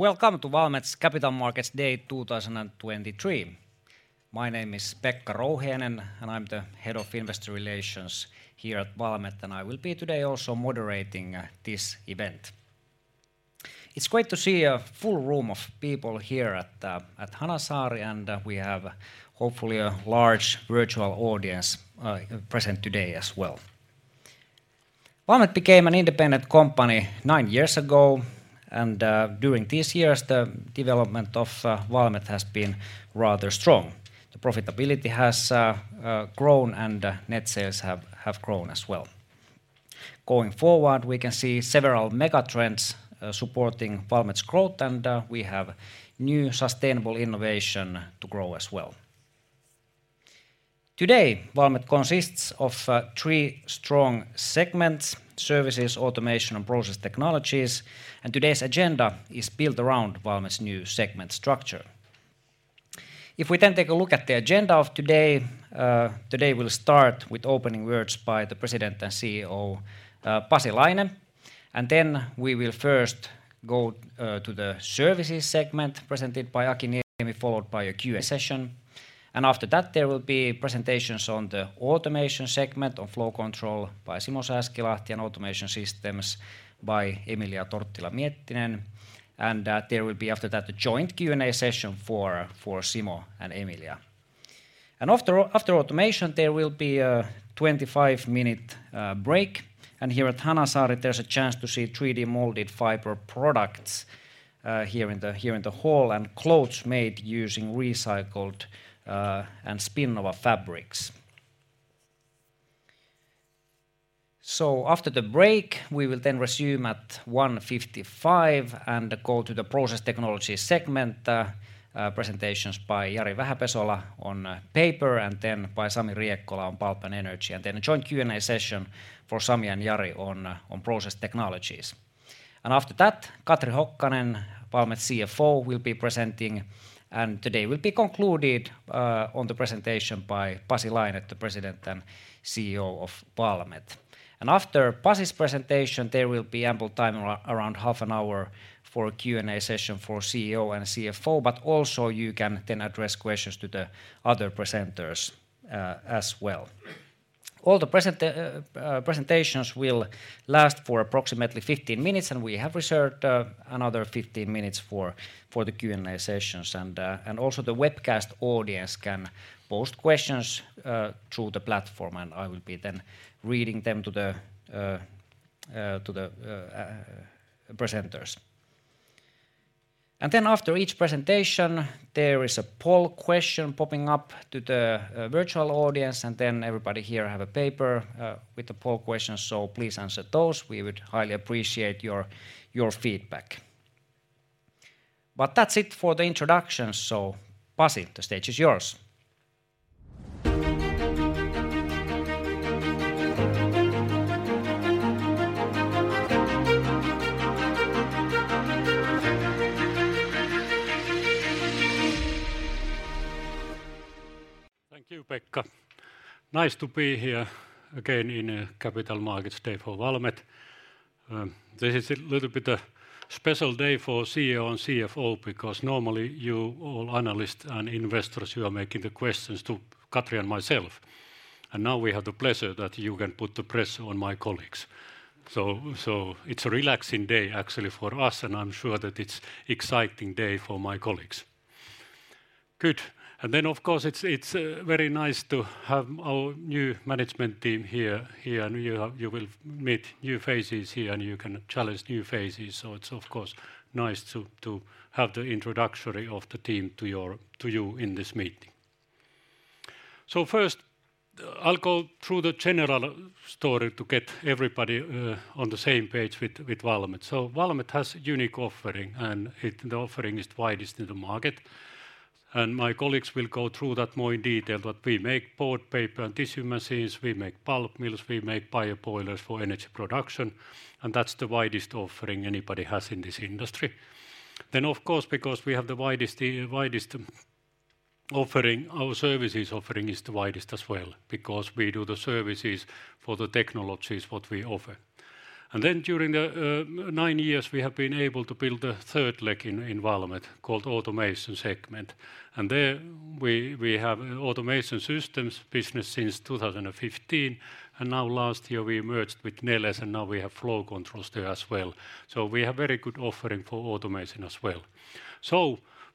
Welcome to Valmet's Capital Markets Day 2023. My name is Pekka Rouhiainen, I'm the Head of Investor Relations here at Valmet, I will be today also moderating this event. It's great to see a full room of people here at Hanasaari, we have hopefully a large virtual audience present today as well. Valmet became an independent company nine years ago, during these years, the development of Valmet has been rather strong. The profitability has grown, net sales have grown as well. Going forward, we can see several mega trends supporting Valmet's growth, we have new sustainable innovation to grow as well. Today, Valmet consists of three strong segments: Services, Automation, and Process Technologies. Today's agenda is built around Valmet's new segment structure. If we then take a look at the agenda of today we'll start with opening words by the President and CEO, Pasi Laine. We will first go to the Services segment presented by Aki Niemi, followed by a Q&A session. After that, there will be presentations on the Automation segment on Flow Control by Simo Sääskilahti and Automation Systems by Emilia Torttila-Miettinen. There will be after that a joint Q&A session for Simo and Emilia. After Automation, there will be a 25-minute break. Here at Hanasaari, there's a chance to see Valmet 3D Fiber products here in the hall, and clothes made using recycled and Spinnova fabrics. After the break, we will then resume at 1:55 and go to the Process Technology segment presentations by Jari Vähäpesola on paper and then by Sami Riekkola on pulp and energy. Then a joint Q&A session for Sami and Jari on Process Technologies. After that, Katri Hokkanen, Valmet's CFO, will be presenting, and today will be concluded on the presentation by Pasi Laine, the President and CEO of Valmet. After Pasi's presentation, there will be ample time, around half an hour, for a Q&A session for CEO and CFO, but also you can then address questions to the other presenters as well. All the presentations will last for approximately 15 minutes, and we have reserved another 15 minutes for the Q&A sessions. Also the webcast audience can post questions through the platform, and I will be then reading them to the presenters. Then after each presentation, there is a poll question popping up to the virtual audience, and then everybody here have a paper with the poll questions. Please answer those. We would highly appreciate your feedback. That's it for the introduction. Pasi, the stage is yours. Thank you, Pekka. Nice to be here again in a Capital Markets Day for Valmet. This is a little bit a special day for CEO and CFO because normally you all analysts and investors, you are making the questions to Katri and myself. Now we have the pleasure that you can put the pressure on my colleagues. So it's a relaxing day actually for us. I'm sure that it's exciting day for my colleagues. Good. Then of course, it's very nice to have our new management team here. You will meet new faces here. You can challenge new faces. It's of course nice to have the introductory of the team to you in this meeting. First, I'll go through the general story to get everybody on the same page with Valmet. Valmet has unique offering, and the offering is widest in the market. My colleagues will go through that more in detail. We make board paper and tissue machines, we make pulp mills, we make bioboilers for energy production, that's the widest offering anybody has in this industry. Of course, because we have the widest offering, our services offering is the widest as well because we do the services for the technologies what we offer. During the nine years, we have been able to build a third leg in Valmet called Automation segment. There we have Automation Systems business since 2015. Last year we merged with Neles, and now we have flow controls there as well. We have very good offering for automation as well.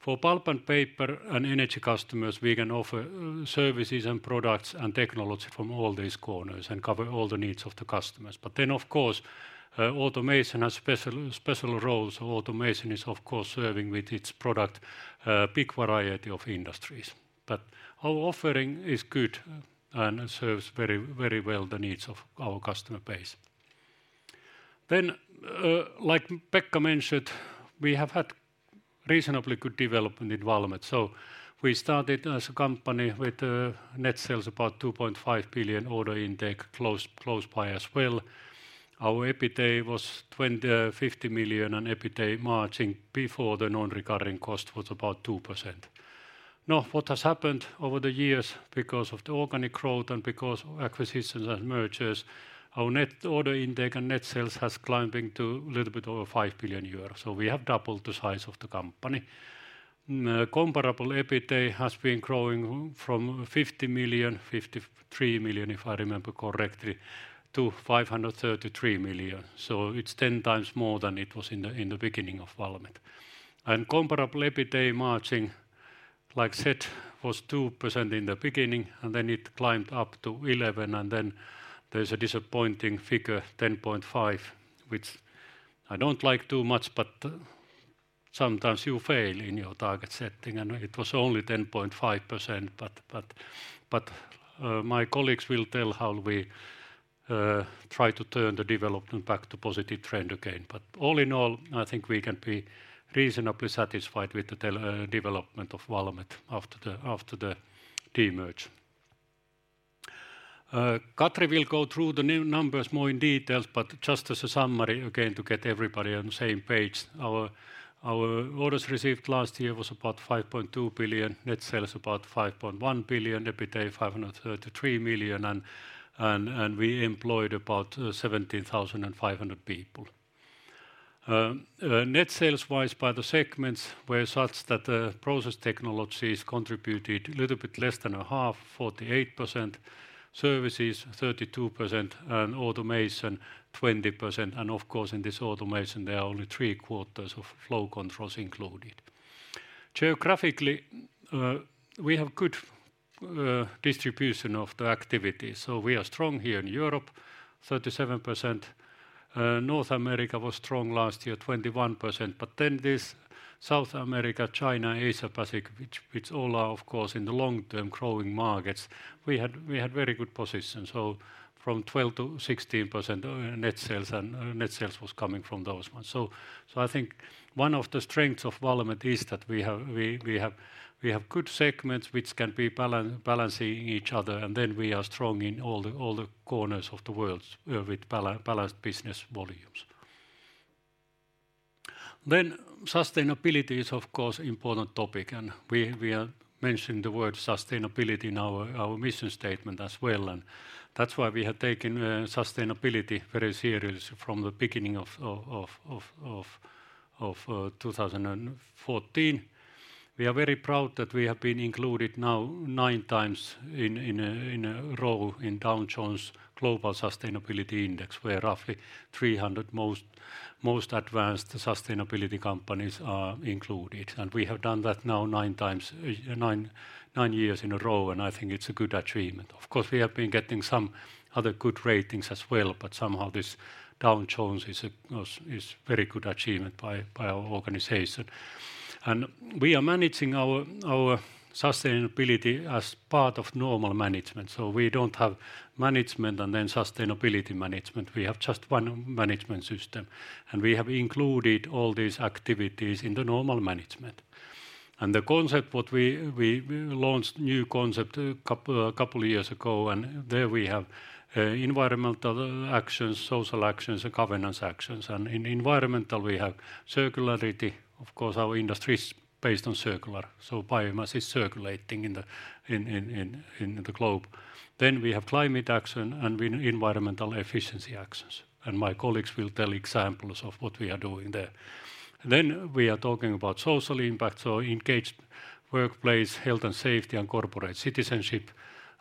For pulp and paper and energy customers, we can offer services and products and technology from all these corners and cover all the needs of the customers. Of course, automation has special roles. Automation is of course serving with its product big variety of industries. Our offering is good and serves very, very well the needs of our customer base. Like Pekka mentioned, we have had reasonably good development in Valmet. We started as a company with net sales about 2.5 billion order intake close by as well. Our EBITA was 50 million, and EBITA margin before the non-recurring cost was about 2%. What has happened over the years because of the organic growth and because of acquisitions and mergers, our net order intake and net sales has climbing to little bit over 5 billion euros. We have doubled the size of the company. Comparable EBITDA has been growing from 50 million, 53 million, if I remember correctly, to 533 million. It's 10 times more than it was in the beginning of Valmet. Comparable EBITDA margin, like I said, was 2% in the beginning, and then it climbed up to 11%, and then there's a disappointing figure, 10.5%, which I don't like too much, but sometimes you fail in your target setting, and it was only 10.5%. My colleagues will tell how we try to turn the development back to positive trend again. All in all, I think we can be reasonably satisfied with the development of Valmet after the demerge. Katri will go through the new numbers more in details, but just as a summary again to get everybody on the same page, our orders received last year was about 5.2 billion, net sales about 5.1 billion, EBITDA 533 million, and we employed about 17,500 people. Net sales wise by the segments were such that process technologies contributed little bit less than a half, 48%, services 32%, and automation 20%. Of course, in this automation there are only three quarters of Flow Control included. Geographically, we have good distribution of the activity. We are strong here in Europe, 37%. North America was strong last year, 21%. This South America, China, Asia Pacific, which all are of course in the long term growing markets, we had very good position. From 12%-16%, net sales and net sales was coming from those ones. I think one of the strengths of Valmet is that we have good segments which can be balancing each other, and then we are strong in all the corners of the worlds, with balanced business volumes. Sustainability is, of course, important topic, and we mentioned the word sustainability in our mission statement as well. That's why we have taken sustainability very seriously from the beginning of 2014. We are very proud that we have been included now nine times in a row in Dow Jones Global Sustainability Index, where roughly 300 most advanced sustainability companies are included. We have done that now nine times, nine years in a row, and I think it's a good achievement. Of course, we have been getting some other good ratings as well, but somehow this Dow Jones is a very good achievement by our organization. We are managing our sustainability as part of normal management. So we don't have management and then sustainability management. We have just one management system, and we have included all these activities in the normal management. The concept what we launched new concept a couple years ago, there we have environmental actions, social actions, and governance actions. In environmental we have circularity. Of course, our industry is based on circular, so biomass is circulating in the globe. We have climate action and environmental efficiency actions, and my colleagues will tell examples of what we are doing there. We are talking about social impact, so engaged workplace, health and safety, and corporate citizenship.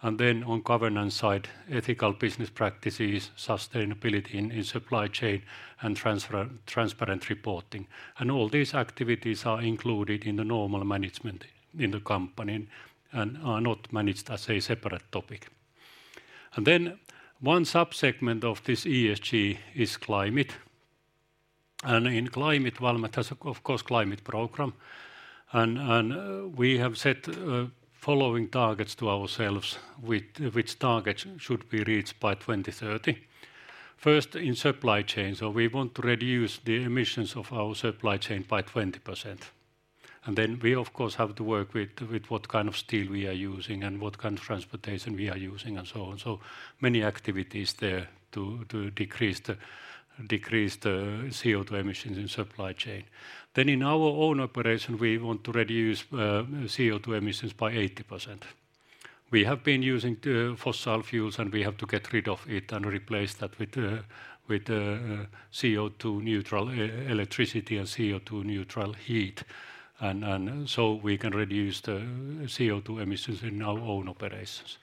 On governance side, ethical business practices, sustainability in supply chain, and transparent reporting. All these activities are included in the normal management in the company and are not managed as a separate topic. One sub-segment of this ESG is climate. In climate, Valmet has of course climate program. We have set following targets to ourselves with which targets should be reached by 2030. First, in supply chain, we want to reduce the emissions of our supply chain by 20%. We of course have to work with what kind of steel we are using and what kind of transportation we are using and so on. Many activities there to decrease the CO2 emissions in supply chain. In our own operation, we want to reduce CO2 emissions by 80%. We have been using the fossil fuels, and we have to get rid of it and replace that with CO2 neutral electricity and CO2 neutral heat. We can reduce the CO2 emissions in our own operations.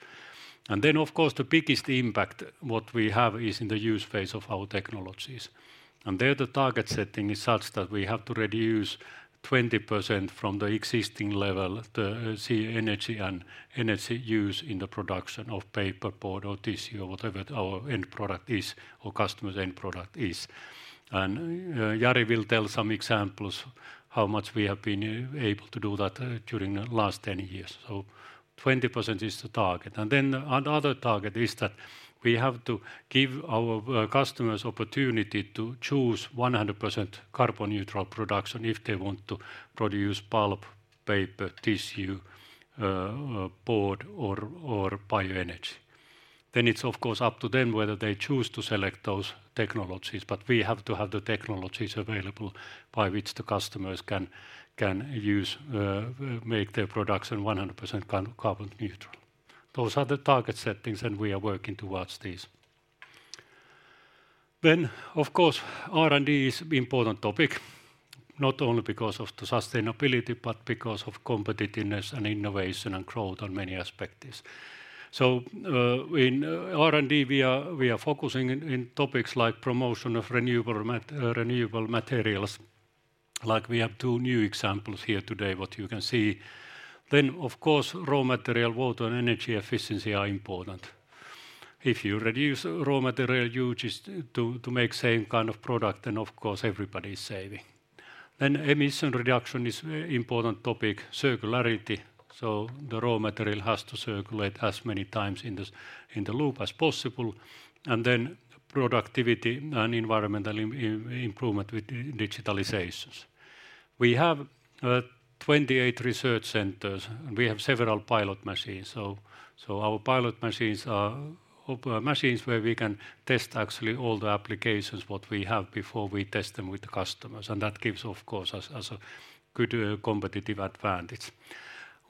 Then of course, the biggest impact what we have is in the use phase of our technologies. There the target setting is such that we have to reduce 20% from the existing level, the energy and energy use in the production of paper, board or tissue or whatever our end product is or customer's end product is. Jari will tell some examples how much we have been able to do that during the last 10 years. 20% is the target. Another target is that we have to give our customers opportunity to choose 100% carbon neutral production if they want to produce pulp, paper, tissue, board, or bioenergy. Then it's of course up to them whether they choose to select those technologies, but we have to have the technologies available by which the customers can use, make their production 100% kind of carbon neutral. Those are the target settings, and we are working towards these. Of course, R&D is important topic, not only because of the sustainability, but because of competitiveness and innovation and growth on many aspects. In R&D, we are focusing in topics like promotion of renewable materials. We have two new examples here today what you can see. Of course, raw material, water, and energy efficiency are important. If you reduce raw material usage to make same kind of product, then of course everybody's saving. Emission reduction is important topic. Circularity, so the raw material has to circulate as many times in the loop as possible. Productivity and environmental improvement with digitalizations. We have 28 research centers. We have several pilot machines, so our pilot machines are machines where we can test actually all the applications what we have before we test them with the customers, and that gives of course us a good competitive advantage.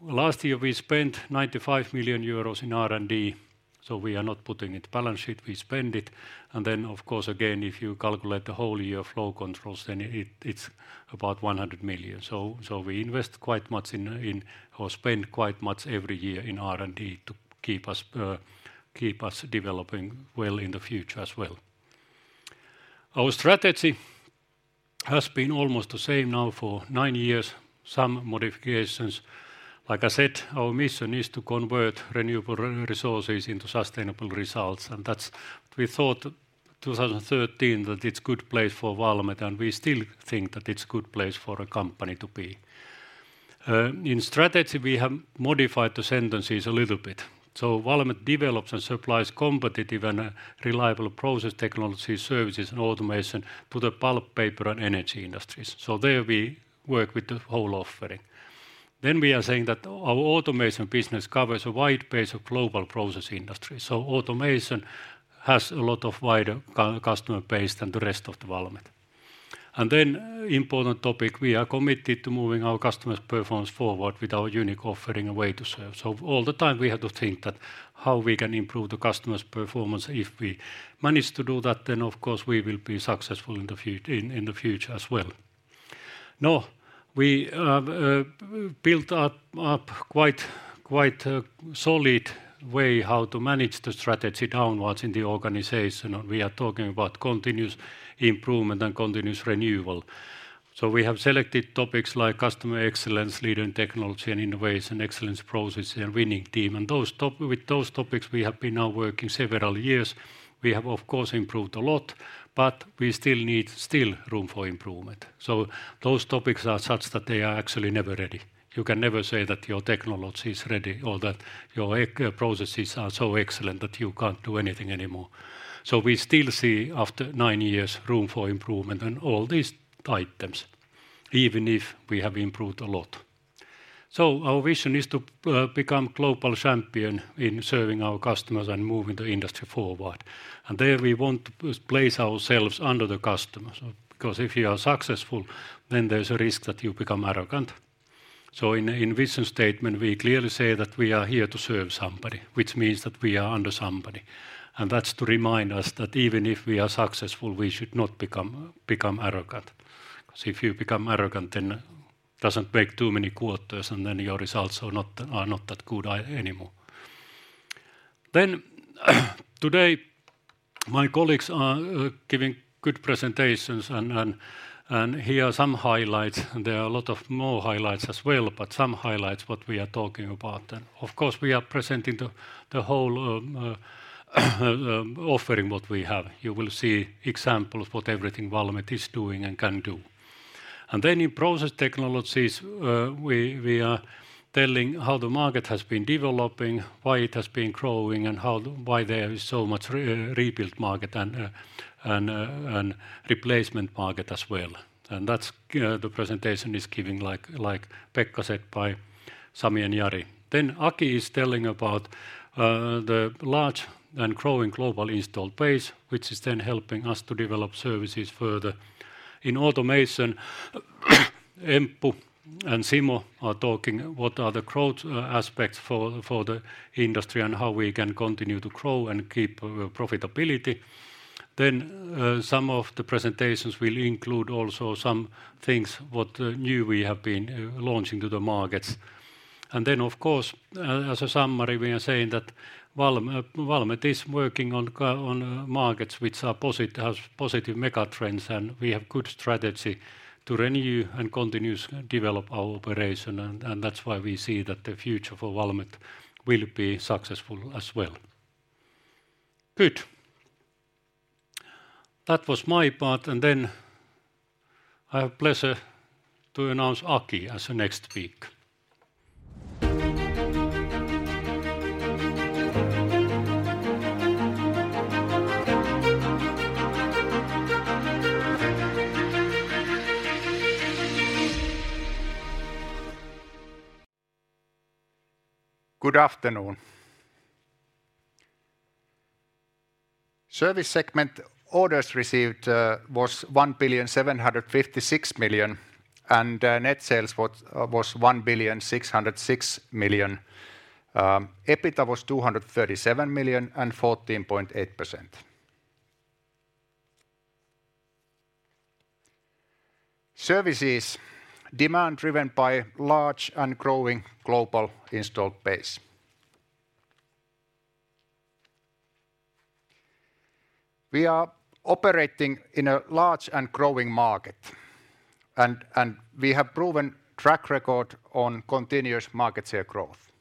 Last year, we spent 95 million euros in R&D, so we are not putting it balance sheet. We spend it, if you calculate the whole year Flow Control, then it's about 100 million. We invest quite much in or spend quite much every year in R&D to keep us developing well in the future as well. Our strategy has been almost the same now for nine years, some modifications. Like I said, our mission is to convert renewable resources into sustainable results, we thought 2013 that it's good place for Valmet, and we still think that it's good place for a company to be. In strategy, we have modified the sentences a little bit. Valmet develops and supplies competitive and reliable process technology, services, and automation to the pulp, paper, and energy industries. There we work with the whole offering. We are saying that our automation business covers a wide base of global process industry. Automation has a lot of wider customer base than the rest of Valmet. Important topic, we are committed to moving our customers' performance forward with our unique offering and way to serve. All the time we have to think that how we can improve the customer's performance. If we manage to do that, then of course we will be successful in the future as well. We have built up quite a solid way how to manage the strategy downwards in the organization. We are talking about continuous improvement and continuous renewal. We have selected topics like Customer Excellence, Leader and Technology, and Innovation, Excellence Process, and Winning Team. With those topics, we have been now working several years. We have of course improved a lot, but we still need room for improvement. Those topics are such that they are actually never ready. You can never say that your technology is ready or that your processes are so excellent that you can't do anything anymore. We still see after nine years room for improvement in all these items, even if we have improved a lot. Our vision is to become global champion in serving our customers and moving the industry forward. There we want to place ourselves under the customers, because if you are successful, then there's a risk that you become arrogant. In vision statement, we clearly say that we are here to serve somebody, which means that we are under somebody. That's to remind us that even if we are successful, we should not become arrogant, because if you become arrogant, doesn't take too many quarters, and then your results are not that good anymore. Today, my colleagues are giving good presentations, and here are some highlights, and there are a lot of more highlights as well, but some highlights what we are talking about. Of course, we are presenting the whole offering what we have. You will see examples what everything Valmet is doing and can do. Then in process technologies, we are telling how the market has been developing, why it has been growing, and why there is so much rebuilt market and replacement market as well. That's, you know, the presentation is giving like Pekka said, by Sami and Jari. Aki is telling about the large and growing global installed base, which is then helping us to develop services further. In automation, Emilia and Simo are talking what are the growth aspects for the industry and how we can continue to grow and keep profitability. Some of the presentations will include also some things what new we have been launching to the markets. Of course, as a summary, we are saying that Valmet is working on markets which has positive mega trends, and we have good strategy to renew and continuous develop our operation, and that's why we see that the future for Valmet will be successful as well. Good. That was my part, and then I have pleasure to announce Aki as the next speaker. Good afternoon. Service segment orders received was 1.756 billion, net sales was 1.606 billion. EBITA was 237 million and 14.8%. Services demand driven by large and growing global installed base. We are operating in a large and growing market, and we have proven track record on continuous market share growth.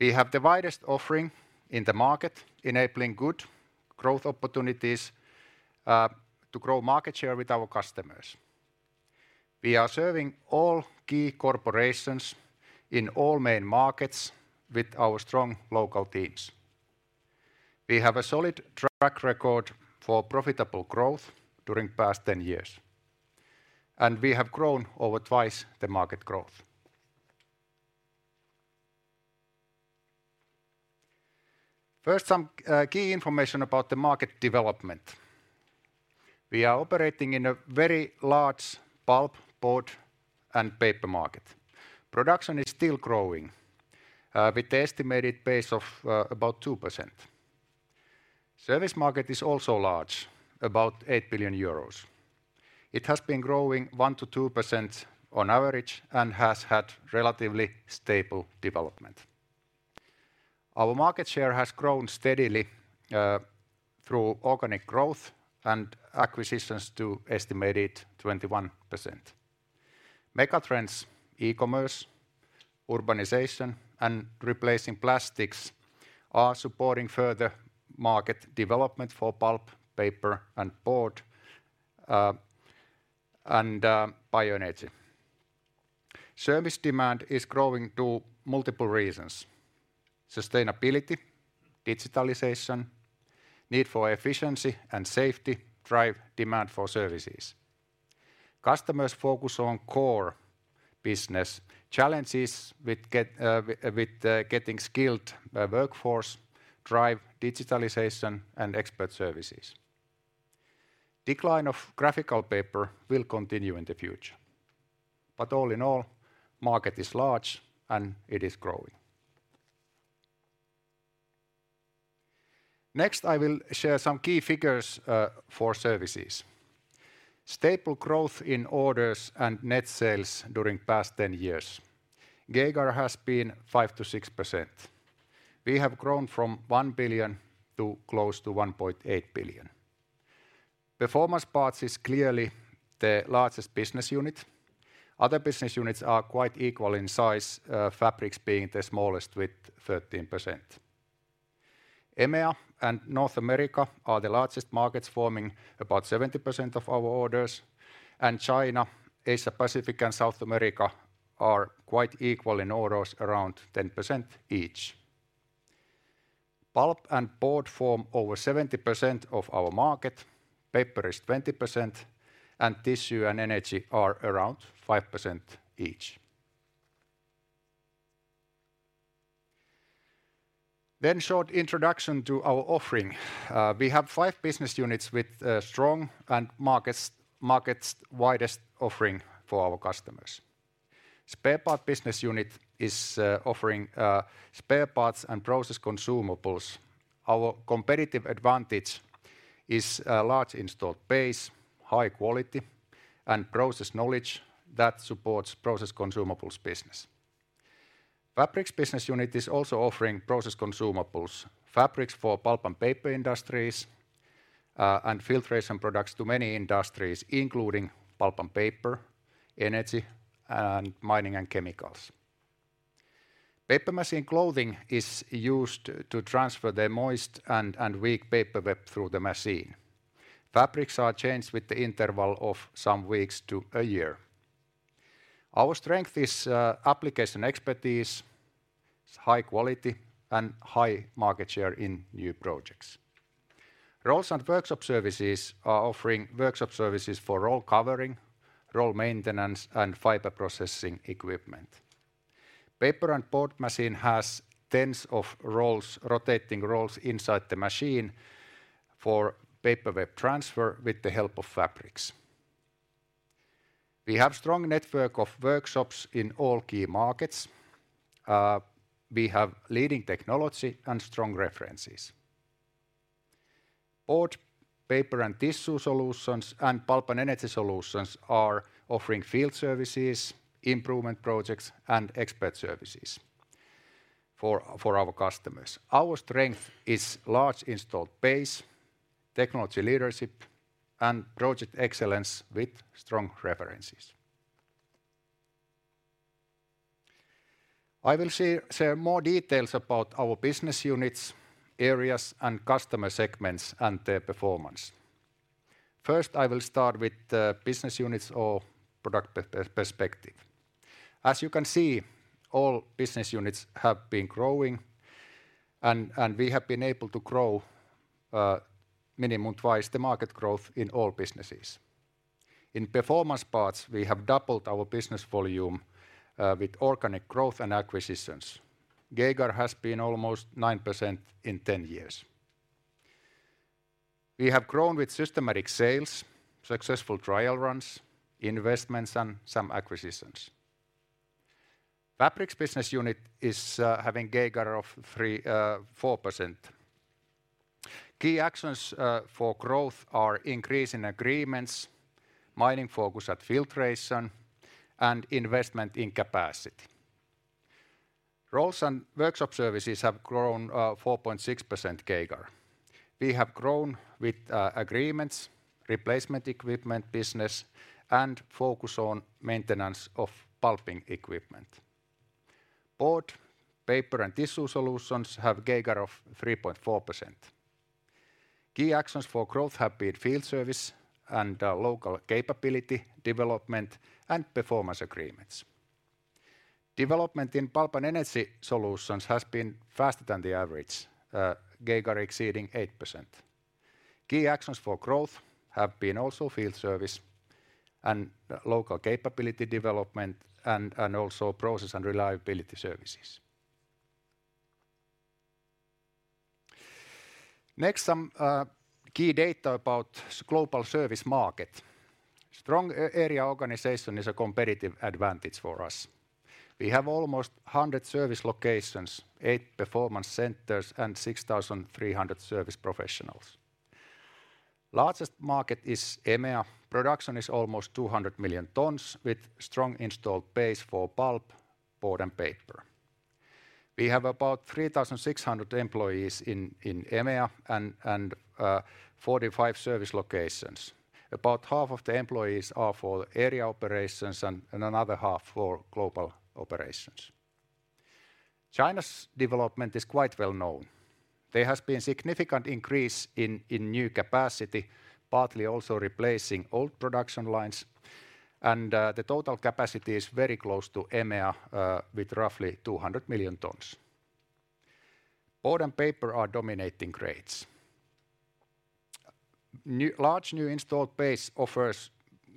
We have the widest offering in the market enabling good growth opportunities to grow market share with our customers. We are serving all key corporations in all main markets with our strong local teams. We have a solid track record for profitable growth during past 10 years, and we have grown over twice the market growth. First, some key information about the market development. We are operating in a very large pulp, board, and paper market. Production is still growing, with the estimated pace of about 2%. Service market is also large, about 8 billion euros. It has been growing 1%-2% on average and has had relatively stable development. Our market share has grown steadily, through organic growth and acquisitions to estimated 21%. Megatrends, E-commerce, urbanization, and replacing plastics are supporting further market development for pulp, paper, and board, and bioenergy. Service demand is growing due multiple reasons. Sustainability, digitalization, need for efficiency and safety drive demand for services. Customers focus on core business challenges with getting skilled workforce drive digitalization and expert services. Decline of graphical paper will continue in the future, but all in all, market is large, and it is growing. Next, I will share some key figures for services. Stable growth in orders and net sales during past 10 years. CAGR has been 5%-6%. We have grown from 1 billion to close to 1.8 billion. Performance Parts is clearly the largest business unit. Other business units are quite equal in size, Fabrics being the smallest with 13%. EMEA and North America are the largest markets forming about 70% of our orders, and China, Asia Pacific, and South America are quite equal in orders around 10% each. Pulp and Board form over 70% of our market, Paper is 20%, and Tissue and Energy are around 5% each. Short introduction to our offering. We have five business units with a strong and markets' widest offering for our customers. Spare Part Business Unit is offering spare parts and process consumables. Our competitive advantage is a large installed base, high quality, and process knowledge that supports process consumables business. Fabrics Business Unit is also offering process consumables, fabrics for pulp and paper industries, and filtration products to many industries, including pulp and paper, energy, and mining and chemicals. Paper machine clothing is used to transfer the moist and weak paper web through the machine. Fabrics are changed with the interval of some weeks to a year. Our strength is application expertise, high quality, and high market share in new projects. Rolls and Workshop Services are offering workshop services for roll covering, roll maintenance, and fiber processing equipment. Paper and board machine has tens of rolls, rotating rolls inside the machine for paper web transfer with the help of fabrics. We have strong network of workshops in all key markets. We have leading technology and strong references. Board, paper and tissue solutions, and Pulp and Energy solutions are offering field services, improvement projects, and expert services for our customers. Our strength is large installed base, technology leadership, and project excellence with strong references. I will share more details about our business units, areas and customer segments and their performance. First, I will start with the business units or product perspective. As you can see, all business units have been growing and we have been able to grow minimum twice the market growth in all businesses. In Performance Parts, we have doubled our business volume with organic growth and acquisitions. CAGR has been almost 9% in 10 years. We have grown with systematic sales, successful trial runs, investments and some acquisitions. Fabrics business unit is having CAGR of 4%. Key actions for growth are increase in agreements, mining focus at filtration, and investment in capacity. Rolls and Workshop Services have grown 4.6% CAGR. We have grown with agreements, replacement equipment business, and focus on maintenance of pulping equipment. Board, paper, and tissue solutions have CAGR of 3.4%. Key actions for growth have been field service and local capability development and performance agreements. Development in pulp and energy solutions has been faster than the average, CAGR exceeding 8%. Key actions for growth have been also field service and local capability development and also process and reliability services. Next, some key data about global service market. Strong area organization is a competitive advantage for us. We have almost 100 service locations, eight performance centers and 6,300 service professionals. Largest market is EMEA. Production is almost 200 million tons with strong installed base for pulp, board, and paper. We have about 3,600 employees in EMEA and 45 service locations. About half of the employees are for area operations and another half for global operations. China's development is quite well known. There has been significant increase in new capacity, partly also replacing old production lines, and the total capacity is very close to EMEA, with roughly 200 million tons. Board and paper are dominating grades. Large new installed base offers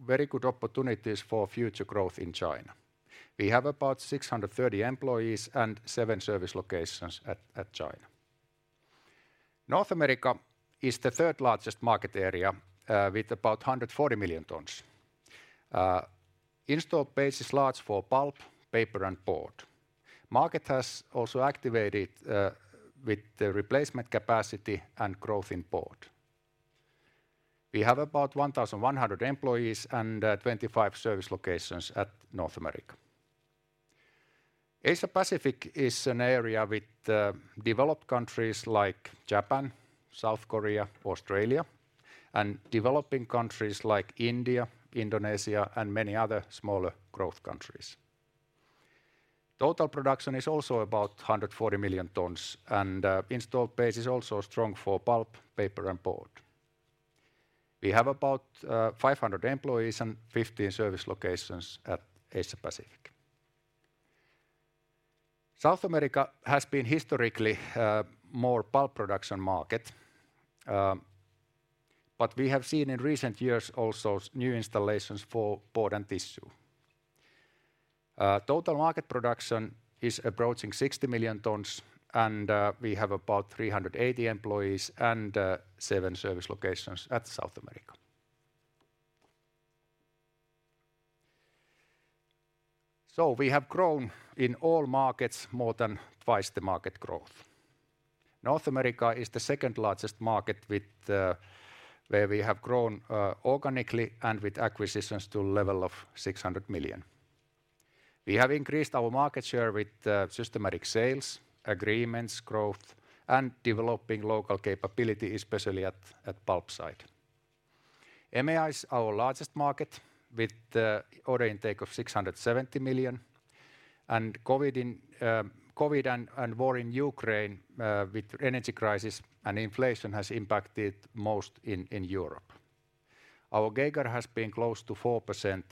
very good opportunities for future growth in China. We have about 630 employees and seven service locations at China. North America is the third-largest market area, with about 140 million tons. Installed base is large for pulp, paper, and board. Market has also activated with the replacement capacity and growth in board. We have about 1,100 employees and 25 service locations at North America. Asia Pacific is an area with developed countries like Japan, South Korea, Australia, and developing countries like India, Indonesia, and many other smaller growth countries. Total production is also about 140 million tons, installed base is also strong for pulp, paper, and board. We have about 500 employees and 15 service locations at Asia Pacific. South America has been historically more pulp production market, we have seen in recent years also new installations for board and tissue. Total market production is approaching 60 million tons, we have about 380 employees and seven service locations at South America. We have grown in all markets more than twice the market growth. North America is the second-largest market where we have grown organically and with acquisitions to a level of 600 million. We have increased our market share with systematic sales, agreements growth, and developing local capability, especially at pulp side. EMEA is our largest market with the order intake of 670 million. COVID and war in Ukraine with energy crisis and inflation has impacted most in Europe. Our CAGR has been close to 4%.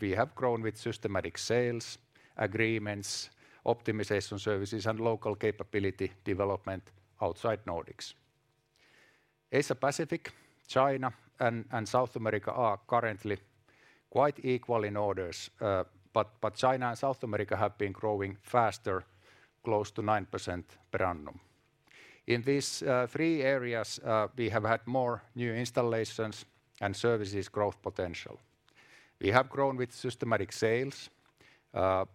We have grown with systematic sales, agreements, optimization services, and local capability development outside Nordics. Asia Pacific, China, and South America are currently quite equal in orders, but China and South America have been growing faster, close to 9% per annum. In these three areas, we have had more new installations and services growth potential. We have grown with systematic sales and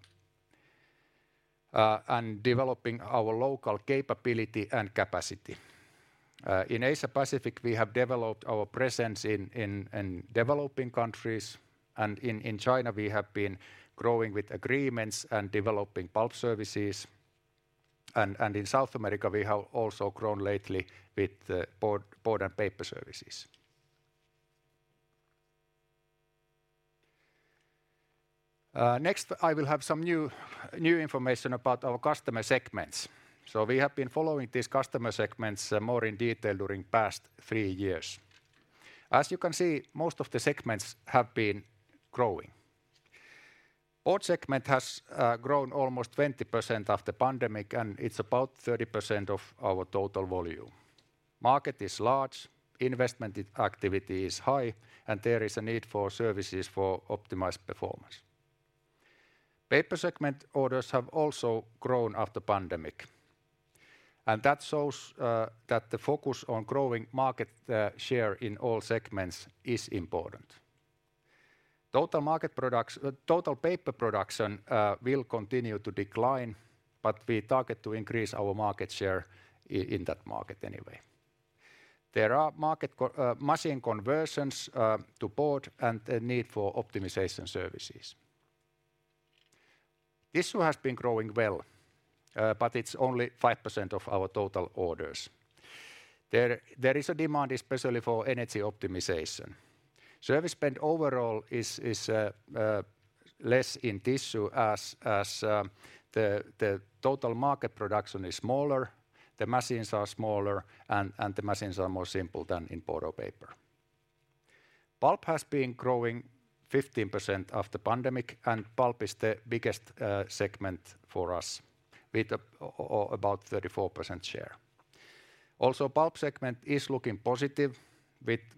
developing our local capability and capacity. In Asia Pacific, we have developed our presence in developing countries, and in China, we have been growing with agreements and developing pulp services. In South America, we have also grown lately with the board and paper services. Next, I will have some new information about our customer segments. We have been following these customer segments more in detail during past three years. As you can see, most of the segments have been growing. Board segment has grown almost 20% after pandemic, and it's about 30% of our total volume. Market is large, investment activity is high, and there is a need for services for optimized performance. Paper segment orders have also grown after pandemic, and that shows that the focus on growing market share in all segments is important. Total paper production will continue to decline, but we target to increase our market share in that market anyway. There are market machine conversions to board and a need for optimization services. Tissue has been growing well, but it's only 5% of our total orders. There is a demand especially for energy optimization. Service spend overall is less in tissue as the total market production is smaller, the machines are smaller and the machines are more simple than in board or paper. Pulp has been growing 15% after pandemic, and pulp is the biggest segment for us with about 34% share. Pulp segment is looking positive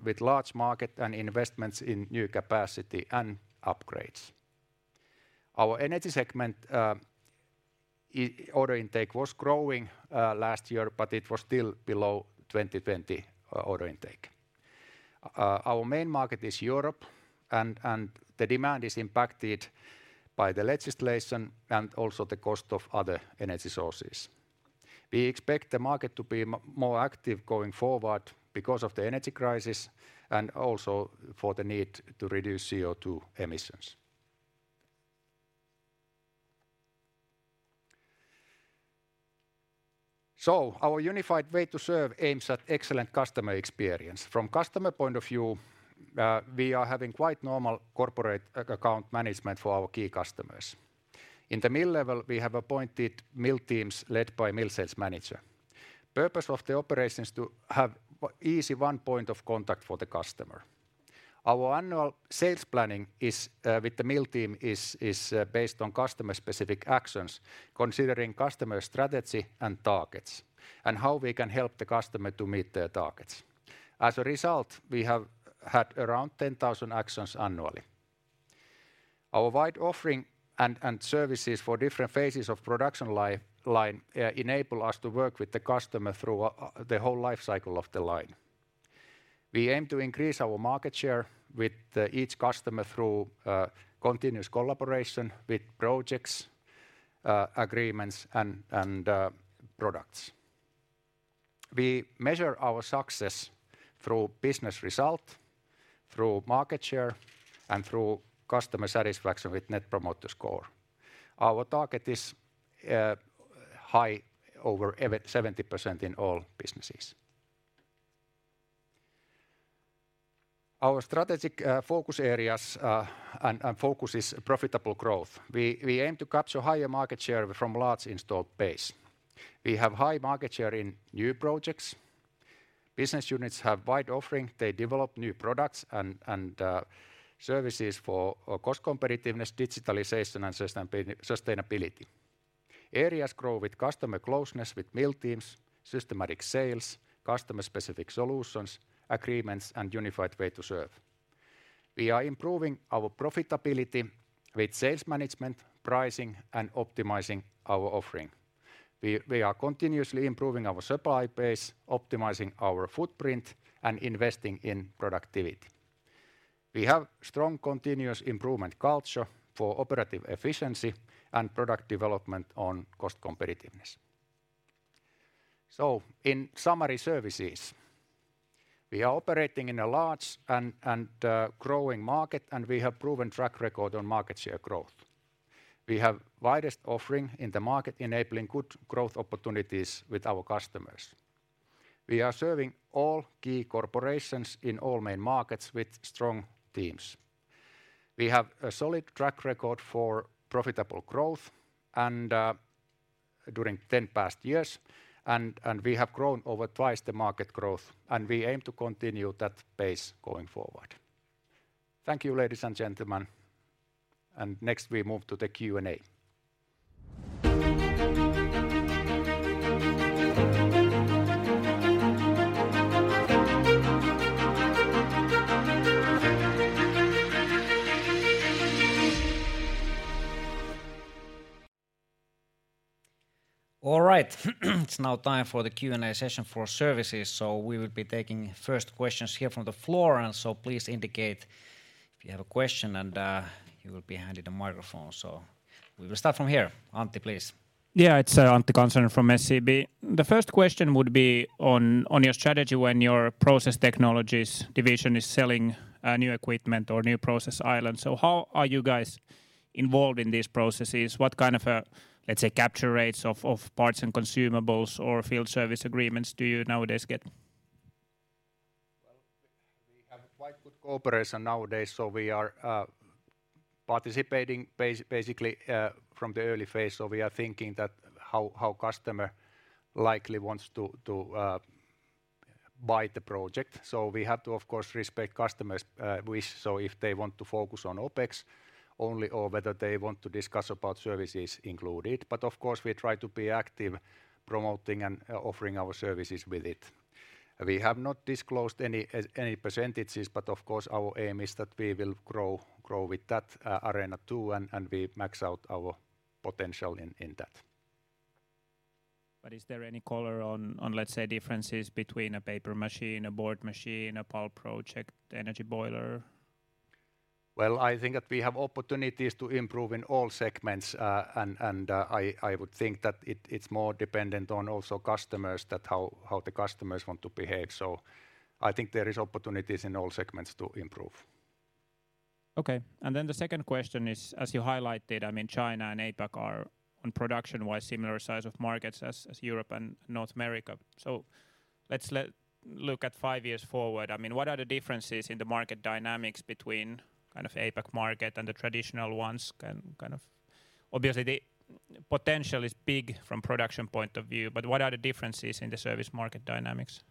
with large market and investments in new capacity and upgrades. Our energy segment order intake was growing last year, but it was still below 2020 order intake. Our main market is Europe and the demand is impacted by the legislation and also the cost of other energy sources. We expect the market to be more active going forward because of the energy crisis and also for the need to reduce CO2 emissions. Our unified way to serve aims at excellent customer experience. From customer point of view, we are having quite normal corporate account management for our key customers. In the mill level, we have appointed mill teams led by mill sales manager. Purpose of the operations to have easy one point of contact for the customer. Our annual sales planning is with the mill team is based on customer-specific actions considering customer strategy and targets, and how we can help the customer to meet their targets. As a result, we have had around 10,000 actions annually. Our wide offering and services for different phases of production line enable us to work with the customer through the whole life cycle of the line. We aim to increase our market share with each customer through continuous collaboration with projects, agreements and products. We measure our success through business result, through market share, and through customer satisfaction with Net Promoter Score. Our target is high over 70% in all businesses. Our strategic focus areas and focus is profitable growth. We aim to capture higher market share from large installed base. We have high market share in new projects. Business units have wide offering. They develop new products and services for cost competitiveness, digitalization and sustainability. Areas grow with customer closeness with mill teams, systematic sales, customer-specific solutions, agreements and unified way to serve. We are improving our profitability with sales management, pricing and optimizing our offering. We are continuously improving our supply base, optimizing our footprint and investing in productivity. We have strong continuous improvement culture for operative efficiency and product development on cost competitiveness. In summary, services. We are operating in a large and growing market. We have proven track record on market share growth. We have widest offering in the market enabling good growth opportunities with our customers. We are serving all key corporations in all main markets with strong teams. We have a solid track record for profitable growth and during 10 past years, we have grown over twice the market growth, and we aim to continue that pace going forward. Thank you, ladies and gentlemen. Next we move to the Q&A. All right. It's now time for the Q&A session for services. We will be taking first questions here from the floor. Please indicate if you have a question, and you will be handed a microphone. We will start from here. Antti, please. It's Antti Kansanen from SEB. The first question would be on your strategy when your process technologies division is selling new equipment or new process island. How are you guys involved in these processes? What kind of a, let's say, capture rates of parts and consumables or field service agreements do you nowadays get? Well, we have quite good cooperation nowadays, so we are basically from the early phase. We are thinking that how customer likely wants to By the project. We have to, of course, respect customers' wish, so if they want to focus on OpEx only or whether they want to discuss about services included. Of course, we try to be active promoting and offering our services with it. We have not disclosed any percentages, but of course, our aim is that we will grow with that arena too, and we max out our potential in that. Is there any color on, let's say, differences between a paper machine, a board machine, a pulp project, energy boiler? I think that we have opportunities to improve in all segments, and I would think that it's more dependent on also customers that how the customers want to behave. I think there is opportunities in all segments to improve. Okay. The second question is, as you highlighted, I mean, China and APAC are, on production-wide, similar size of markets as Europe and North America. Let's look at five years forward. I mean, what are the differences in the market dynamics between kind of APAC market and the traditional ones. Obviously, the potential is big from production point of view, but what are the differences in the service market dynamics?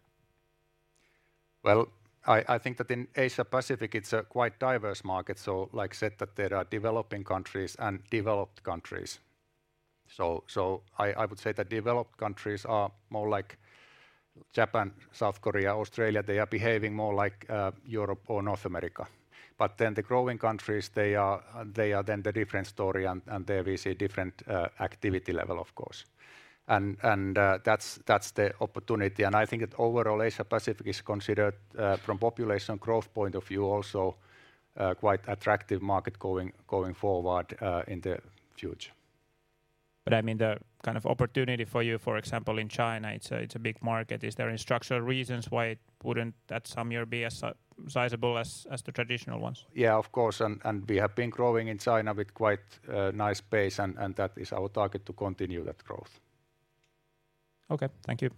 Well, I think that in Asia Pacific, it's a quite diverse market, like I said that there are developing countries and developed countries. I would say that developed countries are more like Japan, South Korea, Australia. The growing countries, they are then the different story and there we see different activity level, of course. That's the opportunity. I think that overall Asia Pacific is considered from population growth point of view also, quite attractive market going forward in the future. I mean the kind of opportunity for you, for example, in China, it's a big market. Is there any structural reasons why it wouldn't at some year be as sizable as the traditional ones? Yeah, of course, and we have been growing in China with quite nice pace and that is our target to continue that growth. Okay. Thank you.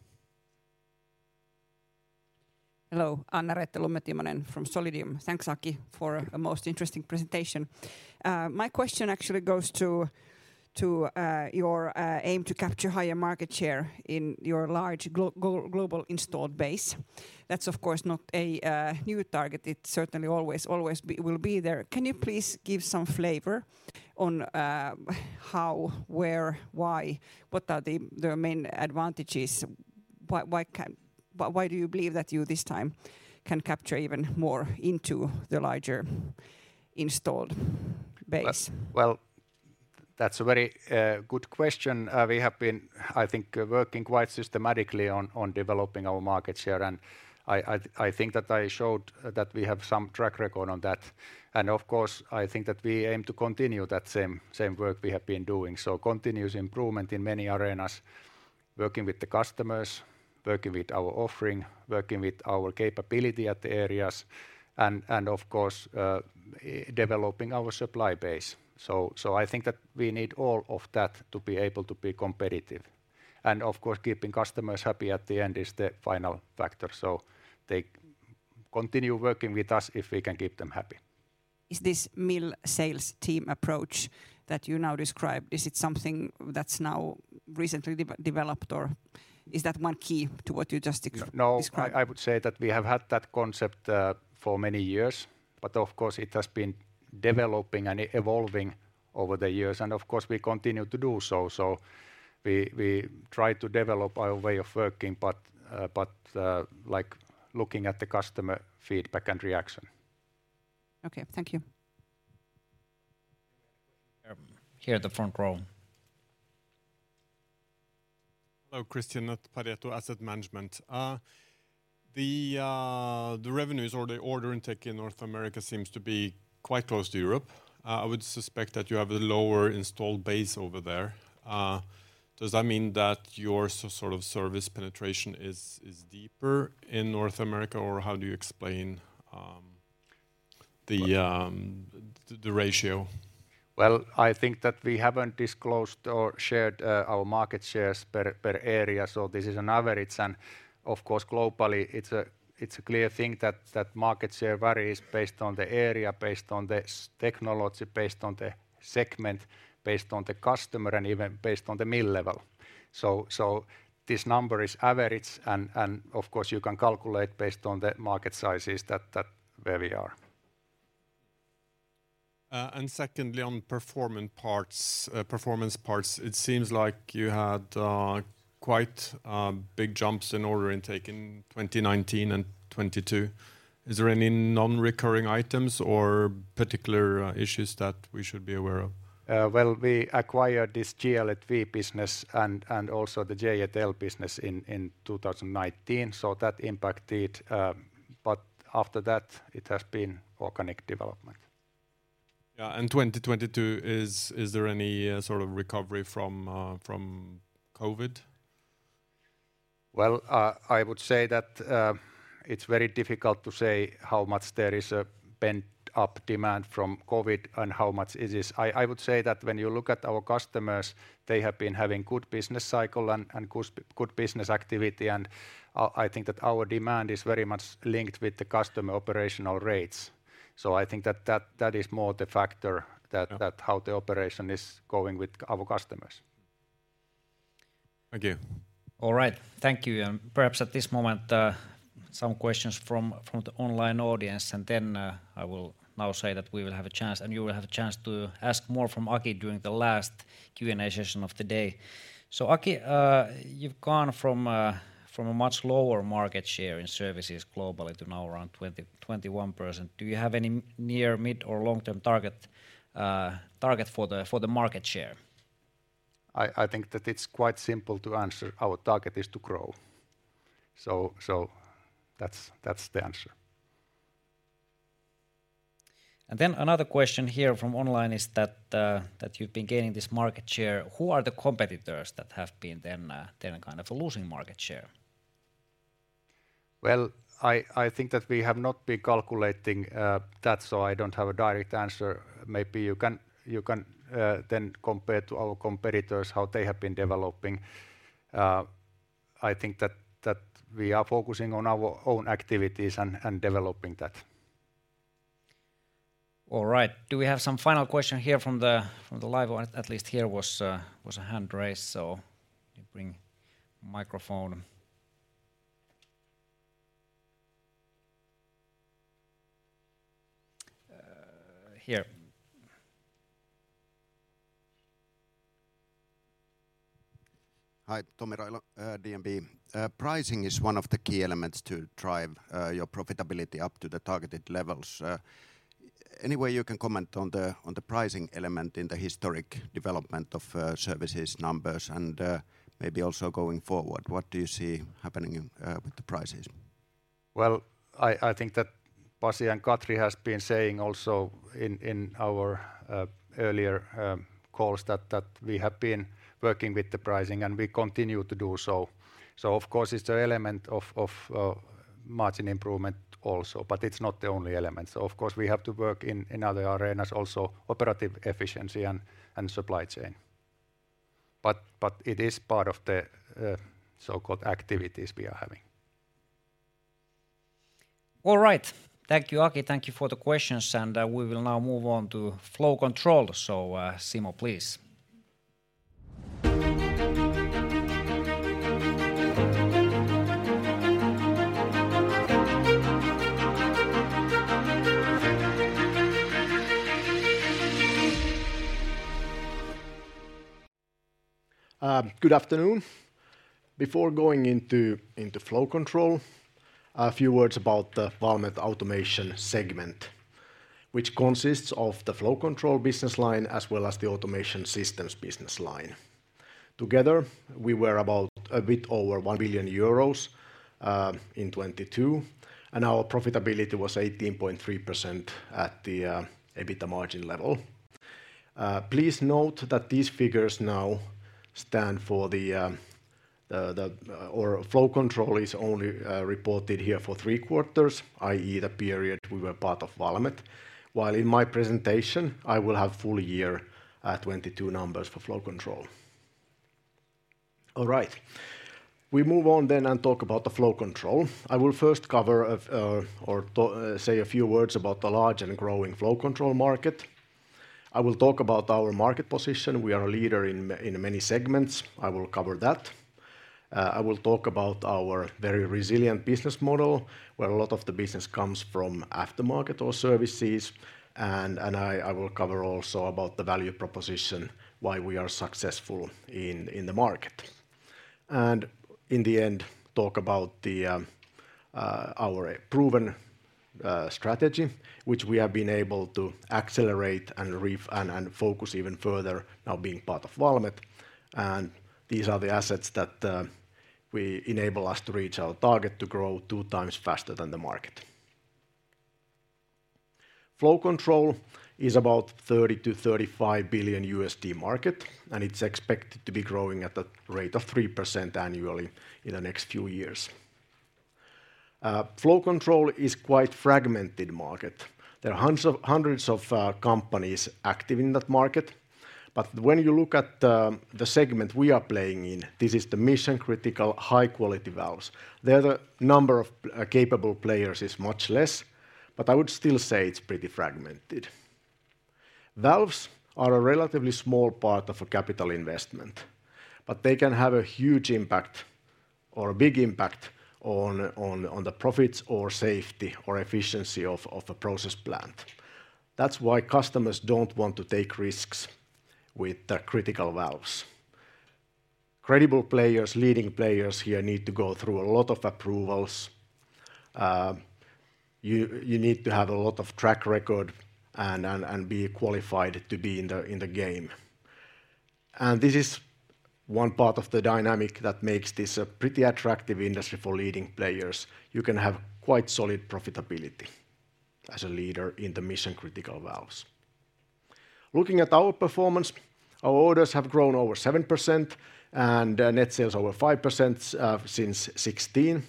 Hello. Annareetta Lumme-Timonen from Solidium. Thanks, Aki, for a most interesting presentation. My question actually goes to your aim to capture higher market share in your large global installed base. That's of course not a new target. It certainly always will be there. Can you please give some flavor on how, where, why, what are the main advantages? Why do you believe that you this time can capture even more into the larger installed base? Well, that's a very good question. We have been, I think, working quite systematically on developing our market share, and I think that I showed that we have some track record on that. Of course, I think that we aim to continue that same work we have been doing. Continuous improvement in many arenas, working with the customers, working with our offering, working with our capability at the areas and of course, developing our supply base. I think that we need all of that to be able to be competitive. Of course, keeping customers happy at the end is the final factor. They continue working with us if we can keep them happy. Is this mill sales team approach that you now described, is it something that's now recently developed or is that one key to what you just described? No, I would say that we have had that concept, for many years, but of course it has been developing and evolving over the years, and of course we continue to do so. We try to develop our way of working, but like looking at the customer feedback and reaction. Okay. Thank you. Here at the front row. Hello. Christian at Pareto Asset Management. The revenues or the order intake in North America seems to be quite close to Europe. I would suspect that you have a lower installed base over there. Does that mean that your sort of service penetration is deeper in North America, or how do you explain the ratio? I think that we haven't disclosed or shared our market shares per area, so this is an average and of course, globally, it's a clear thing that market share varies based on the area, based on the technology, based on the segment, based on the customer and even based on the mill level. So this number is average and of course you can calculate based on the market sizes that where we are. Secondly on Performance Parts, it seems like you had quite big jumps in order intake in 2019 and 2022. Is there any non-recurring items or particular issues that we should be aware of? Well, we acquired this GL&V business and also the J&L business in 2019. That impacted. After that it has been organic development. Yeah. 2022, is there any sort of recovery from COVID? I would say that, it's very difficult to say how much there is a pent-up demand from COVID and how much it is. I would say that when you look at our customers, they have been having good business cycle and good business activity, and I think that our demand is very much linked with the customer operational rates. I think that is more the factor that- Okay that how the operation is going with our customers. Thank you. All right. Thank you. Perhaps at this moment, some questions from the online audience, and then, I will now say that we will have a chance, and you will have a chance to ask more from Aki during the last Q&A session of the day. Aki, you've gone from a much lower market share in services globally to now around 20%, 21%. Do you have any near, mid, or long-term target for the, for the market share? I think that it's quite simple to answer. Our target is to grow. That's the answer. Another question here from online is that you've been gaining this market share. Who are the competitors that have been then kind of losing market share? I think that we have not been calculating that. I don't have a direct answer. Maybe you can then compare to our competitors how they have been developing. I think that we are focusing on our own activities and developing that. All right. Do we have some final question here from the, from the live audience? At least here was a hand raised, so let me bring microphone. Here. Hi. Tomi Railo, DNB. Pricing is one of the key elements to drive your profitability up to the targeted levels. Any way you can comment on the pricing element in the historic development of services numbers and maybe also going forward, what do you see happening with the prices? I think that Pasi and Katri has been saying also in our earlier calls that we have been working with the pricing and we continue to do so. Of course it's an element of margin improvement also, but it's not the only element. Of course we have to work in other arenas also, operative efficiency and supply chain. It is part of the so-called activities we are having. All right. Thank you, Aki. Thank you for the questions. We will now move on to Flow Control. Simo, please. Good afternoon. Before going into Flow Control, a few words about the Valmet Automation segment, which consists of the Flow Control business line as well as the Automation Systems business line. Together, we were about a bit over 1 billion euros in 2022, and our profitability was 18.3% at the EBITDA margin level. Please note that these figures now stand for the Flow Control is only reported here for three quarters, i.e. the period we were part of Valmet, while in my presentation I will have full year 2022 numbers for Flow Control. All right. We move on and talk about the Flow Control. I will first say a few words about the large and growing Flow Control market. I will talk about our market position. We are a leader in many segments. I will cover that. I will talk about our very resilient business model, where a lot of the business comes from aftermarket or services. I will cover also about the value proposition, why we are successful in the market. In the end, talk about our proven strategy, which we have been able to accelerate and focus even further now being part of Valmet. These are the assets that we enable us to reach our target to grow two times faster than the market. Flow Control is about $30 billion-$35 billion USD market, it's expected to be growing at a rate of 3% annually in the next few years. Flow Control is quite fragmented market. There are hundreds of companies active in that market. When you look at the segment we are playing in, this is the mission-critical high-quality valves. There, the number of capable players is much less, but I would still say it's pretty fragmented. Valves are a relatively small part of a capital investment, but they can have a huge impact or a big impact on the profits or safety or efficiency of a process plant. That's why customers don't want to take risks with the critical valves. Credible players, leading players here need to go through a lot of approvals. You need to have a lot of track record and be qualified to be in the game. This is one part of the dynamic that makes this a pretty attractive industry for leading players. You can have quite solid profitability as a leader in the mission-critical valves. Looking at our performance, our orders have grown over 7% and net sales over 5%, since 2016,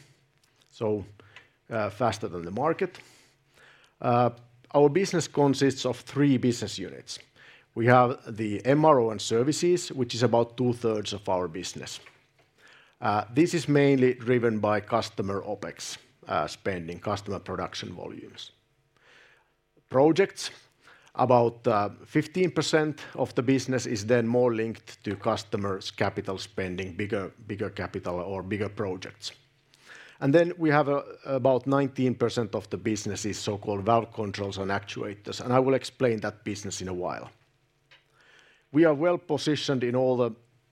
so faster than the market. Our business consists of three business units. We have the MRO and services, which is about 2/3 of our business. This is mainly driven by customer OpEx spending, customer production volumes. Projects, about 15% of the business is then more linked to customers' capital spending, bigger capital or bigger projects. Then we have about 19% of the business is so-called valve controls and actuators, and I will explain that business in a while. We are well-positioned in all the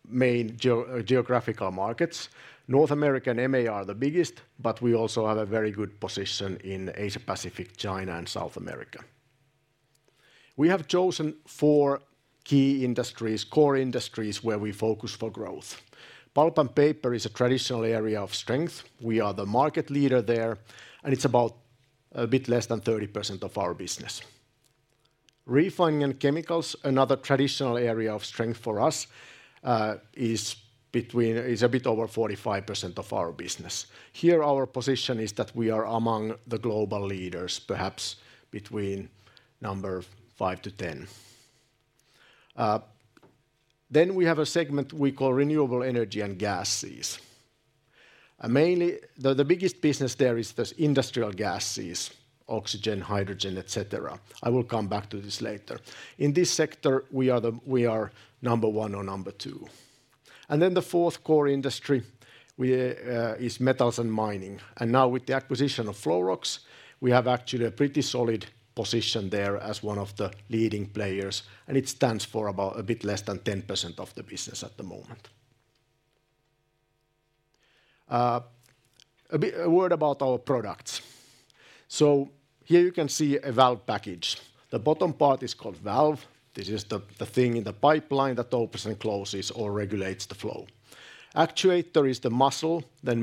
main geographical markets. North America and MEA are the biggest, we also have a very good position in Asia-Pacific, China, and South America. We have chosen four key industries, core industries, where we focus for growth. Pulp and Paper is a traditional area of strength. We are the market leader there, and it's about a bit less than 30% of our business. Refining and Chemicals, another traditional area of strength for us, is a bit over 45% of our business. Here, our position is that we are among the global leaders, perhaps between number five to 10. We have a segment we call Renewable Energy and Gases. Mainly, the biggest business there is this industrial gases: oxygen, hydrogen, et cetera. I will come back to this later. In this sector, we are number one or number two. The fourth core industry we is Metals and Mining. Now with the acquisition of Flowrox, we have actually a pretty solid position there as one of the leading players, and it stands for about a bit less than 10% of the business at the moment. A word about our products. Here you can see a valve package. The bottom part is called valve. This is the thing in the pipeline that opens and closes or regulates the flow. Actuator is the muscle that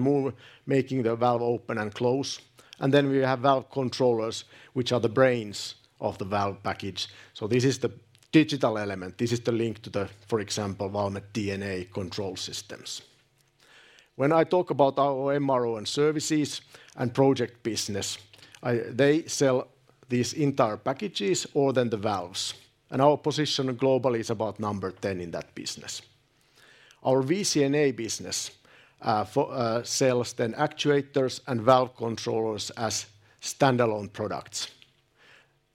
making the valve open and close. We have valve controllers, which are the brains of the valve package. This is the digital element. This is the link to the, for example, Valmet DNA control systems. When I talk about our MRO and Services and Project business, they sell these entire packages more than the valves. Our position globally is about number 10 in that business. Our VC&A business sells actuators and valve controllers as standalone products.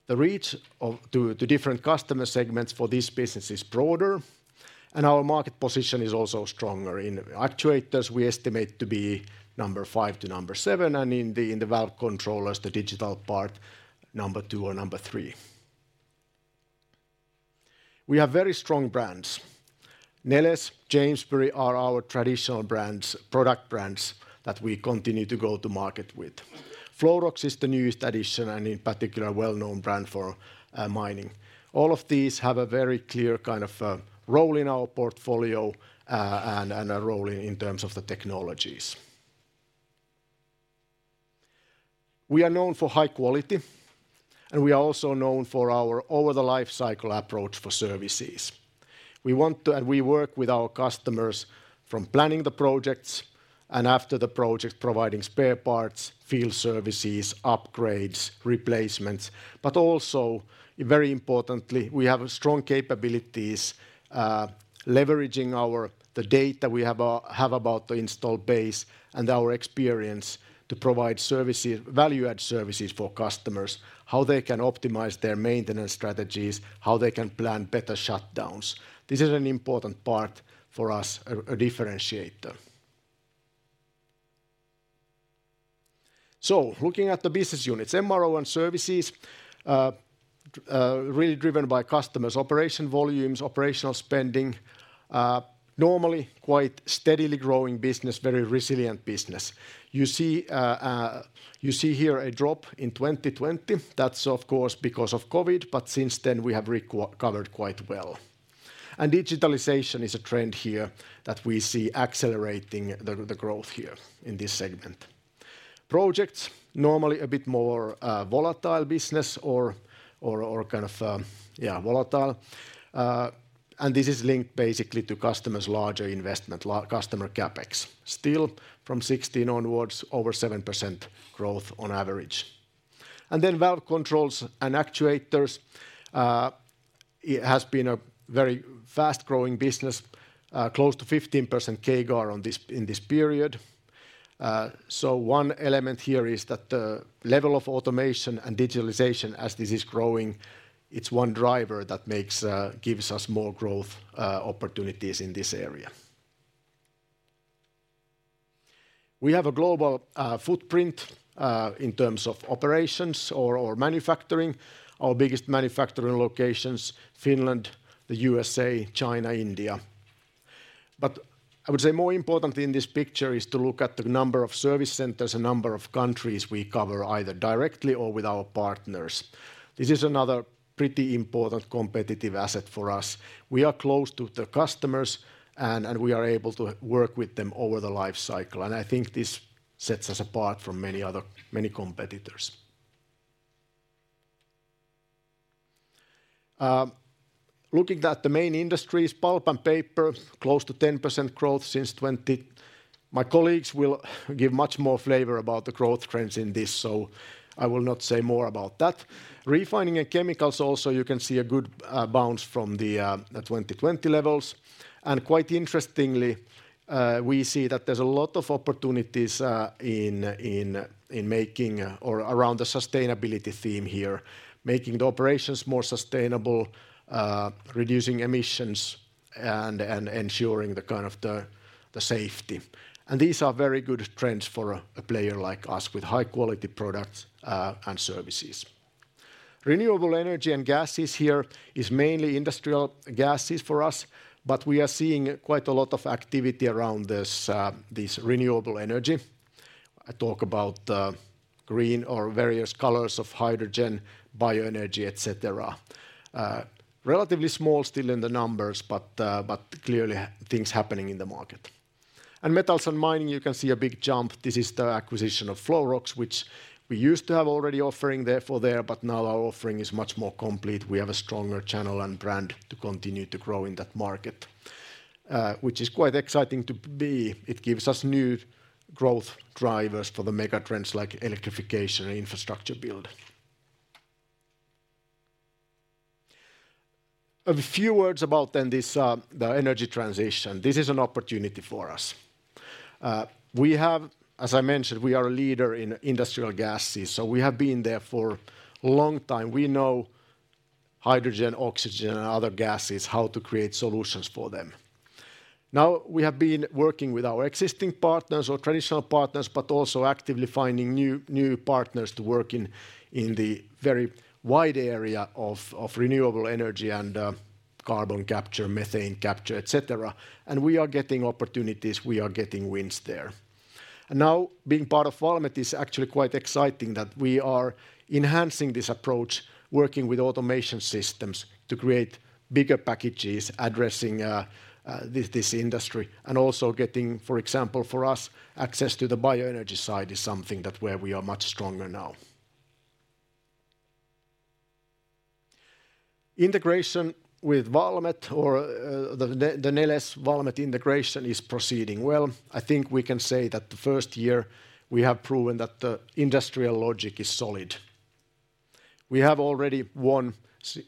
The reach to different customer segments for this business is broader, and our market position is also stronger. In actuators, we estimate to be number five to number seven, and in the valve controllers, the digital part, number two or number three. We have very strong brands. Neles, Jamesbury are our traditional brands, product brands, that we continue to go to market with. Flowrox is the newest addition, and in particular, a well-known brand for mining. All of these have a very clear kind of role in our portfolio, and a role in terms of the technologies. We are known for high quality, and we are also known for our over-the-lifecycle approach for services. We want to, and we work with our customers from planning the projects and after the project, providing spare parts, field services, upgrades, replacements. Also, very importantly, we have strong capabilities, leveraging our the data we have about the installed base and our experience to provide services, value-add services for customers, how they can optimize their maintenance strategies, how they can plan better shutdowns. This is an important part for us, a differentiator. Looking at the business units. MRO and Services, really driven by customers, operation volumes, operational spending. Normally quite steadily growing business, very resilient business. You see here a drop in 2020. That's of course because of COVID, but since then we have recovered quite well. Digitalization is a trend here that we see accelerating the growth here in this segment. Projects, normally a bit more volatile business or kind of, yeah, volatile. This is linked basically to customers' larger investment, customer CapEx. Still, from 2016 onwards, over 7% growth on average. Valve Controls and Actuators, it has been a very fast-growing business, close to 15% CAGR in this period. One element here is that the level of automation and digitalization, as this is growing, it's one driver that makes gives us more growth opportunities in this area. We have a global footprint in terms of operations or manufacturing. Our biggest manufacturing locations: Finland, the USA, China, India. I would say more important in this picture is to look at the number of service centers, the number of countries we cover, either directly or with our partners. This is another pretty important competitive asset for us. We are close to the customers and we are able to work with them over the lifecycle, and I think this sets us apart from many competitors. Looking at the main industries, pulp and paper, close to 10% growth. My colleagues will give much more flavor about the growth trends in this, so I will not say more about that. Refining and chemicals also, you can see a good bounce from the 2020 levels. Quite interestingly, we see that there's a lot of opportunities making or around the sustainability theme here, making the operations more sustainable, reducing emissions and ensuring the kind of the safety. These are very good trends for a player like us with high quality products and services. Renewable energy and gases here is mainly industrial gases for us, but we are seeing quite a lot of activity around this renewable energy. I talk about green or various colors of hydrogen, bioenergy, et cetera. Relatively small still in the numbers, but clearly things happening in the market. Metals and mining, you can see a big jump. This is the acquisition of Flowrox, which we used to have already offering there for there, but now our offering is much more complete. We have a stronger channel and brand to continue to grow in that market, which is quite exciting to be. It gives us new growth drivers for the megatrends like electrification and infrastructure build. A few words about then this, the energy transition. This is an opportunity for us. We have As I mentioned, we are a leader in industrial gases, so we have been there for long time. We know hydrogen, oxygen and other gases, how to create solutions for them. Now, we have been working with our existing partners or traditional partners, but also actively finding new partners to work in the very wide area of renewable energy and carbon capture, methane capture, et cetera. We are getting opportunities, we are getting wins there. Now being part of Valmet is actually quite exciting that we are enhancing this approach, working with Automation Systems to create bigger packages addressing this industry and also getting, for example, for us, access to the bioenergy side is something that where we are much stronger now. Integration with Valmet or the Neles Valmet integration is proceeding well. I think we can say that the first year we have proven that the industrial logic is solid. We have already won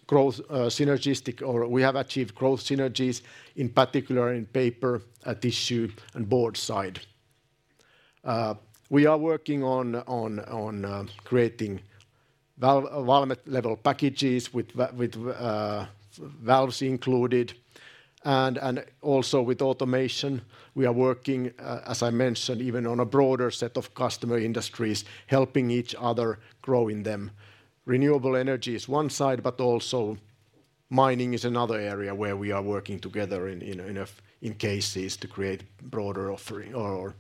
growth, or we have achieved growth synergies, in particular in paper, tissue and board side. We are working on creating Valmet level packages with valves included and also with automation. We are working, as I mentioned, even on a broader set of customer industries, helping each other grow in them. Also mining is another area where we are working together in cases to create broader offering or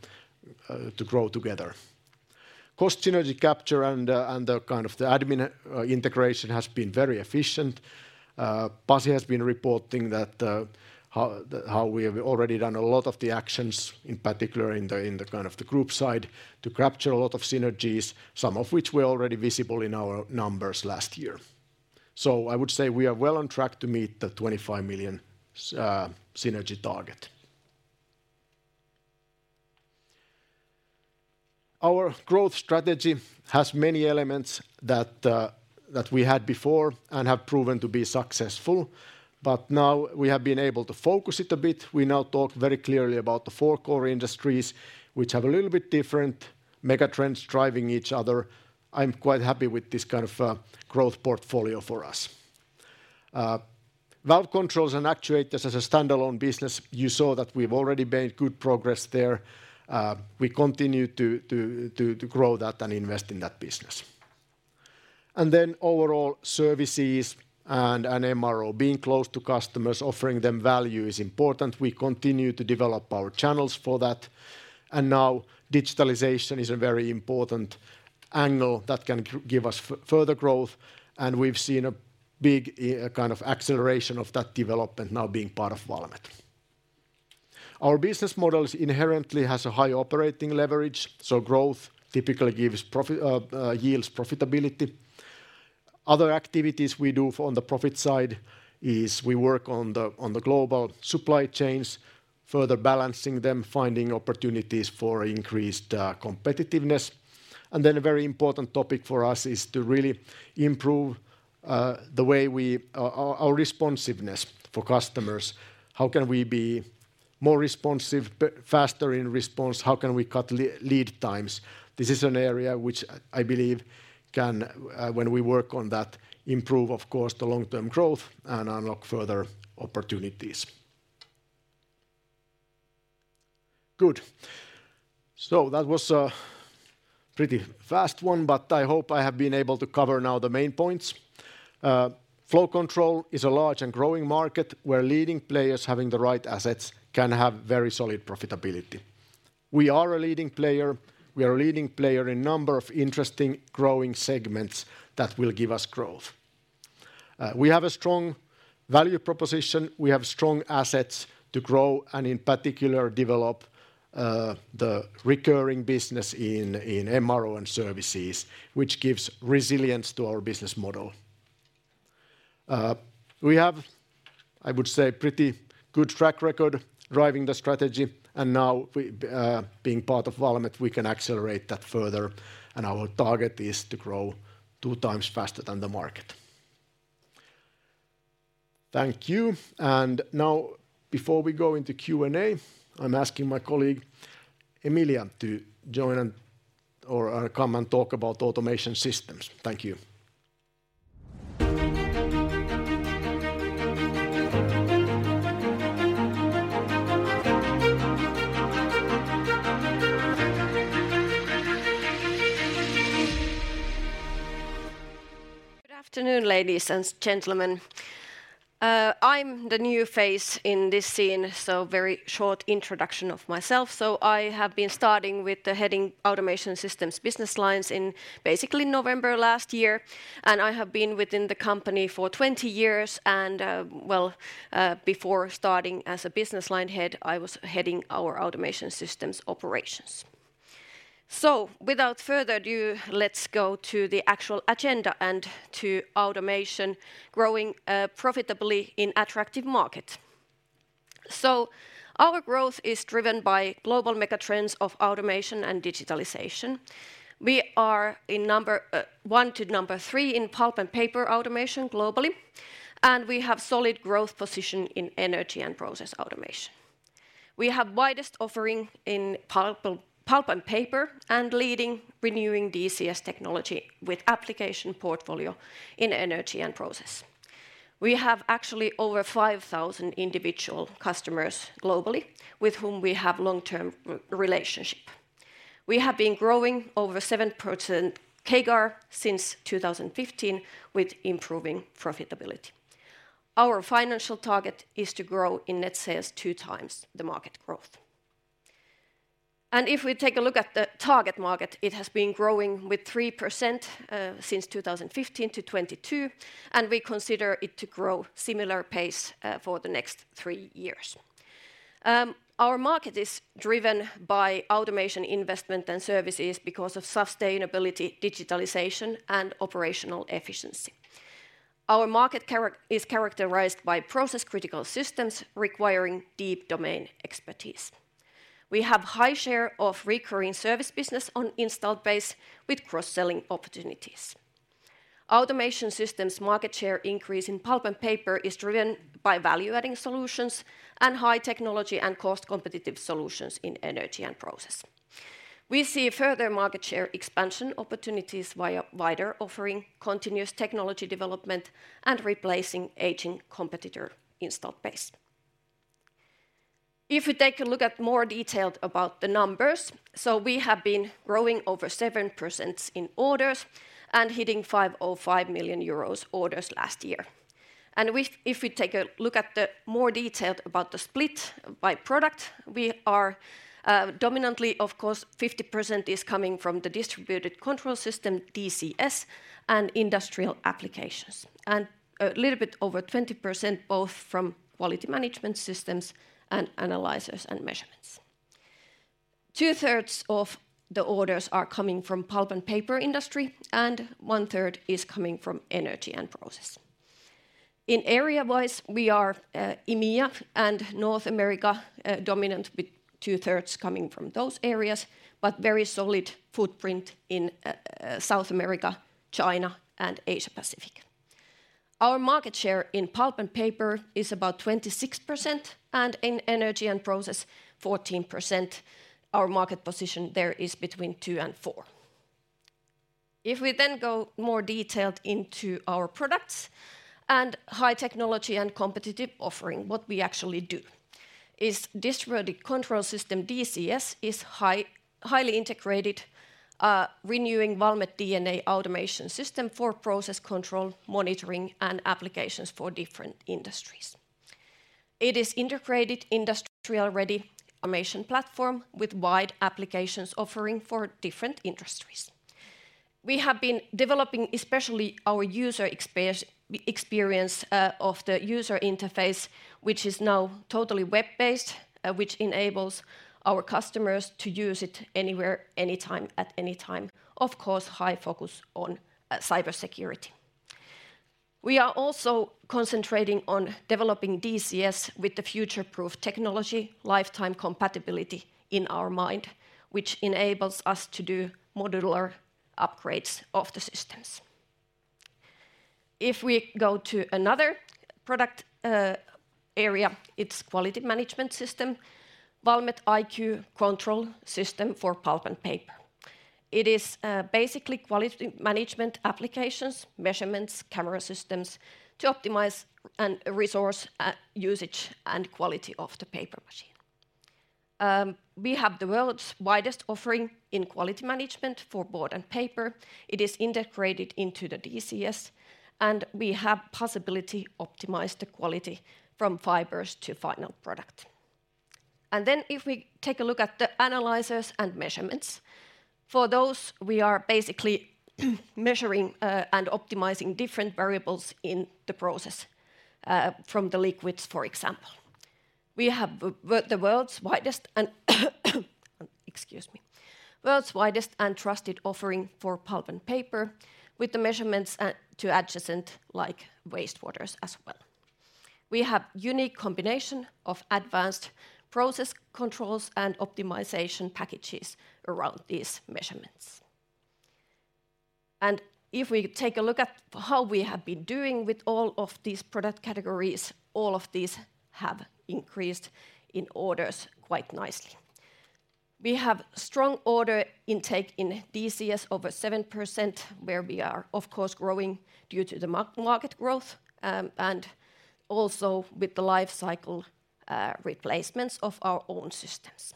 to grow together. Cost synergy capture and the kind of the admin integration has been very efficient. Pasi has been reporting that how we have already done a lot of the actions, in particular in the kind of the group side, to capture a lot of synergies, some of which were already visible in our numbers last year. I would say we are well on track to meet the 25 million synergy target. Our growth strategy has many elements that we had before and have proven to be successful, but now we have been able to focus it a bit. We now talk very clearly about the four core industries, which have a little bit different megatrends driving each other. I'm quite happy with this kind of growth portfolio for us. Valve Controls and Actuators as a standalone business, you saw that we've already made good progress there. We continue to grow that and invest in that business. Overall services and MRO, being close to customers, offering them value is important. We continue to develop our channels for that. Now digitalization is a very important angle that can give us further growth, and we've seen a big kind of acceleration of that development now being part of Valmet. Our business models inherently has a high operating leverage, so growth typically gives profit yields profitability. Other activities we do on the profit side is we work on the global supply chains, further balancing them, finding opportunities for increased competitiveness. A very important topic for us is to really improve the way our responsiveness for customers. How can we be more responsive, faster in response? How can we cut lead times? This is an area which I believe can, when we work on that, improve, of course, the long-term growth and unlock further opportunities. Good. That was a pretty fast one, but I hope I have been able to cover now the main points. Flow Control is a large and growing market where leading players having the right assets can have very solid profitability. We are a leading player. We are a leading player in number of interesting growing segments that will give us growth. We have a strong value proposition, we have strong assets to grow, and in particular develop, the recurring business in MRO and services, which gives resilience to our business model. We have, I would say, pretty good track record driving the strategy, and now we, being part of Valmet, we can accelerate that further, and our target is to grow two times faster than the market. Thank you. Now before we go into Q&A, I'm asking my colleague Emilia to join and, or, come and talk about Automation Systems. Thank you. Good afternoon, ladies and gentlemen. I'm the new face in this scene, so very short introduction of myself. I have been starting with the heading Automation Systems business lines in basically November last year, and I have been within the company for 20 years and, well, before starting as a business line head, I was heading our automation systems operations. Without further ado, let's go to the actual agenda and to automation growing profitably in attractive market. Our growth is driven by global mega trends of automation and digitalization. We are in number one to number three in pulp and paper automation globally, and we have solid growth position in energy and process automation. We have widest offering in pulp and paper, and leading renewing DCS technology with application portfolio in energy and process. We have actually over 5,000 individual customers globally with whom we have long-term relationship. We have been growing over 7% CAGR since 2015 with improving profitability. Our financial target is to grow in net sales two times the market growth. If we take a look at the target market, it has been growing with 3% since 2015 to 2022, and we consider it to grow similar pace for the next three years. Our market is driven by automation investment and services because of sustainability, digitalization, and operational efficiency. Our market is characterized by process-critical systems requiring deep domain expertise. We have high share of recurring service business on installed base with cross-selling opportunities. Automation Systems market share increase in pulp and paper is driven by value-adding solutions and high technology and cost-competitive solutions in energy and process. We see further market share expansion opportunities via wider offering continuous technology development and replacing aging competitor installed base. We have been growing over 7% in orders and hitting 505 million euros orders last year. If we take a look at the more detailed about the split by product, we are dominantly of course 50% is coming from the distributed control system, DCS, and industrial applications, and a little bit over 20% both from quality management systems and analyzers and measurements. 2/3 of the orders are coming from pulp and paper industry, and 1/3 is coming from energy and process. In area-wise, we are EMEA and North America dominant with 2/3 coming from those areas, but very solid footprint in South America, China, and Asia Pacific. Our market share in pulp and paper is about 26%, and in energy and process 14%. Our market position there is between two and four. We go more detailed into our products and high technology and competitive offering, what we actually do is distributed control system, DCS, is highly integrated, renewing Valmet DNA automation system for process control, monitoring, and applications for different industries. It is integrated industrial-ready automation platform with wide applications offering for different industries. We have been developing especially our user experience of the user interface, which is now totally web-based, which enables our customers to use it anywhere, anytime, at any time. Of course, high focus on cybersecurity. We are also concentrating on developing DCS with the future-proof technology lifetime compatibility in our mind, which enables us to do modular upgrades of the systems. If we go to another product area, it's quality management system, Valmet IQ control system for pulp and paper. It is basically quality management applications, measurements, camera systems to optimize and resource usage and quality of the paper machine. We have the world's widest offering in quality management for board and paper. It is integrated into the DCS, and we have possibility optimize the quality from fibers to final product. If we take a look at the analyzers and measurements, for those we are basically measuring and optimizing different variables in the process from the liquids, for example. We have the world's widest and Excuse me. World's widest and trusted offering for pulp and paper with the measurements to adjacent like wastewaters as well. We have unique combination of advanced process controls and optimization packages around these measurements. If we take a look at how we have been doing with all of these product categories, all of these have increased in orders quite nicely. We have strong order intake in DCS over 7% where we are of course growing due to the market growth, and also with the life cycle replacements of our own systems.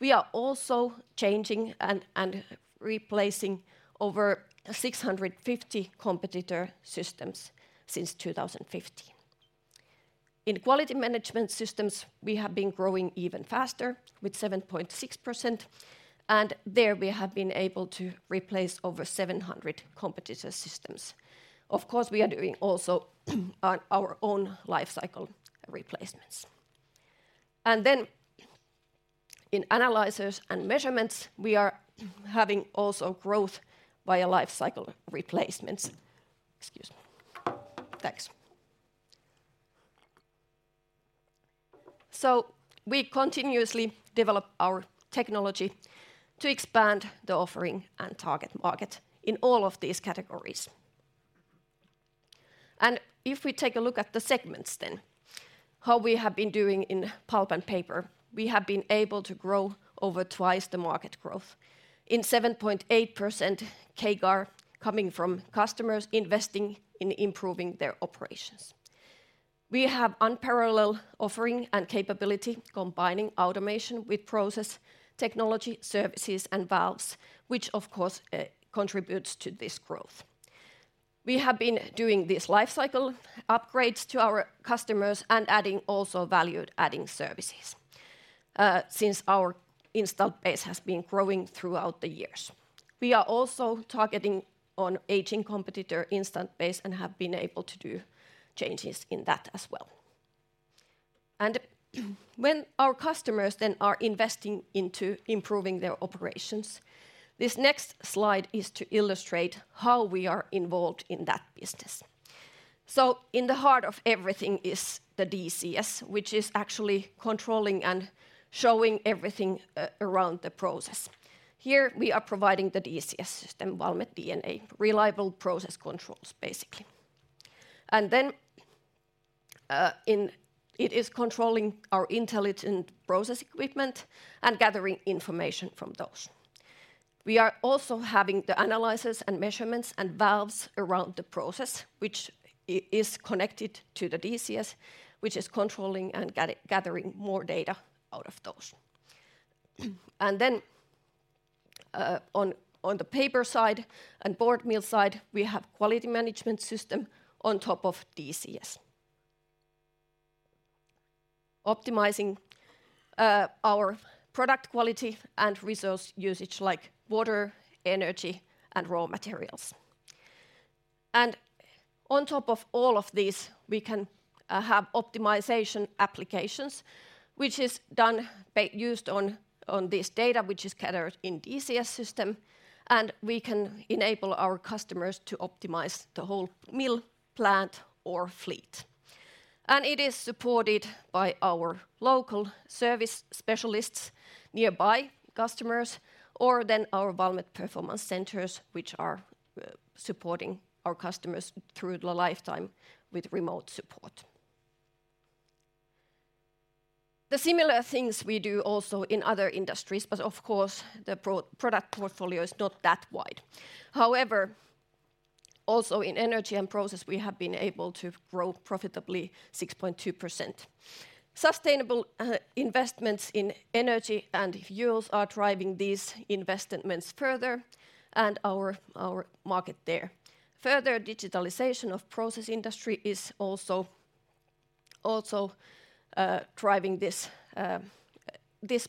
We are also changing and replacing over 650 competitor systems since 2015. In quality management systems, we have been growing even faster with 7.6%, and there we have been able to replace over 700 competitor systems. Of course, we are doing also our own life cycle replacements. In analyzers and measurements, we are having also growth via life cycle replacements. Excuse me. Thanks. We continuously develop our technology to expand the offering and target market in all of these categories. If we take a look at the segments, how we have been doing in pulp and paper, we have been able to grow over twice the market growth in 7.8% CAGR coming from customers investing in improving their operations. We have unparalleled offering and capability combining automation with process technology, services, and valves, which of course, contributes to this growth. We have been doing these life cycle upgrades to our customers and adding also value-adding services, since our installed base has been growing throughout the years. We are also targeting on aging competitor installed base and have been able to do changes in that as well. When our customers then are investing into improving their operations, this next slide is to illustrate how we are involved in that business. In the heart of everything is the DCS, which is actually controlling and showing everything around the process. Here we are providing the DCS system, Valmet DNA, reliable process controls basically. Then, in it is controlling our intelligent process equipment and gathering information from those. We are also having the analyzers and measurements and valves around the process, which is connected to the DCS, which is controlling and gathering more data out of those. Then, on the paper side and board mill side, we have quality management system on top of DCS, optimizing our product quality and resource usage like water, energy, and raw materials. On top of all of this, we can have optimization applications, which is used on this data, which is gathered in DCS system, and we can enable our customers to optimize the whole mill, plant, or fleet. It is supported by our local service specialists nearby customers or then our Valmet Performance Centers, which are supporting our customers through the lifetime with remote support. The similar things we do also in other industries, but of course the product portfolio is not that wide. However, also in energy and process, we have been able to grow profitably 6.2%. Sustainable investments in energy and fuels are driving these investments further and our market there. Further digitalization of process industry is also driving this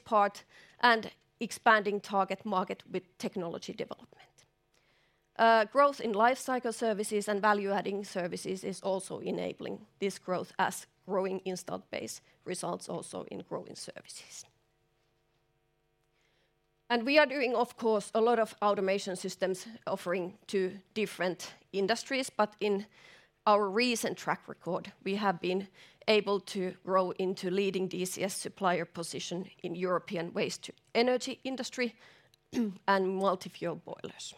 part and expanding target market with technology development. Growth in life cycle services and value-adding services is also enabling this growth as growing installed base results also in growing services. We are doing, of course, a lot of automation systems offering to different industries. In our recent track record, we have been able to grow into leading DCS supplier position in European waste to energy industry and multi-fuel boilers.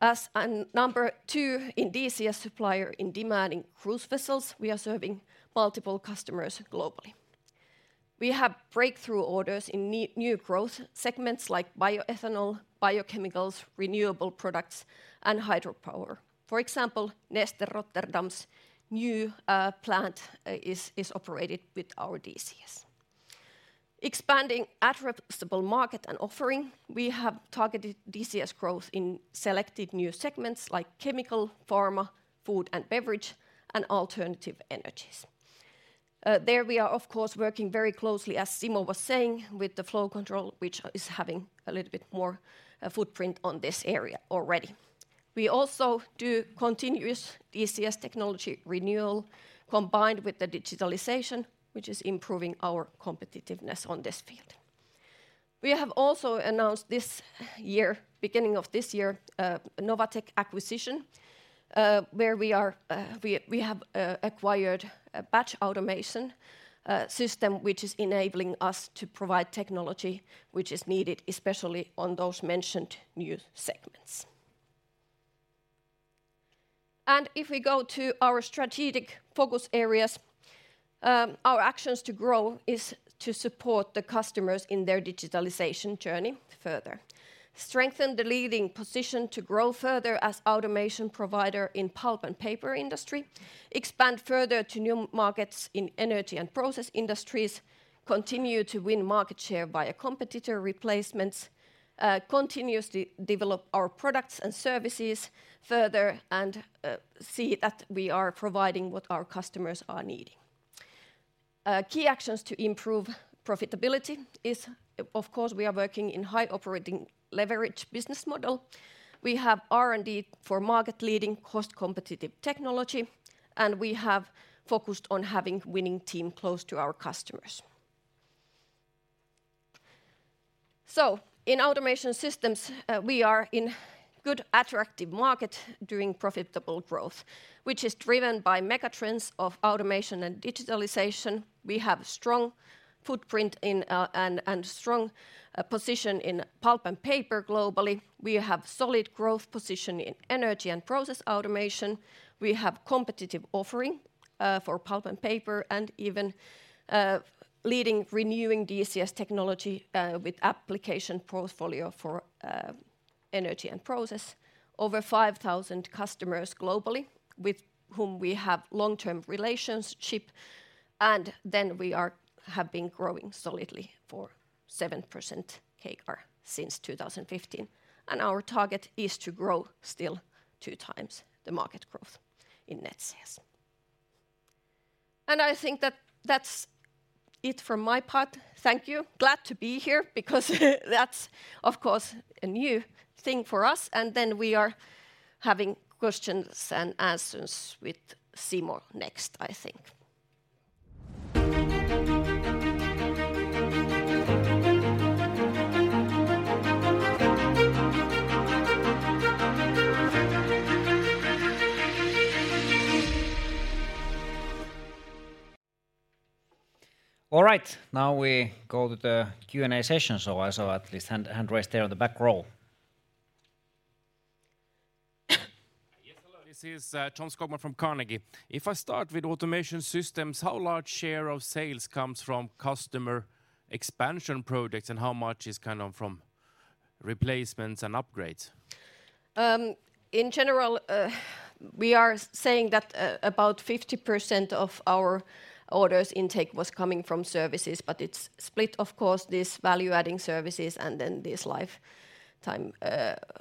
As and number two in DCS supplier in demanding cruise vessels, we are serving multiple customers globally. We have breakthrough orders in new growth segments like bioethanol, biochemicals, renewable products, and hydropower. For example, Neste Rotterdam's new plant is operated with our DCS. Expanding addressable market and offering, we have targeted DCS growth in selected new segments like chemical, pharma, food and beverage, and alternative energies. There we are, of course, working very closely, as Simo was saying, with the Flow Control, which is having a little bit more footprint on this area already. We also do continuous DCS technology renewal combined with the digitalization, which is improving our competitiveness on this field. We have also announced this year, beginning of this year, a NovaTech acquisition, where we have acquired a batch automation system which is enabling us to provide technology which is needed especially on those mentioned new segments. If we go to our strategic focus areas, our actions to grow is to support the customers in their digitalization journey further. Strengthen the leading position to grow further as Automation provider in pulp and paper industry, expand further to new markets in energy and process industries, continue to win market share via competitor replacements, continuously develop our products and services further and see that we are providing what our customers are needing. Key actions to improve profitability is, of course, we are working in high operating leverage business model. We have R&D for market-leading cost-competitive technology, and we have focused on having winning team close to our customers. In Automation Systems, we are in good attractive market doing profitable growth, which is driven by mega trends of automation and digitalization. We have strong footprint in and strong position in pulp and paper globally. We have solid growth position in energy and process automation. We have competitive offering for pulp and paper and even leading renewing DCS technology with application portfolio for energy and process. Over 5,000 customers globally, with whom we have long-term relationship, we have been growing solidly for 7% CAGR since 2015. Our target is to grow still two times the market growth in net sales. I think that that's it from my part. Thank you. Glad to be here because that's, of course, a new thing for us, we are having questions and answers with Simo next, I think. All right. Now we go to the Q&A session. I saw at least hand raised there on the back row. Yes, hello. This is Tom Skogman from Carnegie. If I start with Automation Systems, how large share of sales comes from customer expansion projects, and how much is kind of from replacements and upgrades? In general, we are saying that, about 50% of our orders intake was coming from services, but it's split, of course, this value-adding services and then this lifetime,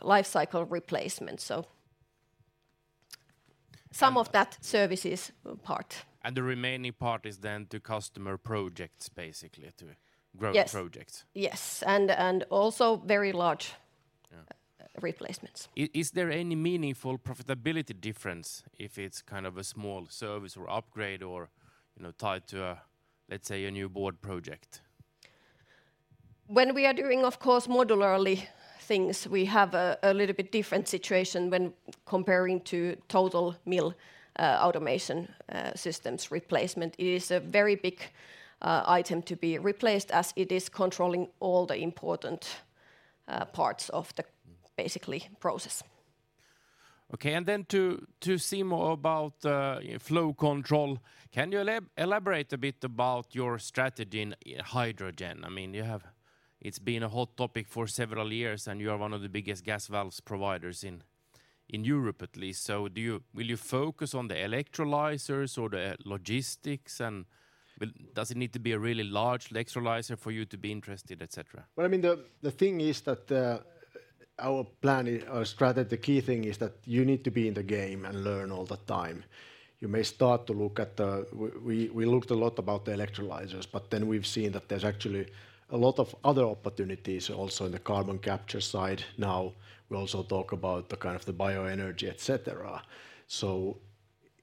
lifecycle replacement. Some of that service is part. The remaining part is then to customer projects basically, to growth projects. Yes, and also very large- Yeah replacements. Is there any meaningful profitability difference if it's kind of a small service or upgrade or, you know, tied to a, let's say, a new board project? When we are doing, of course, modularly things, we have a little bit different situation when comparing to total mill automation systems replacement. It is a very big item to be replaced as it is controlling all the important parts of the basically process. Okay. To Simo about Flow Control, can you elaborate a bit about your strategy in hydrogen? I mean, it's been a hot topic for several years, and you are one of the biggest gas valves providers in Europe at least. Will you focus on the electrolyzers or the logistics, and does it need to be a really large electrolyzer for you to be interested, et cetera? Well, I mean, the thing is that, our plan, our strategy, the key thing is that you need to be in the game and learn all the time. You may start to look at. We looked a lot about the electrolyzers, but then we've seen that there's actually a lot of other opportunities also in the carbon capture side now. We also talk about the kind of the bioenergy, et cetera.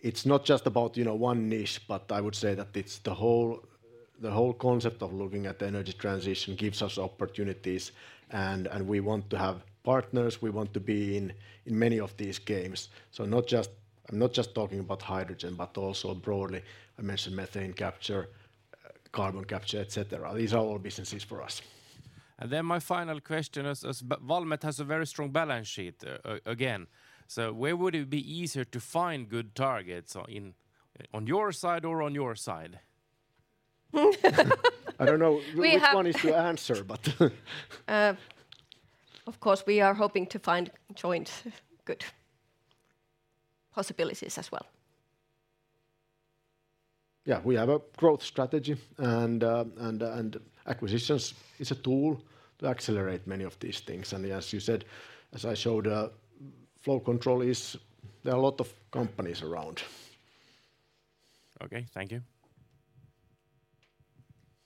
It's not just about, you know, one niche, but I would say that it's the whole, the whole concept of looking at the energy transition gives us opportunities and we want to have partners, we want to be in many of these games. I'm not just talking about hydrogen, but also broadly, I mentioned methane capture, carbon capture, et cetera. These are all businesses for us. My final question is Valmet has a very strong balance sheet again. Where would it be easier to find good targets on your side or on your side? I don't know which one is to answer, but. Of course, we are hoping to find joint good possibilities as well. Yeah. We have a growth strategy and acquisitions is a tool to accelerate many of these things. As you said, as I showed, Flow Control is there are a lot of companies around. Okay. Thank you.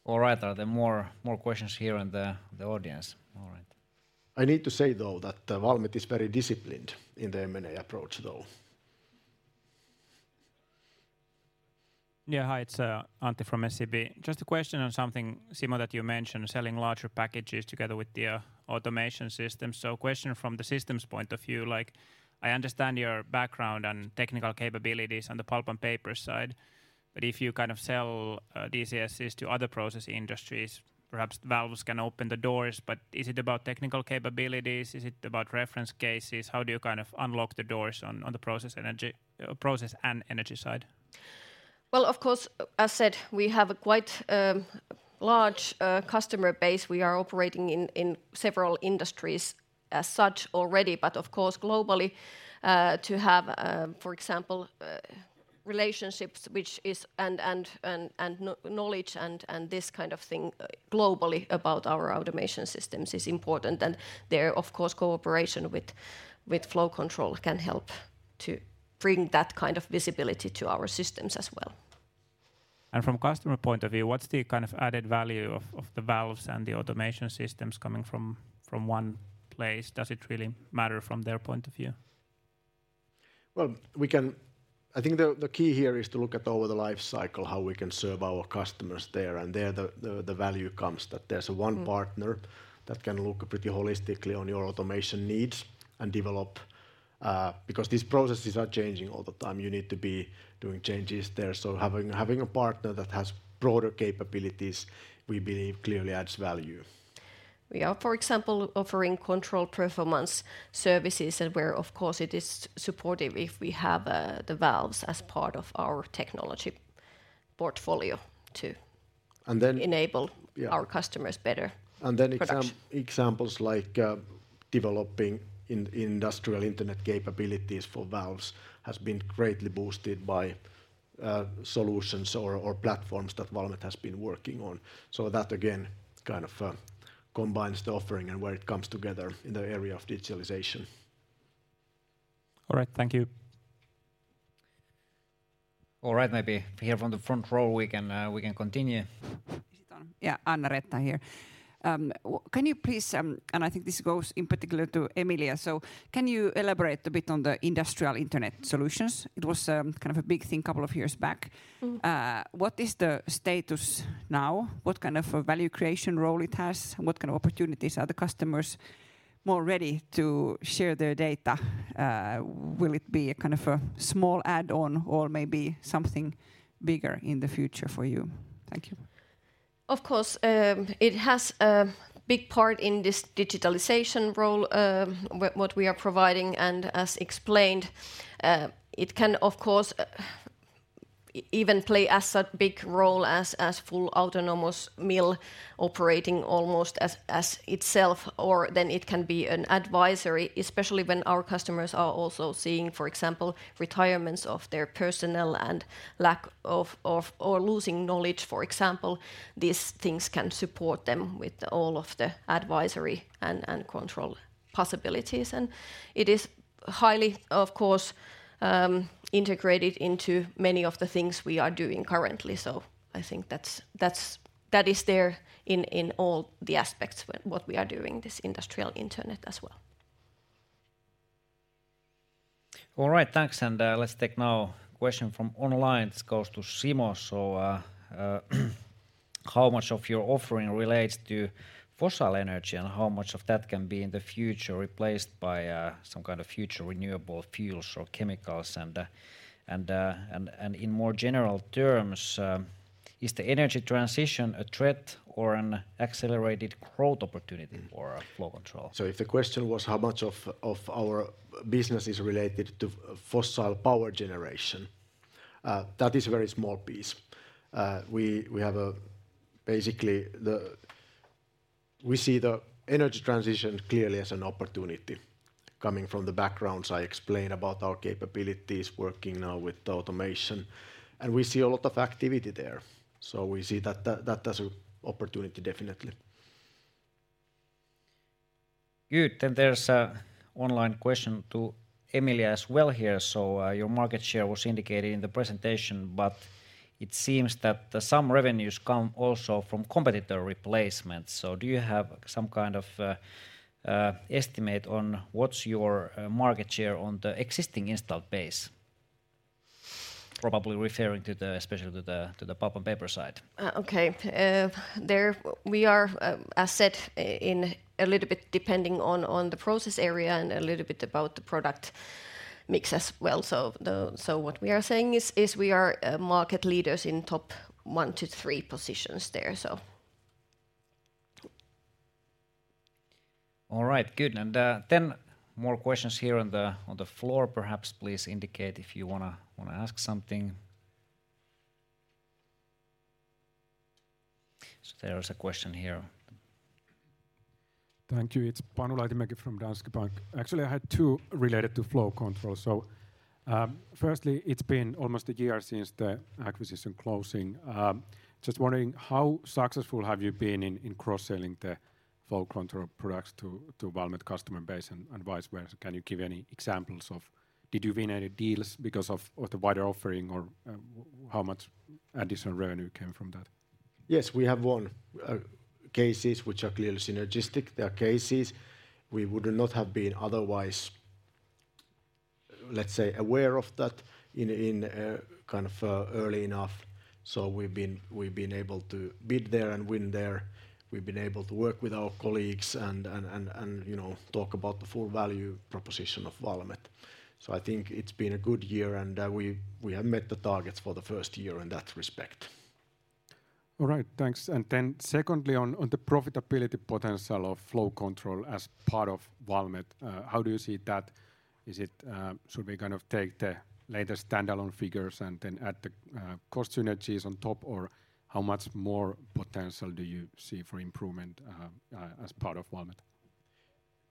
All right. Are there more questions here in the audience? All right. I need to say, though, that, Valmet is very disciplined in the M&A approach, though. Yeah. Hi, it's Antti from SEB. Just a question on something, Simo, that you mentioned, selling larger packages together with the automation system. Question from the systems point of view, like I understand your background and technical capabilities on the pulp and paper side, but if you kind of sell DCSs to other process industries, perhaps valves can open the doors, but is it about technical capabilities? Is it about reference cases? How do you kind of unlock the doors on the process energy, process and energy side? Of course, as said, we have a quite large customer base. We are operating in several industries as such already, but of course, globally, to have, for example, relationships which is and knowledge and this kind of thing, globally about our automation systems is important. There, of course, cooperation with Flow Control can help to bring that kind of visibility to our systems as well. From customer point of view, what's the kind of added value of the valves and the automation systems coming from one place? Does it really matter from their point of view? Well, I think the key here is to look at over the life cycle how we can serve our customers there, and there the value comes that there's one partner- Mm that can look pretty holistically on your automation needs and develop, because these processes are changing all the time. You need to be doing changes there. Having a partner that has broader capabilities, we believe clearly adds value. We are, for example, offering control performance services where of course it is supportive if we have the valves as part of our technology portfolio to- And then- enable- Yeah our customers better product. Examples like developing Industrial Internet capabilities for valves has been greatly boosted by solutions or platforms that Valmet has been working on. That again kind of combines the offering and where it comes together in the area of digitalization. All right. Thank you. All right. Maybe here from the front row we can continue. Is it on? Yeah, Annareetta here. Can you please, and I think this goes in particular to Emilia, so can you elaborate a bit on the industrial internet solutions? It was kind of a big thing couple of years back. Mm. What is the status now? What kind of a value creation role it has? What kind of opportunities are the customers more ready to share their data? Will it be a kind of a small add-on or maybe something bigger in the future for you? Thank you. Of course, it has a big part in this digitalization role, what we are providing and as explained, it can of course even play as a big role as full autonomous mill operating almost as itself or then it can be an advisory, especially when our customers are also seeing, for example, retirements of their personnel and lack of, or losing knowledge, for example. These things can support them with all of the advisory and control possibilities, and it is highly, of course, integrated into many of the things we are doing currently. I think that's, that is there in all the aspects when what we are doing this Industrial Internet as well. All right. Thanks. Let's take now question from online. This goes to Simo. How much of your offering relates to fossil energy, and how much of that can be in the future replaced by some kind of future renewable fuels or chemicals? In more general terms, is the energy transition a threat or an accelerated growth opportunity for Flow Control? If the question was how much of our business is related to fossil power generation, that is a very small piece. We see the energy transition clearly as an opportunity coming from the backgrounds I explained about our capabilities working now with automation, and we see a lot of activity there. We see that as a opportunity definitely. Good. There's an online question to Emilia as well here. Your market share was indicated in the presentation, but it seems that some revenues come also from competitor replacements. Do you have some kind of estimate on what's your market share on the existing installed base? Probably referring to the especially to the pulp and paper side. Okay. There we are, as said, in a little bit depending on the process area and a little bit about the product mix as well. What we are saying is we are market leaders in top one to three positions there. So. All right. Good. Then more questions here on the, on the floor, perhaps. Please indicate if you wanna ask something. There is a question here. Thank you. It's Panu Laitinmäki from Danske Bank. Actually, I had two related to Flow Control. Firstly, it's been almost a year since the acquisition closing. Just wondering how successful have you been in cross-selling the Flow Control products to Valmet customer base and vice versa? Can you give any examples of did you win any deals because of the wider offering or how much additional revenue came from that? Yes, we have won, cases which are clearly synergistic. There are cases we would not have been otherwise, let's say, aware of that in, kind of, early enough. We've been able to bid there and win there. We've been able to work with our colleagues and, you know, talk about the full value proposition of Valmet. I think it's been a good year, and we have met the targets for the first year in that respect. All right. Thanks. Secondly, on the profitability potential of Flow Control as part of Valmet, how do you see that? Is it, should we kind of take the latest standalone figures and then add the cost synergies on top? Or how much more potential do you see for improvement, as part of Valmet?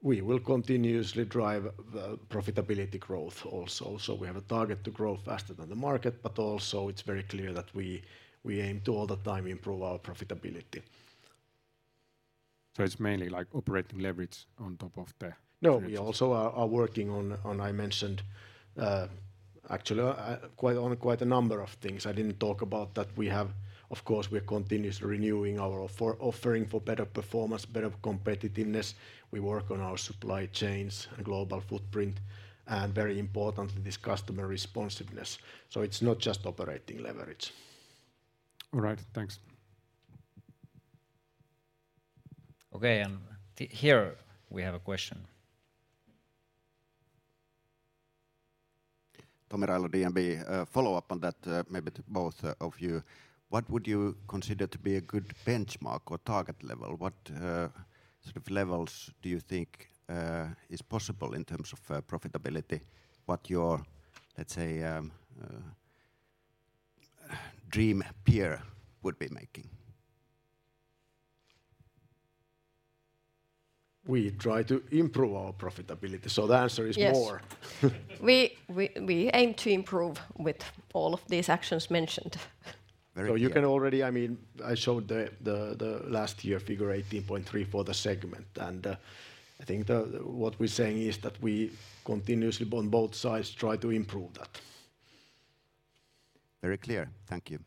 We will continuously drive the profitability growth also. We have a target to grow faster than the market. It's very clear that we aim to all the time improve our profitability. It's mainly like operating leverage on top of the synergies. We also are working on I mentioned, actually, on quite a number of things. I didn't talk about that we have. Of course, we are continuously renewing our offering for better performance, better competitiveness. We work on our supply chains and global footprint, and very importantly, this customer responsiveness. It's not just operating leverage. All right. Thanks. Okay. Here we have a question. Tomi Railo, DNB. A follow-up on that, maybe to both of you. What would you consider to be a good benchmark or target level? What sort of levels do you think is possible in terms of profitability? What your, let's say, dream peer would be making? We try to improve our profitability, so the answer is more. Yes. We aim to improve with all of these actions mentioned. Very clear. I mean, I showed the last year figure 18.3 for the segment, and I think the, what we're saying is that we continuously on both sides try to improve that. Very clear. Thank you.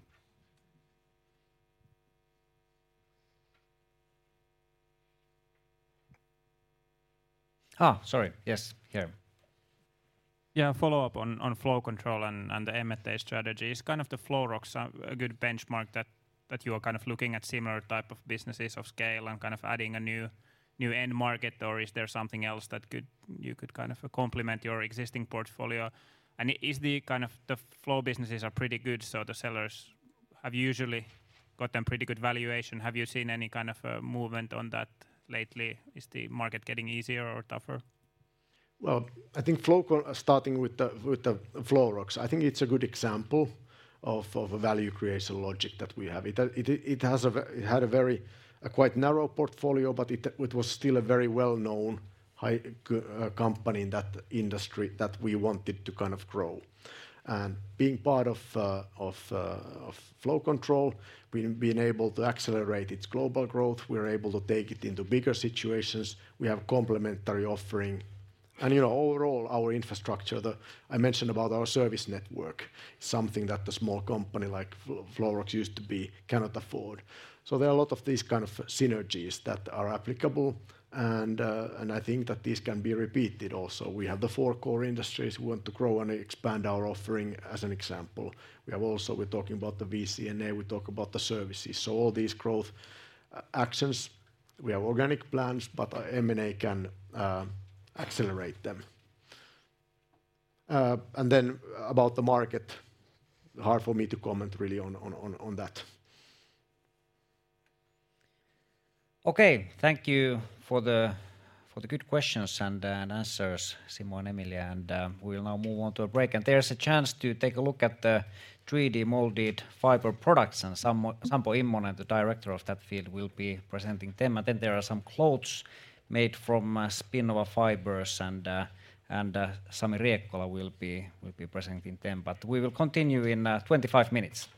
Sorry. Yes, here. Yeah, a follow-up on flow control and the M&A strategy. Is kind of the Flowrox a good benchmark that you are kind of looking at similar type of businesses of scale and kind of adding a new end market, or is there something else that could you could kind of complement your existing portfolio? Is the kind of the flow businesses are pretty good, so the sellers have usually got them pretty good valuation. Have you seen any kind of a movement on that lately? Is the market getting easier or tougher? Well, I think starting with the, with the Flowrox, I think it's a good example of a value creation logic that we have. It had a very, a quite narrow portfolio, but it was still a very well-known high company in that industry that we wanted to kind of grow. Being part of Flow Control, we've been able to accelerate its global growth. We're able to take it into bigger situations. We have complementary offering. You know, overall, our infrastructure, I mentioned about our service network, something that a small company like Flowrox used to be cannot afford. There are a lot of these kind of synergies that are applicable and I think that this can be repeated also. We have the four core industries we want to grow and expand our offering as an example. We have also, we're talking about the VC&A, we talk about the services. All these growth actions, we have organic plans, but M&A can accelerate them. Then about the market, hard for me to comment really on that. Okay. Thank you for the, for the good questions and answers, Simo and Emilia. We'll now move on to a break. There's a chance to take a look at the Valmet 3D Fiber products, and Sampo Immonen, the director of that field, will be presenting them. There are some clothes made from Spinnova fibers, and Sami Riekkola will be presenting them. We will continue in 25 minutes.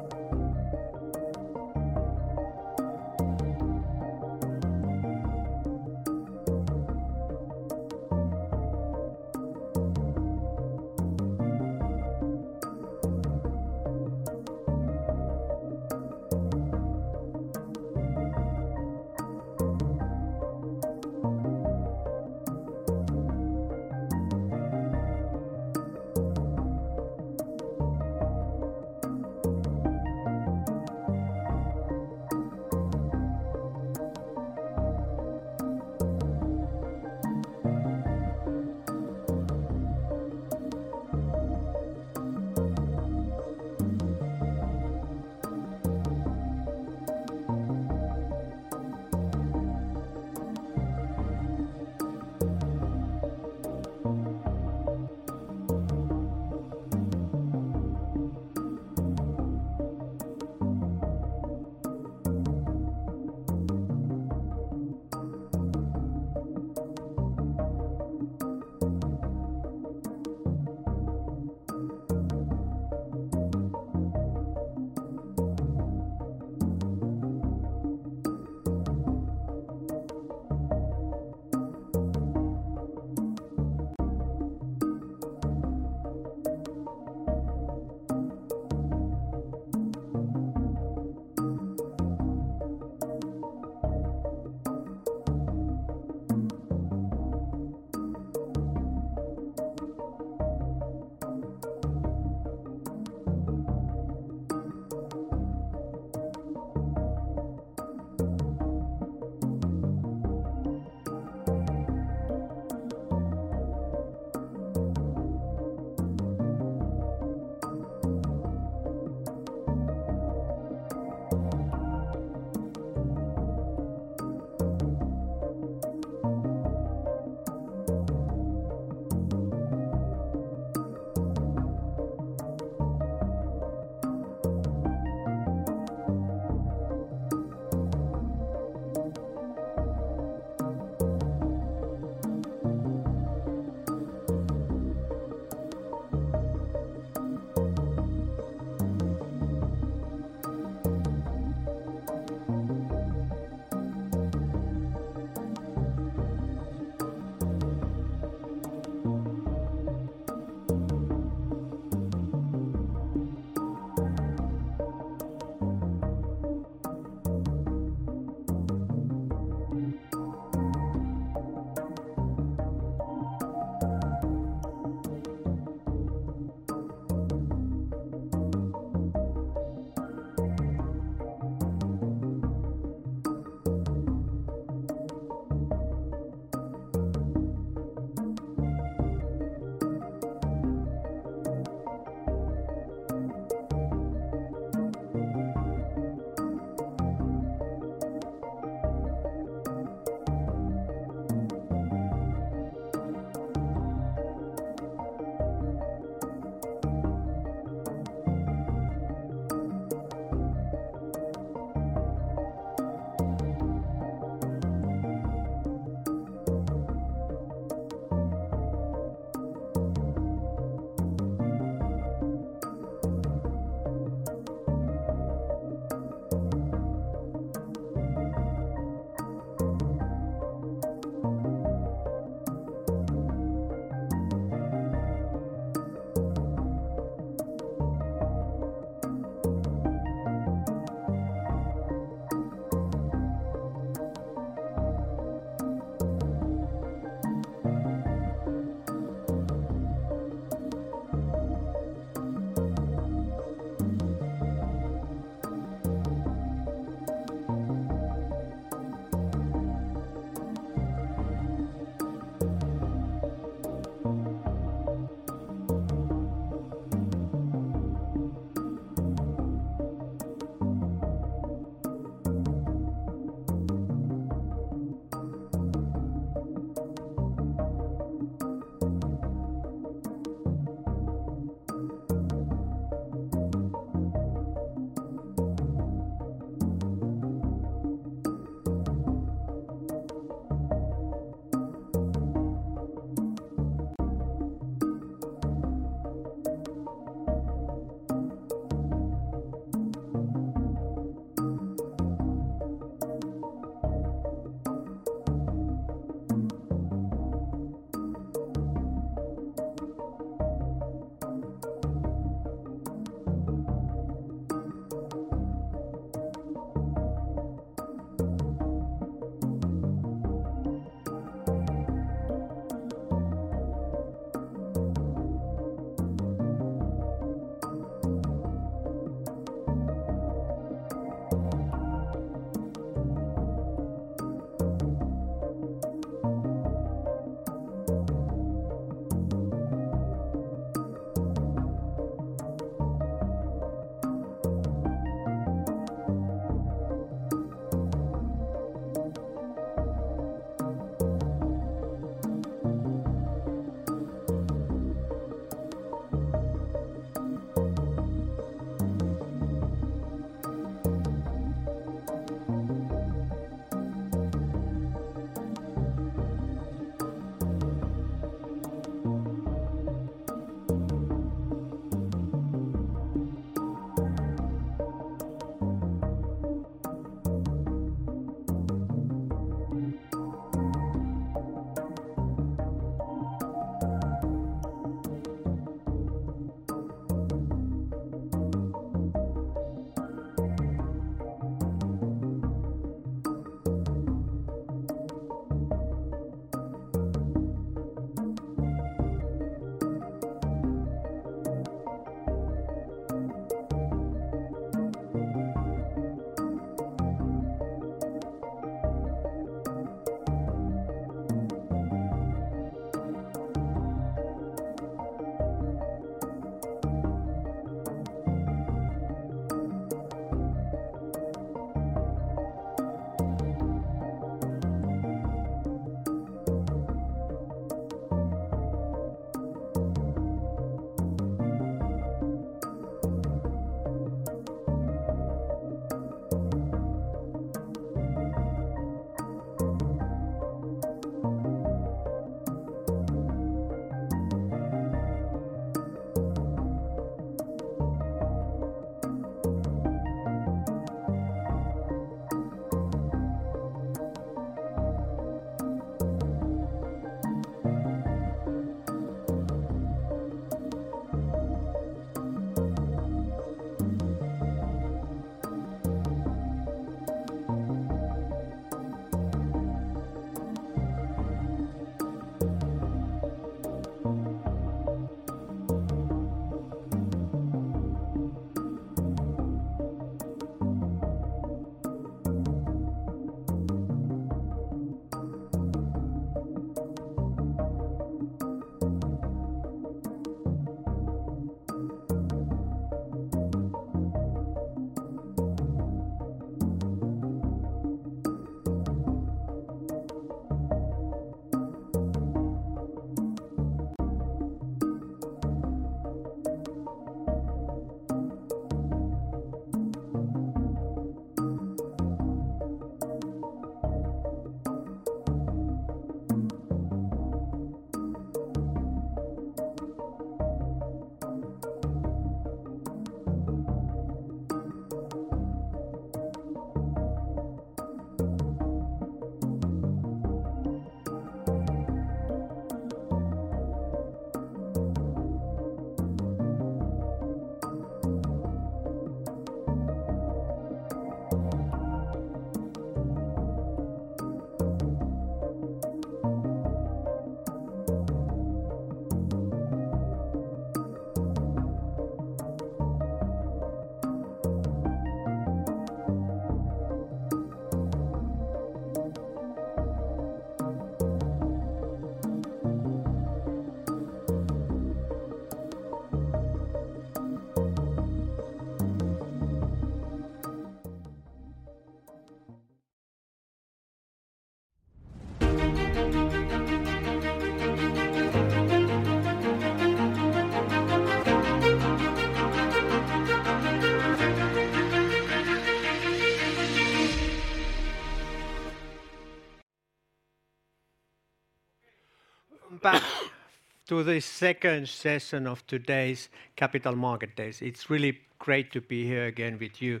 Back to the second session of today's Capital Market Days. It's really great to be here again with you.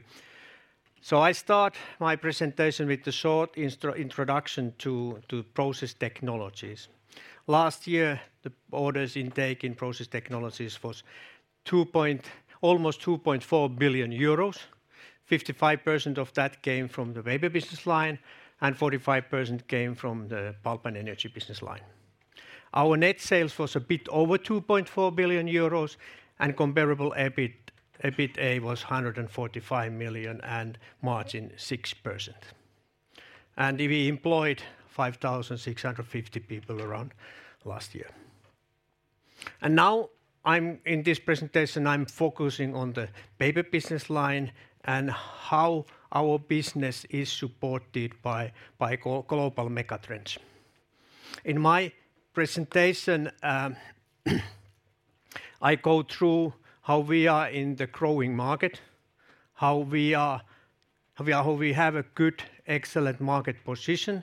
I start my presentation with the short introduction to Process Technologies. Last year, the orders intake in Process Technologies was almost 2.4 billion euros. 55% of that came from the Paper business line, and 45% came from the Pulp and Energy business line. Our net sales was a bit over 2.4 billion euros, and comparable EBIT, EBITDA was 145 million, and margin 6%. We employed 5,650 people around last year. Now I'm focusing on the Paper business line and how our business is supported by global megatrends. In my presentation, I go through how we are in the growing market, how we are, how we have a good, excellent market position,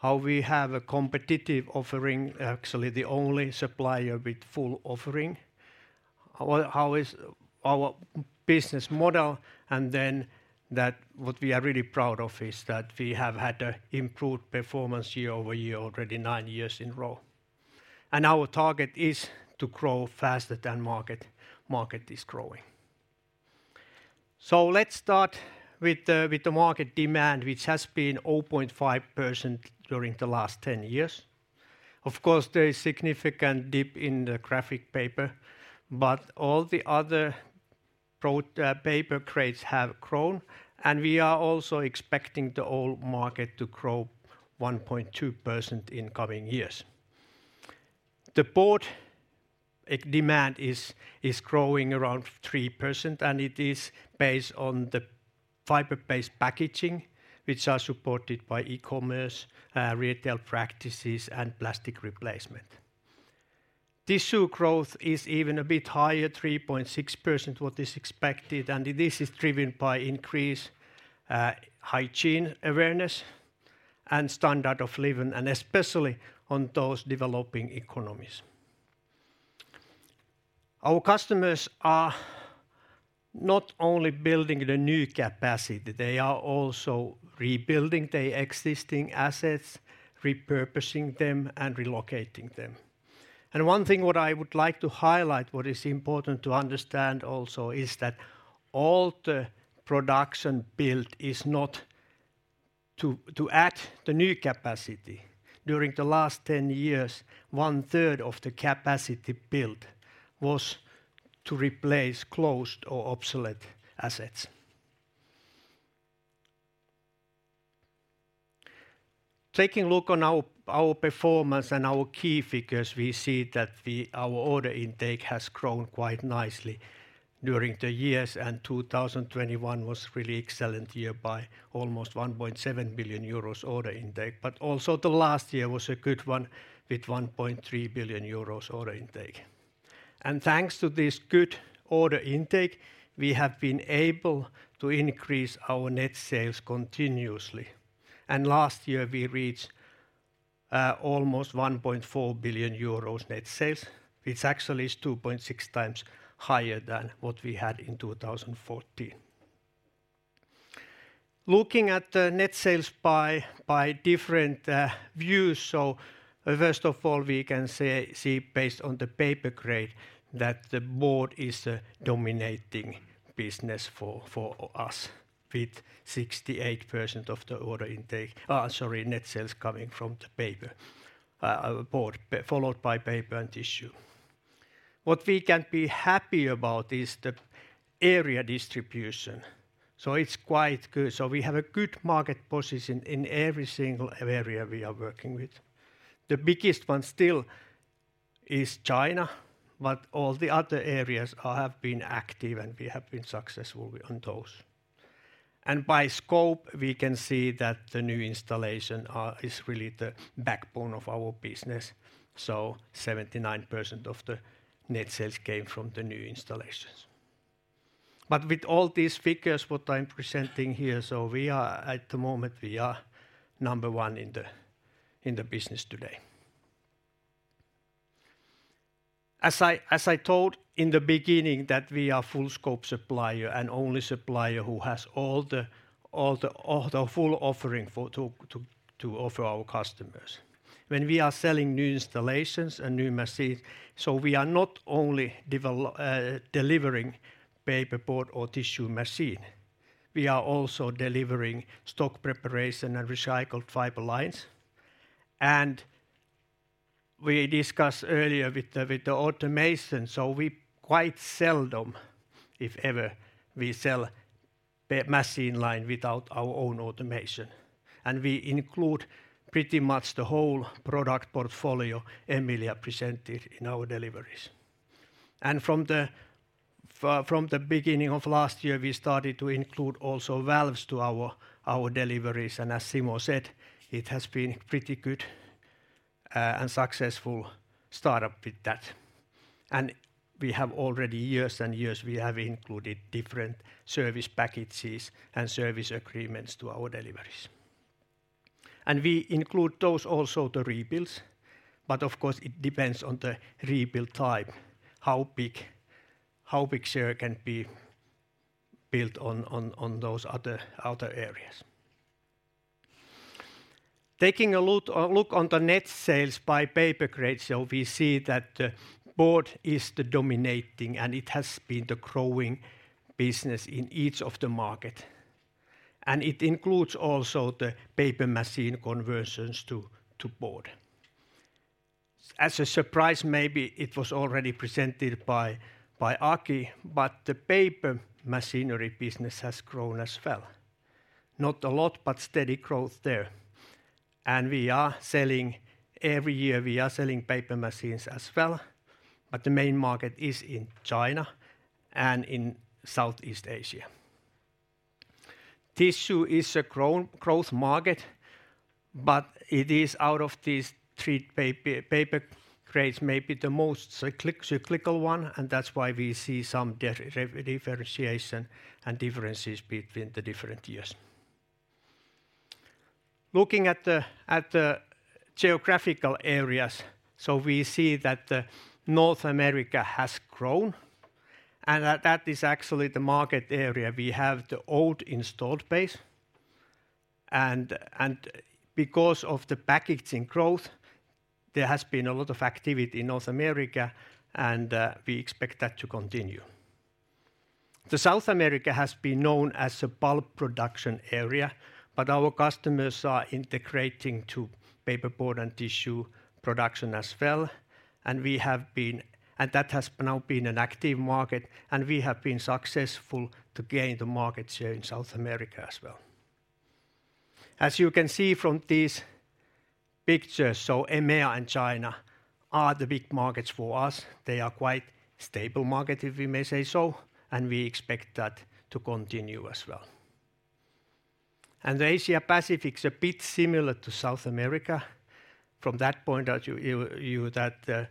how we have a competitive offering, actually the only supplier with full offering, how is our business model, and then that what we are really proud of is that we have had a improved performance year-over-year already nine years in a row. Our target is to grow faster than market is growing. Let's start with the, with the market demand, which has been 0.5% during the last 10 years. Of course, there is significant dip in the graphic paper, but all the other paper grades have grown, and we are also expecting the whole market to grow 1.2% in coming years. The board demand is growing around 3%, it is based on the fiber-based packaging, which are supported by e-commerce, retail practices, and plastic replacement. Tissue growth is even a bit higher, 3.6% what is expected, this is driven by increased hygiene awareness and standard of living, especially on those developing economies. Our customers are not only building the new capacity, they are also rebuilding their existing assets, repurposing them, and relocating them. One thing what I would like to highlight what is important to understand also is that all the production built is not to add the new capacity. During the last 10 years, one-third of the capacity built was to replace closed or obsolete assets. Taking a look on our performance and our key figures, we see that our order intake has grown quite nicely during the years, and 2021 was really excellent year by almost 1.7 billion euros order intake. Also the last year was a good one with 1.3 billion euros order intake. Thanks to this good order intake, we have been able to increase our net sales continuously. Last year we reached almost 1.4 billion euros net sales, which actually is 2.6 times higher than what we had in 2014. Looking at the net sales by different views, so first of all, we can see based on the paper grade that the board is a dominating business for us with 68% of the order intake. Oh, sorry, net sales coming from the paper, board, followed by paper and tissue. What we can be happy about is the area distribution. It's quite good. We have a good market position in every single area we are working with. The biggest one still is China, but all the other areas have been active, and we have been successful on those. By scope, we can see that the new installation is really the backbone of our business. 79% of the net sales came from the new installations. With all these figures, what I'm presenting here, we are, at the moment, we are number one in the business today. As I told in the beginning that we are full-scope supplier and only supplier who has all the full offering to offer our customers. When we are selling new installations and new machines, we are not only delivering paper board or tissue machine, we are also delivering stock preparation and recycled fiber lines. We discussed earlier with the automation, we quite seldom, if ever, we sell a machine line without our own automation. We include pretty much the whole product portfolio Emilia presented in our deliveries. From the beginning of last year, we started to include also valves to our deliveries. As Simo said, it has been pretty good and successful start up with that. We have already years and years, we have included different service packages and service agreements to our deliveries. We include those also to rebuilds, but of course it depends on the rebuild type, how big share can be built on those other areas. Taking a look on the net sales by paper grade, we see that board is the dominating, it has been the growing business in each of the market. It includes also the paper machine conversions to board. As a surprise, maybe it was already presented by Aki, the paper machinery business has grown as well. Not a lot, steady growth there. We are selling every year, we are selling paper machines as well, the main market is in China and in Southeast Asia. Tissue is a growth market. It is out of these three paper grades maybe the most cyclical one. That's why we see some differentiation and differences between the different years. Looking at the geographical areas, we see that North America has grown and that is actually the market area. We have the old installed base and because of the packaging growth, there has been a lot of activity in North America and we expect that to continue. The South America has been known as a pulp production area, but our customers are integrating to paper board and tissue production as well, and that has now been an active market, and we have been successful to gain the market share in South America as well. As you can see from these pictures, EMEA and China are the big markets for us. They are quite stable market, if we may say so, and we expect that to continue as well. The Asia-Pacific's a bit similar to South America from that point of view that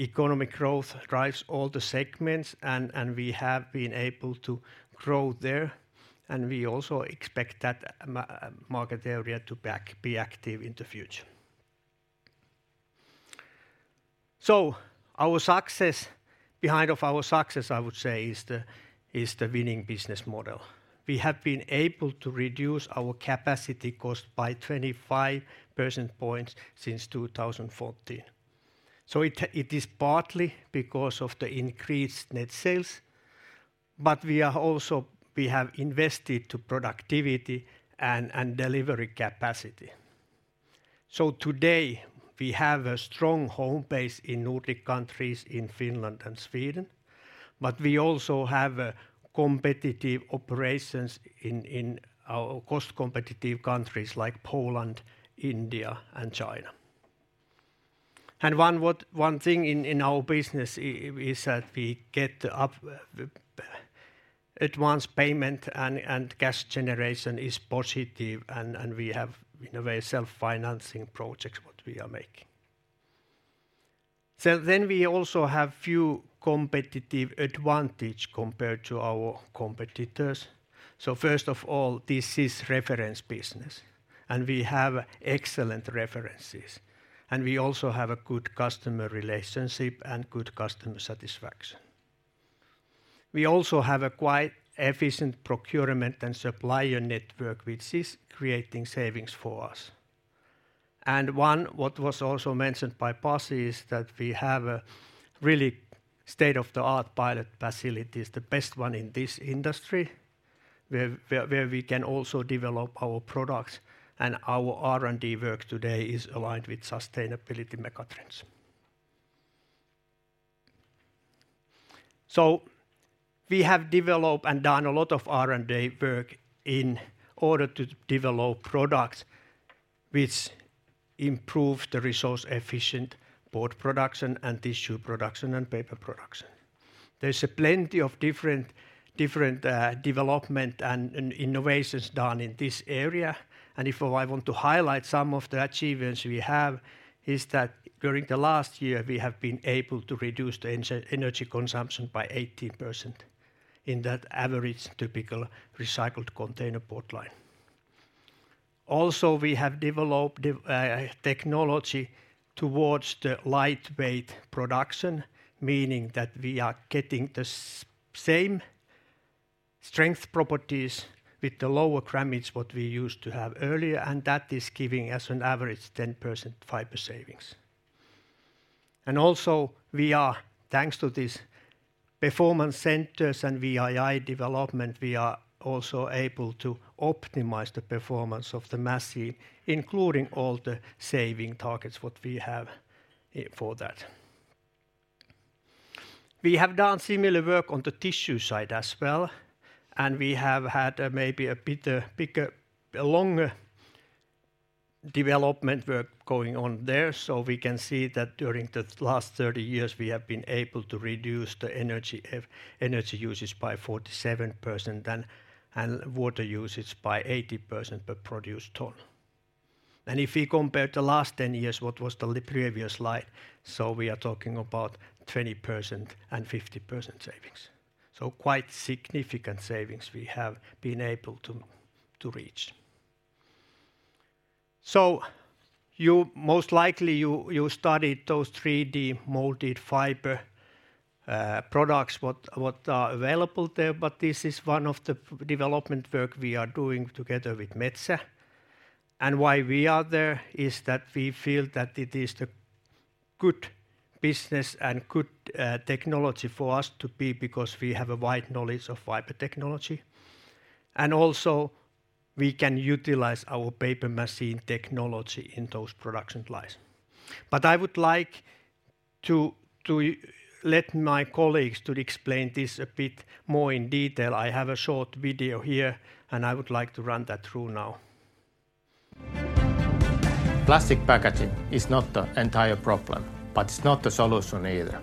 economic growth drives all the segments and we have been able to grow there, and we also expect that market area to be active in the future. Behind of our success, I would say is the winning business model. We have been able to reduce our capacity cost by 25% points since 2014. It is partly because of the increased net sales, but we have invested to productivity and delivery capacity. Today, we have a strong home base in Nordic countries, in Finland and Sweden, but we also have competitive operations in our cost-competitive countries like Poland, India and China. One thing in our business is that we get advance payment and cash generation is positive and we have, in a way, self-financing projects what we are making. We also have few competitive advantage compared to our competitors. First of all, this is reference business, and we have excellent references, and we also have a good customer relationship and good customer satisfaction. We also have a quite efficient procurement and supplier network, which is creating savings for us. One what was also mentioned by Pasi is that we have a really state-of-the-art pilot facilities, the best one in this industry, where we can also develop our products, and our R&D work today is aligned with sustainability megatrends. We have developed and done a lot of R&D work in order to develop products which improve the resource-efficient board production and tissue production and paper production. There's plenty of different development and innovations done in this area. If I want to highlight some of the achievements we have, is that during the last year we have been able to reduce the energy consumption by 18% in that average typical recycled container board line. We have developed technology towards the lightweight production, meaning that we are getting the same strength properties with the lower grammage what we used to have earlier. That is giving us an average 10% fiber savings. We are, thanks to these performance centers and VII development, also able to optimize the performance of the machine, including all the saving targets, what we have for that. We have done similar work on the tissue side as well. We have had maybe a bit bigger, a longer development work going on there. We can see that during the last 30 years we have been able to reduce the energy usage by 47% and water usage by 80% per produced ton. If we compare the last 10 years, what was the pre-previous slide? We are talking about 20% and 50% savings. Quite significant savings we have been able to reach. Most likely you studied those 3D molded fiber products, what are available there, but this is one of the development work we are doing together with Metsä. Why we are there is that we feel that it is the good business and good technology for us to be because we have a wide knowledge of fiber technology, and also we can utilize our paper machine technology in those production lines. I would like to let my colleagues to explain this a bit more in detail, I have a short video here, I would like to run that through now. Plastic packaging is not the entire problem, but it's not the solution either.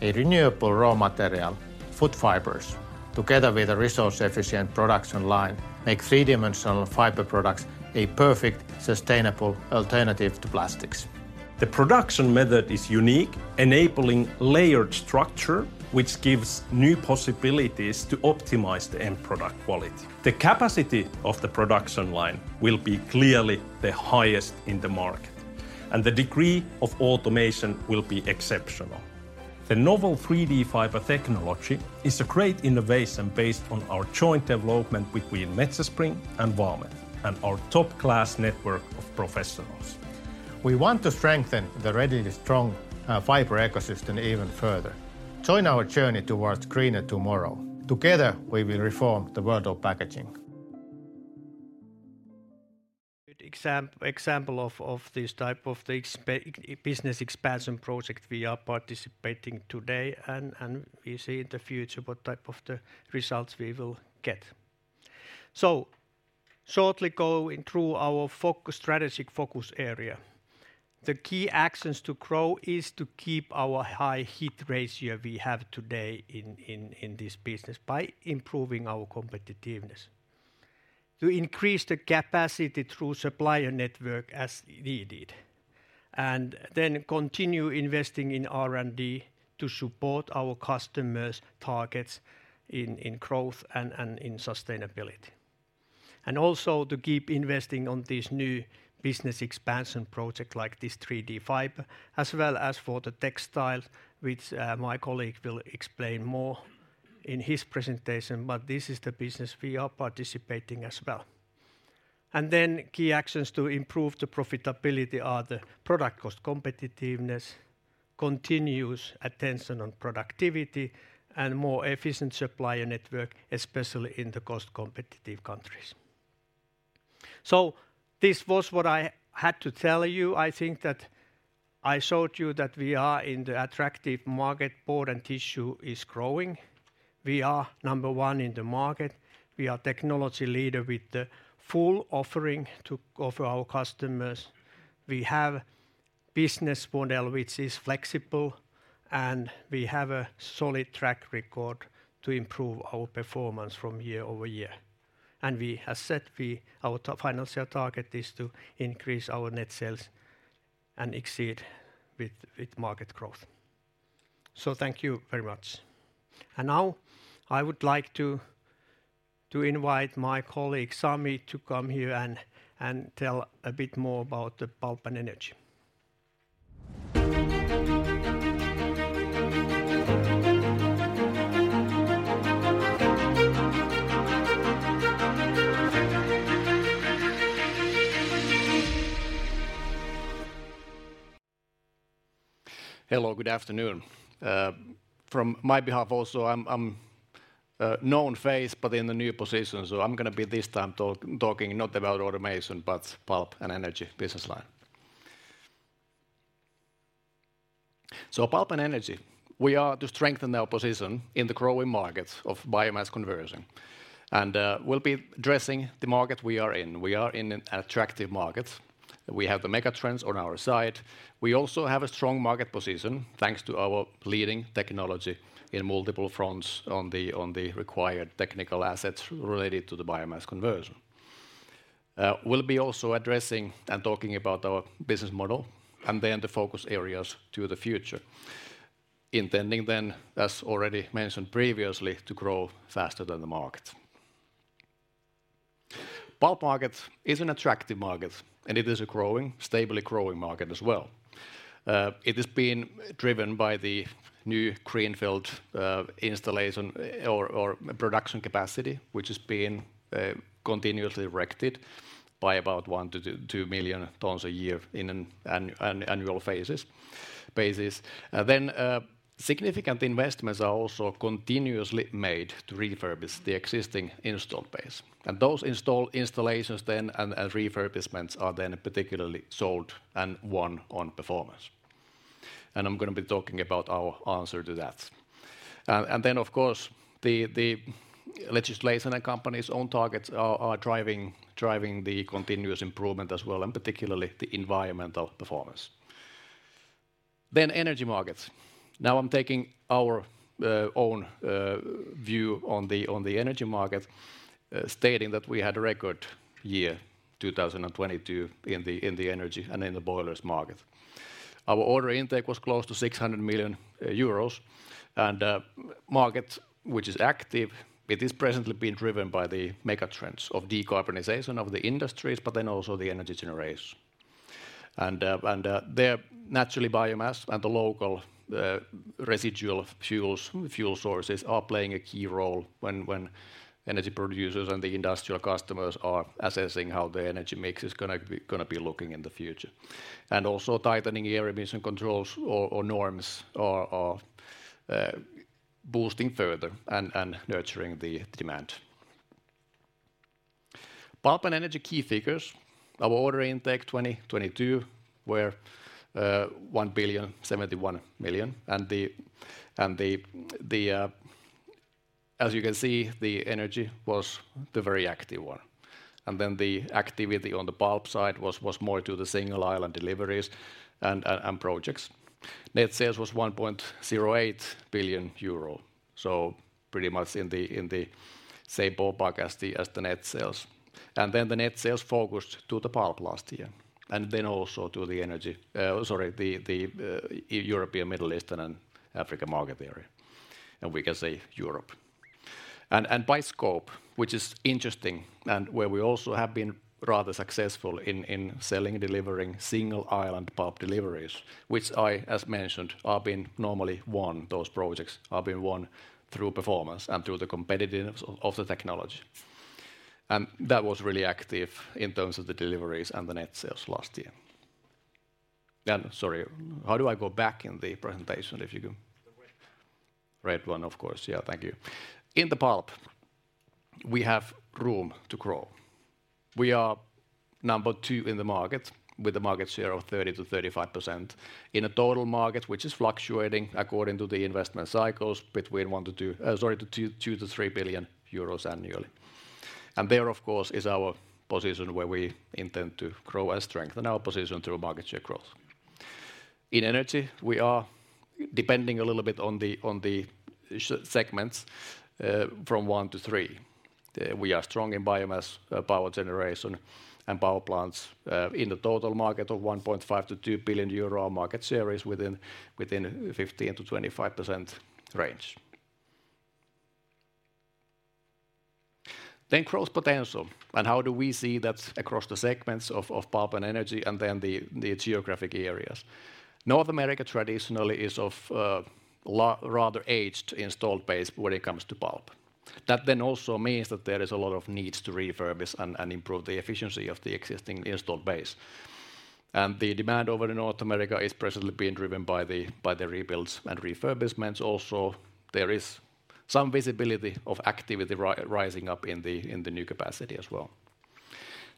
A renewable raw material, wood fibers, together with a resource-efficient production line make three-dimensional fiber products a perfect sustainable alternative to plastics. The production method is unique, enabling layered structure, which gives new possibilities to optimize the end product quality. The capacity of the production line will be clearly the highest in the market, and the degree of automation will be exceptional. The novel 3D Fiber technology is a great innovation based on our joint development between Metsä Spring and Valmet and our top-class network of professionals. We want to strengthen the already strong fiber ecosystem even further. Join our journey towards greener tomorrow. Together, we will reform the world of packaging. Good example of this type of business expansion project we are participating today, and we see in the future what type of the results we will get. Shortly going through our strategic focus area. The key actions to grow is to keep our high hit ratio we have today in this business by improving our competitiveness. To increase the capacity through supplier network as needed, and continue investing in R&D to support our customers' targets in growth and in sustainability. Also to keep investing on this new business expansion project like this 3D fiber, as well as for the textile, which my colleague will explain more in his presentation, but this is the business we are participating as well. Key actions to improve the profitability are the product cost competitiveness, continuous attention on productivity, and more efficient supplier network, especially in the cost-competitive countries. This was what I had to tell you. I think that I showed you that we are in the attractive market. Board and tissue is growing. We are number one in the market. We are technology leader with the full offering to offer our customers. We have business model which is flexible, and we have a solid track record to improve our performance from year-over-year. We have said our financial target is to increase our net sales and exceed with market growth. Thank you very much. Now I would like to invite my colleague, Sami, to come here and tell a bit more about the Pulp and Energy. Hello, good afternoon. From my behalf also, I'm a known face but in the new position, I'm gonna be this time talking not about automation, but Pulp and Energy business line. Pulp and Energy, we are to strengthen our position in the growing markets of biomass conversion, and we'll be addressing the market we are in. We are in an attractive market. We have the mega trends on our side. We also have a strong market position thanks to our leading technology in multiple fronts on the required technical assets related to the biomass conversion. We'll be also addressing and talking about our business model and then the focus areas to the future, intending then, as already mentioned previously, to grow faster than the market. Pulp market is an attractive market, it is a growing, stably growing market as well. It has been driven by the new greenfield installation or production capacity, which is being continuously erected by about 1-2 million tons a year in an annual basis. Significant investments are also continuously made to refurbish the existing installed base, and those installations then and refurbishments are then particularly sold and won on performance. I'm gonna be talking about our answer to that. Of course, the legislation and company's own targets are driving the continuous improvement as well and particularly the environmental performance. Energy markets. Now I'm taking our own view on the energy market, stating that we had a record year, 2022, in the energy and in the boilers market. Our order intake was close to 600 million euros. Market, which is active, it is presently being driven by the mega trends of decarbonization of the industries but then also the energy generation. There naturally biomass and the local residual fuels, fuel sources are playing a key role when energy producers and the industrial customers are assessing how the energy mix is gonna be looking in the future. Also tightening air emission controls or norms are boosting further and nurturing the demand. Pulp and energy key figures. Our order intake 2022 were EUR 1.071 billion. As you can see, the energy was the very active one. The activity on the pulp side was more to the single island deliveries and projects. Net sales was 1.08 billion euro. Pretty much in the, in the same ballpark as the, as the net sales. The net sales focused to the pulp last year, and then also to the energy, sorry, the European, Middle Eastern, and African market area. We can say Europe. By scope, which is interesting, and where we also have been rather successful in selling and delivering single island pulp deliveries, which I, as mentioned, have been normally won. Those projects have been won through performance and through the competitiveness of the technology. That was really active in terms of the deliveries and the net sales last year. Sorry, how do I go back in the presentation? The red. Red one, of course. Yeah. Thank you. In the pulp, we have room to grow. We are number two in the market, with a market share of 30%-35% in a total market, which is fluctuating according to the investment cycles between 2 billion-3 billion euros annually. There, of course, is our position where we intend to grow and strengthen our position through a market share growth. In energy, we are depending a little bit on the segments, from one to three. We are strong in biomass, power generation and power plants, in the total market of 1.5 billion-2 billion euro market shares within 15%-25% range. Growth potential, and how do we see that across the segments of pulp and energy and the geographic areas. North America traditionally is of rather aged installed base when it comes to pulp. That also means that there is a lot of needs to refurbish and improve the efficiency of the existing installed base. The demand over in North America is presently being driven by the rebuilds and refurbishments. Also, there is some visibility of activity rising up in the new capacity as well.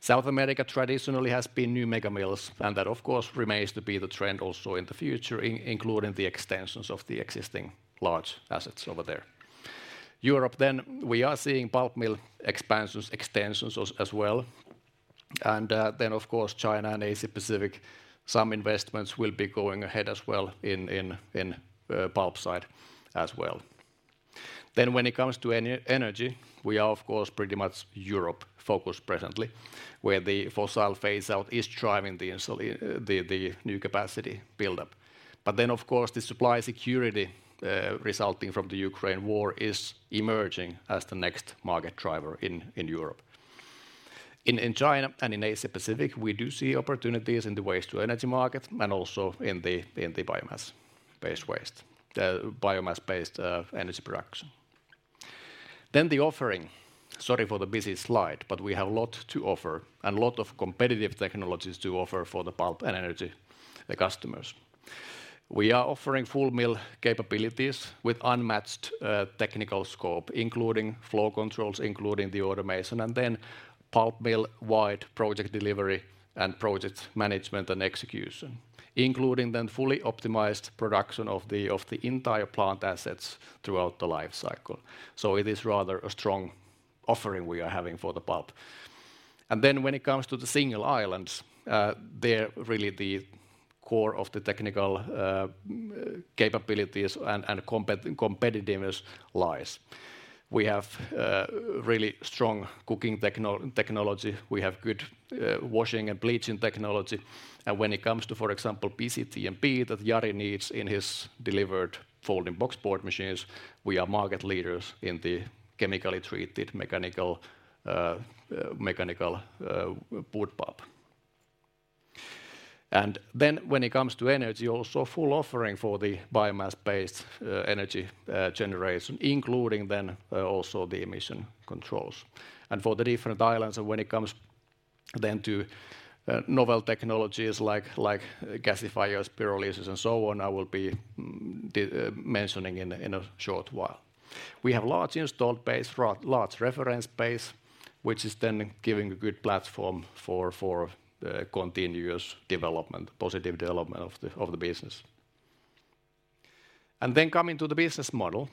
South America traditionally has been new mega mills, that of course remains to be the trend also in the future including the extensions of the existing large assets over there. Europe, we are seeing pulp mill expansions, extensions as well. Of course, China and Asia Pacific, some investments will be going ahead as well in pulp side as well. When it comes to energy, we are of course pretty much Europe-focused presently, where the fossil phase out is driving the new capacity build-up. Of course, the supply security resulting from the Ukraine war is emerging as the next market driver in Europe. In China and in Asia Pacific, we do see opportunities in the waste to energy market and also in the biomass-based waste. The biomass-based energy production. The offering. Sorry for the busy slide, but we have a lot to offer and a lot of competitive technologies to offer for the pulp and energy customers. We are offering full mill capabilities with unmatched technical scope, including flow controls, including the automation, and then pulp mill-wide project delivery and project management and execution, including then fully optimized production of the entire plant assets throughout the life cycle. So it is rather a strong offering we are having for the pulp. And then when it comes to the single islands, they're really the core of the technical capabilities and competitiveness lies. We have really strong cooking technology. We have good washing and bleaching technology. And when it comes to, for example, CTMP that Jari needs in his delivered folding box board machines, we are market leaders in the chemically treated mechanical wood pulp. When it comes to energy, also full offering for the biomass-based energy generation, including then also the emission controls. For the different islands, when it comes then to novel technologies like gasifiers, pyrolyzers, and so on, I will be mentioning in a short while. We have large installed base, large reference base, which is then giving a good platform for the continuous development, positive development of the business. Coming to the business model,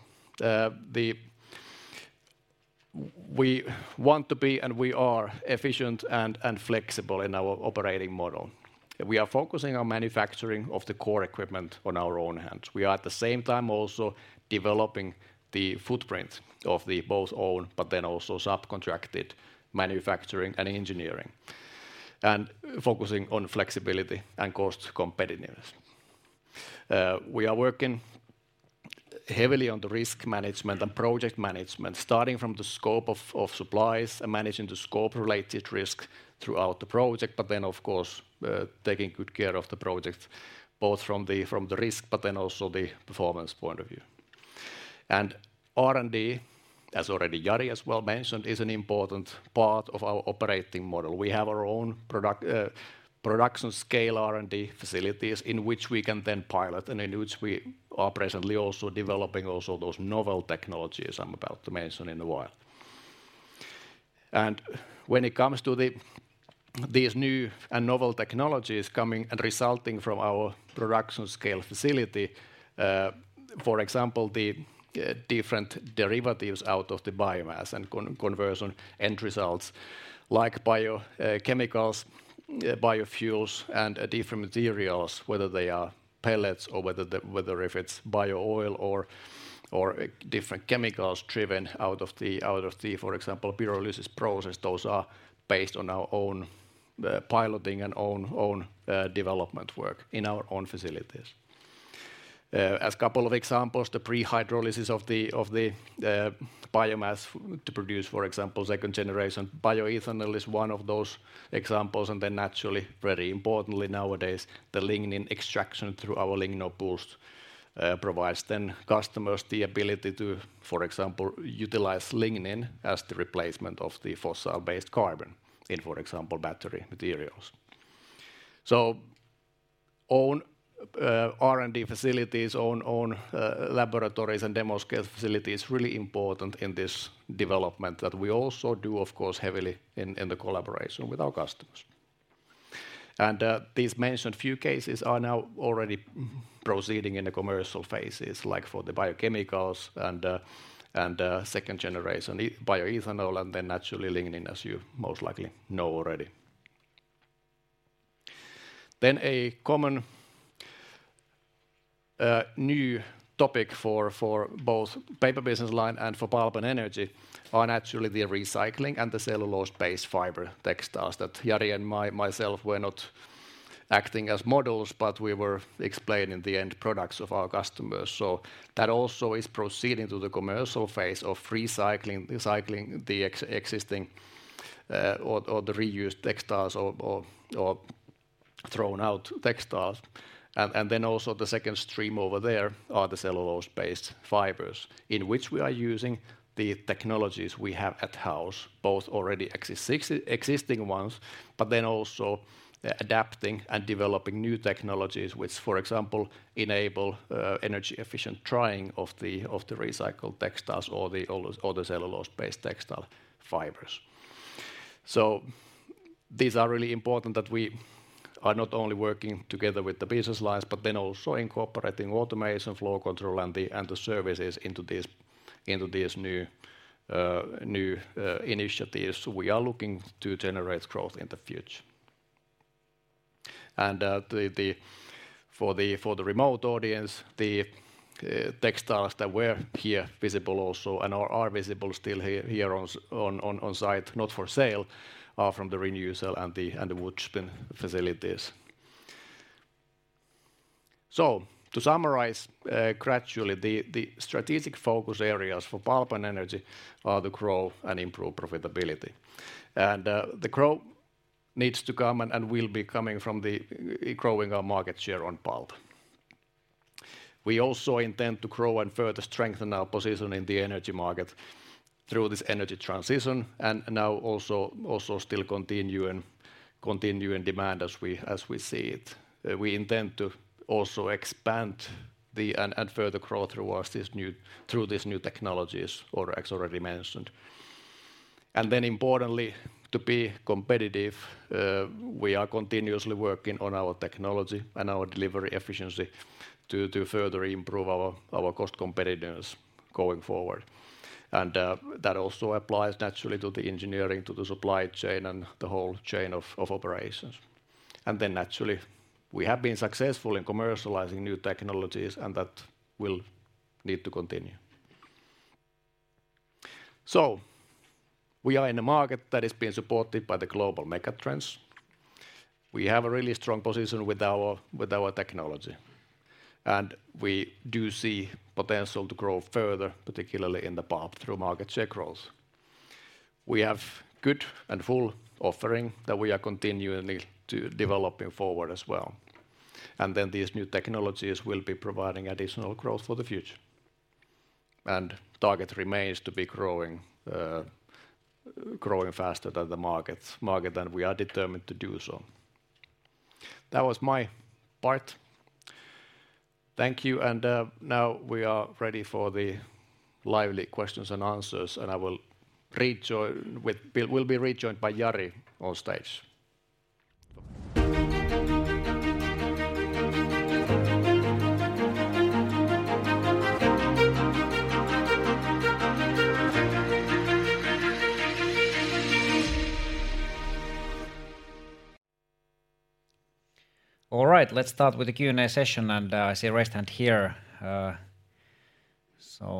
We want to be, and we are efficient and flexible in our operating model. We are focusing on manufacturing of the core equipment on our own hands. We are at the same time also developing the footprint of the both own, but then also subcontracted manufacturing and engineering, and focusing on flexibility and cost competitiveness. We are working heavily on the risk management and project management, starting from the scope of supplies and managing the scope-related risk throughout the project, but then of course, taking good care of the project both from the risk, but then also the performance point of view. R&D, as already Jari as well mentioned, is an important part of our operating model. We have our own product, production scale R&D facilities in which we can then pilot and in which we are presently also developing also those novel technologies I'm about to mention in a while. When it comes to these new and novel technologies coming and resulting from our production scale facility, for example, the different derivatives out of the biomass and conversion end results like bio chemicals, biofuels, and different materials, whether they are pellets or whether if it's bio oil or different chemicals driven out of the, for example, pyrolysis process. Those are based on our own piloting and own development work in our own facilities. As couple of examples, the pre-hydrolysis of the biomass to produce, for example, second generation bioethanol is one of those examples, and then naturally, very importantly nowadays, the lignin extraction through our LignoBoost provides then customers the ability to, for example, utilize lignin as the replacement of the fossil-based carbon in, for example, battery materials. Own R&D facilities, own laboratories and demo scale facility is really important in this development that we also do, of course, heavily in the collaboration with our customers. These mentioned few cases are now already proceeding in the commercial phases, like for the biochemicals and second generation bioethanol, and then naturally lignin, as you most likely know already. A common new topic for both Paper Business Line and for Pulp and Energy are naturally the recycling and the cellulose-based fiber textiles that Jari and myself were not acting as models, but we were explaining the end products of our customers. That also is proceeding to the commercial phase of recycling existing or the reused textiles or thrown out textiles. Then also the second stream over there are the cellulose-based fibers in which we are using the technologies we have at house, both already existing ones, but then also adapting and developing new technologies which, for example, enable energy-efficient drying of the recycled textiles or the cellulose-based textile fibers. These are really important that we are not only working together with the business lines, but then also incorporating automation, flow control, and the services into these new initiatives we are looking to generate growth in the future. For the remote audience, the textiles that were here visible also and are visible still here on site, not for sale, are from the Renewcell and the Woodspin facilities. To summarize, gradually, the strategic focus areas for Pulp and Energy are the growth and improved profitability. The growth needs to come and will be coming from the growing our market share on pulp. We also intend to grow and further strengthen our position in the energy market through this energy transition, and now also still continue in demand as we see it. We intend to also expand the and further grow through these new technologies, or as already mentioned. Importantly, to be competitive, we are continuously working on our technology and our delivery efficiency to further improve our cost competitiveness going forward. That also applies naturally to the engineering, to the supply chain, and the whole chain of operations. Naturally, we have been successful in commercializing new technologies, and that will need to continue. We are in a market that is being supported by the global megatrends. We have a really strong position with our technology, we do see potential to grow further, particularly in the pulp through market share growth. We have good and full offering that we are continually developing forward as well. These new technologies will be providing additional growth for the future. Target remains to be growing faster than the market, we are determined to do so. That was my part. Thank you, now we are ready for the lively questions and answers, I will rejoin with--we'll be rejoined by Jari on stage. All right, let's start with the Q&A session, and I see a raised hand here.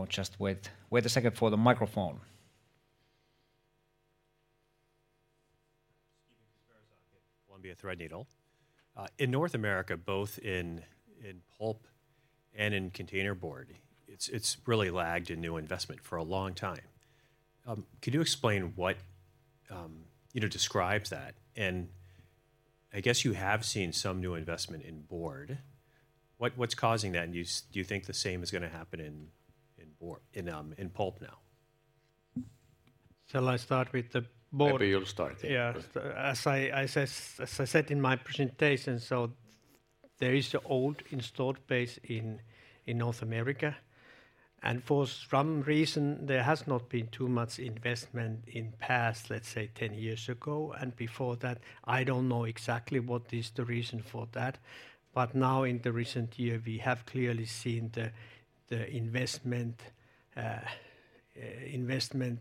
Just wait a second for the microphone. Stephen Kusmierczak, Columbia Threadneedle. In North America, both in pulp and in container board, it's really lagged in new investment for a long time. Could you explain what, you know, describes that? I guess you have seen some new investment in board. What's causing that? Do you think the same is gonna happen in pulp now? Shall I start with the board? Maybe you'll start. Yeah. As I said, as I said in my presentation. There is the old installed base in North America. For some reason, there has not been too much investment in past, let's say 10 years ago and before that. I don't know exactly what is the reason for that, but now in the recent year, we have clearly seen the investment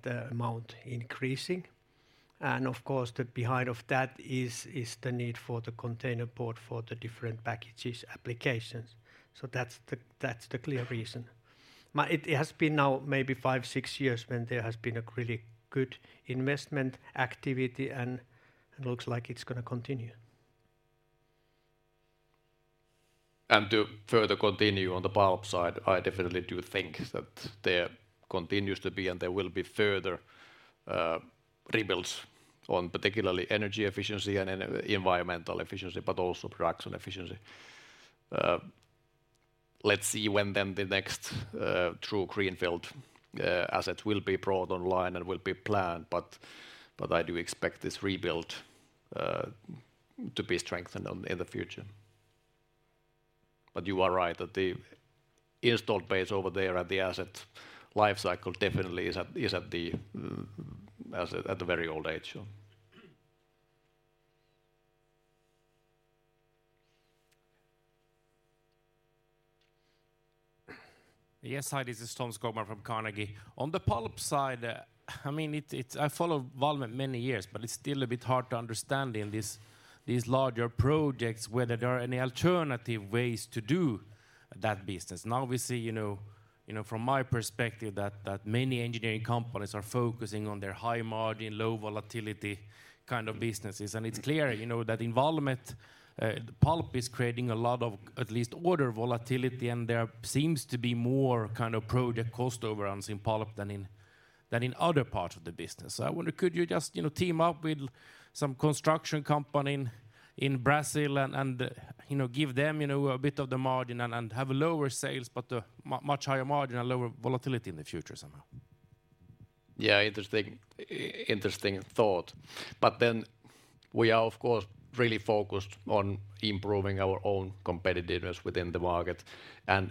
amount increasing. Of course, the behind of that is the need for the container port for the different packages applications. That's the clear reason. It has been now maybe five, six years when there has been a really good investment activity and looks like it's gonna continue. To further continue on the pulp side, I definitely do think that there continues to be and there will be further rebuilds on particularly energy efficiency and environmental efficiency, but also production efficiency. Let's see when then the next true greenfield asset will be brought online and will be planned, but I do expect this rebuild to be strengthened in the future. You are right that the installed base over there at the asset lifecycle definitely is at a very old age. Yes. Hi, this is Tom Skogman from Carnegie. On the pulp side, I follow Valmet many years, but it's still a bit hard to understand in this, these larger projects whether there are any alternative ways to do that business. Now we see, from my perspective that many engineering companies are focusing on their high margin, low volatility kind of businesses, and it's clear, you know, that in Valmet, the pulp is creating a lot of at least order volatility, and there seems to be more kind of project cost overruns in pulp than in other parts of the business. I wonder, could you just, you know, team up with some construction company in Brazil and, you know, give them, you know, a bit of the margin and have lower sales but much higher margin and lower volatility in the future somehow? Yeah. Interesting, interesting thought. We are, of course, really focused on improving our own competitiveness within the market and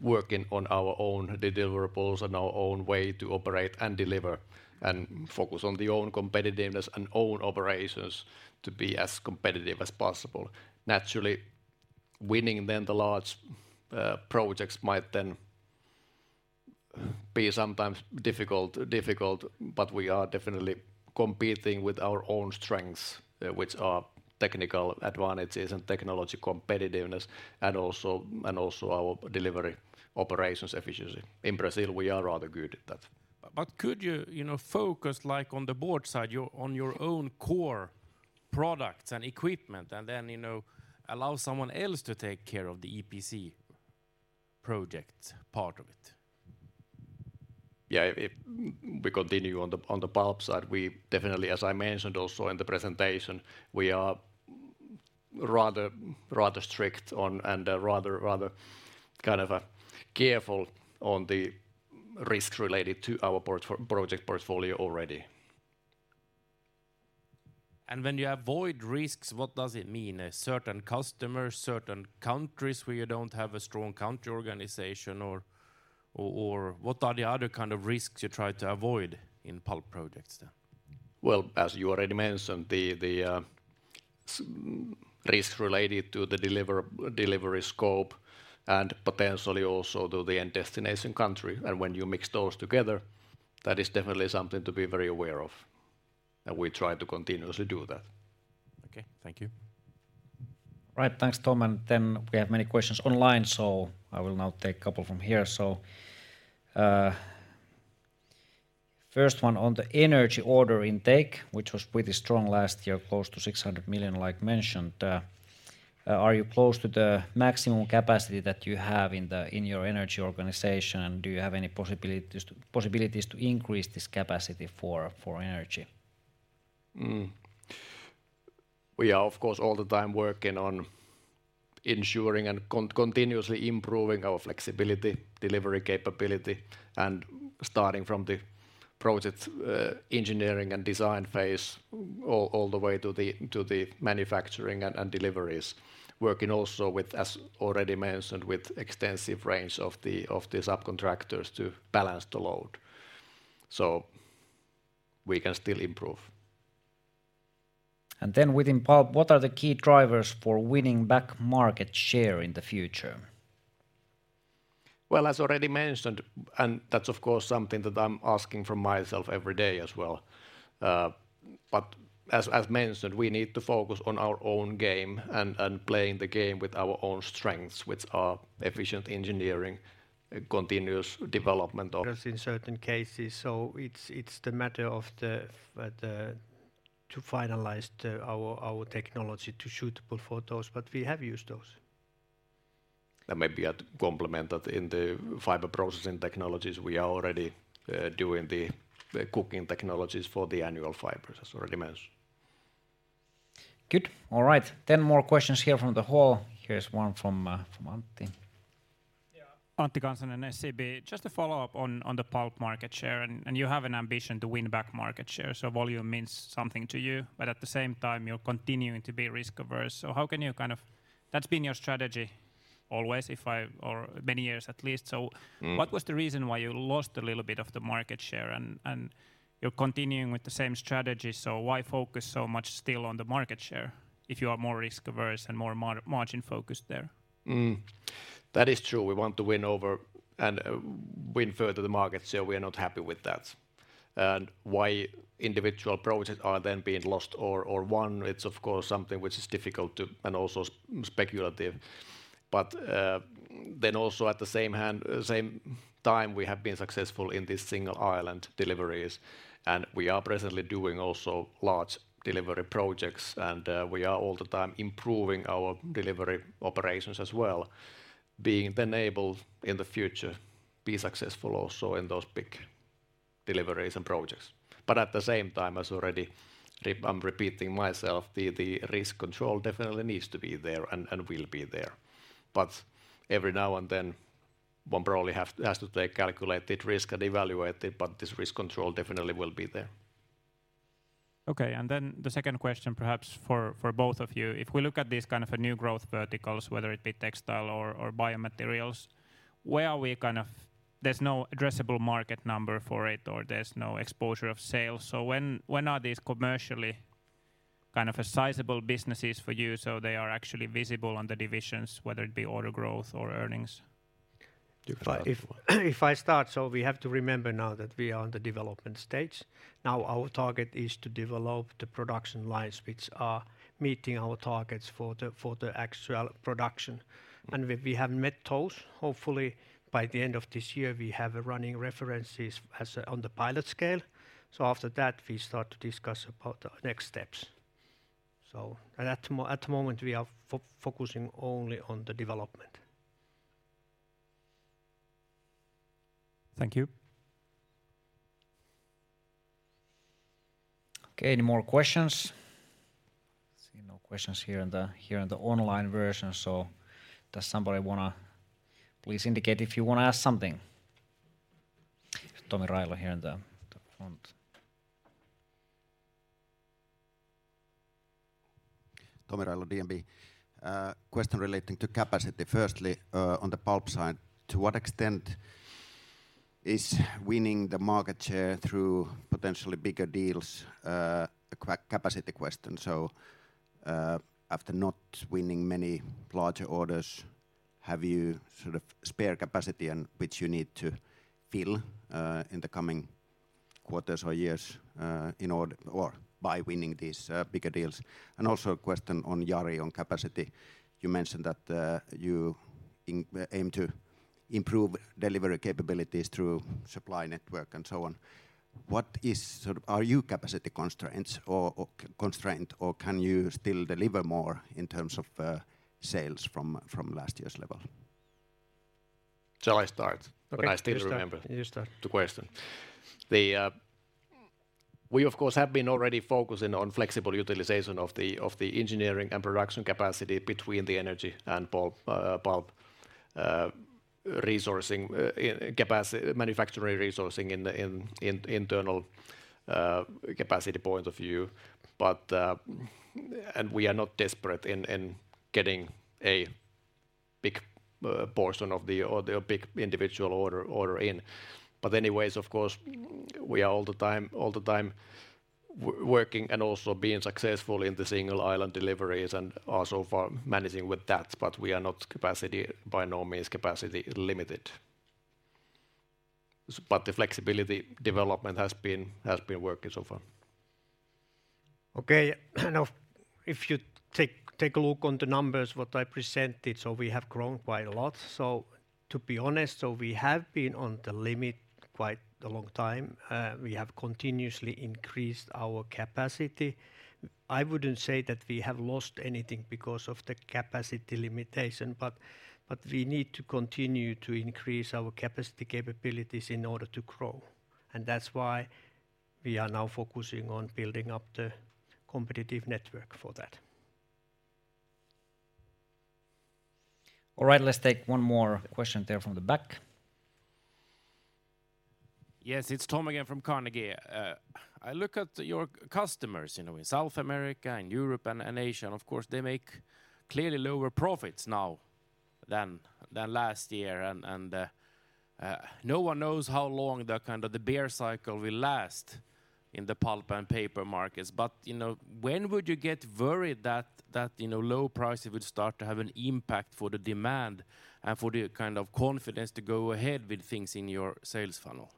working on our own deliverables and our own way to operate and deliver and focus on the own competitiveness and own operations to be as competitive as possible. Naturally, winning then the large projects might then be sometimes difficult, but we are definitely competing with our own strengths, which are technical advantages and technology competitiveness and also our delivery operations efficiency. In Brazil, we are rather good at that. Could you know, focus like on the board side, on your own core products and equipment and then, you know, allow someone else to take care of the EPC project part of it? Yeah. If we continue on the pulp side, we definitely, as I mentioned also in the presentation, we are rather strict on and rather kind of a careful on the risks related to our project portfolio already. When you avoid risks, what does it mean? Certain customers, certain countries where you don't have a strong country organization or what are the other kind of risks you try to avoid in pulp projects there? As you already mentioned, the risks related to the delivery scope and potentially also to the end destination country. When you mix those together, that is definitely something to be very aware of, and we try to continuously do that. Okay. Thank you. Right. Thanks, Tom. We have many questions online, so I will now take couple from here. First one on the energy order intake, which was pretty strong last year, close to 600 million like mentioned. Are you close to the maximum capacity that you have in your energy organization? Do you have any possibilities to increase this capacity for energy? We are, of course, all the time working on ensuring and continuously improving our flexibility, delivery capability, and starting from the project engineering and design phase all the way to the manufacturing and deliveries. Working also with, as already mentioned, with extensive range of the subcontractors to balance the load. We can still improve. Within pulp, what are the key drivers for winning back market share in the future? Well, as already mentioned, and that's of course something that I'm asking from myself every day as well. As mentioned, we need to focus on our own game and playing the game with our own strengths, which are efficient engineering, continuous development. In certain cases. it's the matter of the to finalize our technology to suitable for those, but we have used those. Maybe I'd complement that in the fiber processing technologies, we are already doing the cooking technologies for the annual fibers, as already mentioned. Good. All right. More questions here from the hall. Here's one from Antti. Antti Kansanen, SEB. Just a follow-up on the pulp market share, and you have an ambition to win back market share, so volume means something to you. At the same time, you're continuing to be risk-averse. That's been your strategy always or many years at least. Mm. What was the reason why you lost a little bit of the market share and you're continuing with the same strategy, Why focus so much still on the market share if you are more risk-averse and more margin-focused there? That is true. We want to win over and win further the market share. We are not happy with that. Why individual projects are then being lost or won, it's of course something which is difficult and also speculative. Then also at the same hand, same time, we have been successful in these single island deliveries, and we are presently doing also large delivery projects and we are all the time improving our delivery operations as well, being then able in the future be successful also in those big deliveries and projects. At the same time, as already I'm repeating myself, the risk control definitely needs to be there and will be there. Every now and then, one probably has to take calculated risk and evaluate it, but this risk control definitely will be there. The second question perhaps for both of you. If we look at these kind of a new growth verticals, whether it be textile or biomaterials, where are we? There's no addressable market number for it, or there's no exposure of sales. When are these commercially kind of a sizable businesses for you, so they are actually visible on the divisions, whether it be order growth or earnings? Do you- If I start, we have to remember now that we are on the development stage. Now, our target is to develop the production lines which are meeting our targets for the actual production. We have met those. Hopefully, by the end of this year, we have a running references on the pilot scale. After that, we start to discuss about the next steps. At the moment, we are focusing only on the development. Thank you. Okay. Any more questions? I see no questions here in the online version. Does somebody wanna. Please indicate if you wanna ask something. Tomi Railo here in the front. Tomi Railo, DNB. Question relating to capacity. Firstly, on the pulp side, to what extent is winning the market share through potentially bigger deals, a capacity question? After not winning many larger orders, have you sort of spare capacity and which you need to fill in the coming quarters or years in order or by winning these bigger deals? Also a question on Jari, on capacity. You mentioned that you aim to improve delivery capabilities through supply network and so on. What is sort of? Are you capacity constraints or constraint, or can you still deliver more in terms of sales from last year's level? Shall I start while- Okay. I can I still remember- You start. the question? The, we of course have been already focusing on flexible utilization of the, of the engineering and production capacity between the energy and pulp resourcing, manufacturing resourcing in internal capacity point of view. And we are not desperate in getting a big portion of the, or a big individual order in. Anyways, of course, we are all the time working and also being successful in the single island deliveries and also for managing with that, but we are not capacity by no means capacity limited. The flexibility development has been working so far. Now, if you take a look on the numbers, what I presented, we have grown quite a lot. To be honest, we have been on the limit quite a long time. We have continuously increased our capacity. I wouldn't say that we have lost anything because of the capacity limitation, but we need to continue to increase our capacity capabilities in order to grow. That's why we are now focusing on building up the competitive network for that. All right. Let's take one more question there from the back. Yes. It's Tom again from Carnegie. I look at your customers, you know, in South America and Europe and Asia and of course they make clearly lower profits now than last year. No one knows how long the kind of the bear cycle will last in the pulp and paper markets. You know, when would you get worried that, you know, low price would start to have an impact for the demand and for the kind of confidence to go ahead with things in your sales funnel?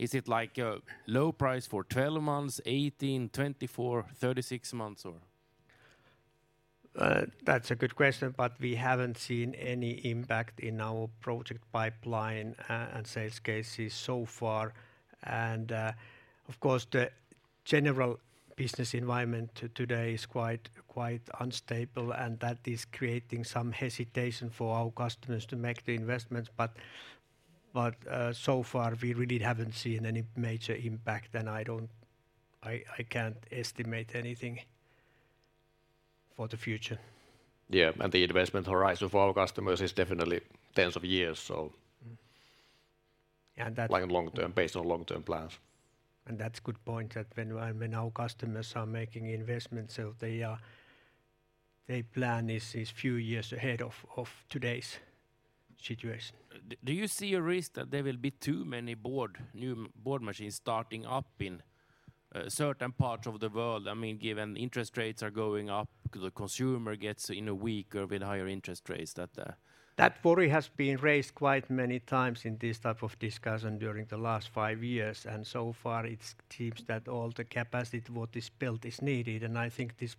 Is it like a low price for 12 months, 18, 24, 36 months or? That's a good question. We haven't seen any impact in our project pipeline and sales cases so far. Of course, the general business environment today is quite unstable, and that is creating some hesitation for our customers to make the investments. So far, we really haven't seen any major impact, and I can't estimate anything for the future. Yeah. The investment horizon for our customers is definitely tens of years, so- Mm-hmm. Like long-term, based on long-term plans. That's good point that when our customers are making investments, so they are, they plan this few years ahead of today's situation. Do you see a risk that there will be too many board, new board machines starting up in certain parts of the world? I mean, given interest rates are going up, the consumer gets, you know, weaker with higher interest rates that. That worry has been raised quite many times in this type of discussion during the last five years, and so far it seems that all the capacity what is built is needed, and I think this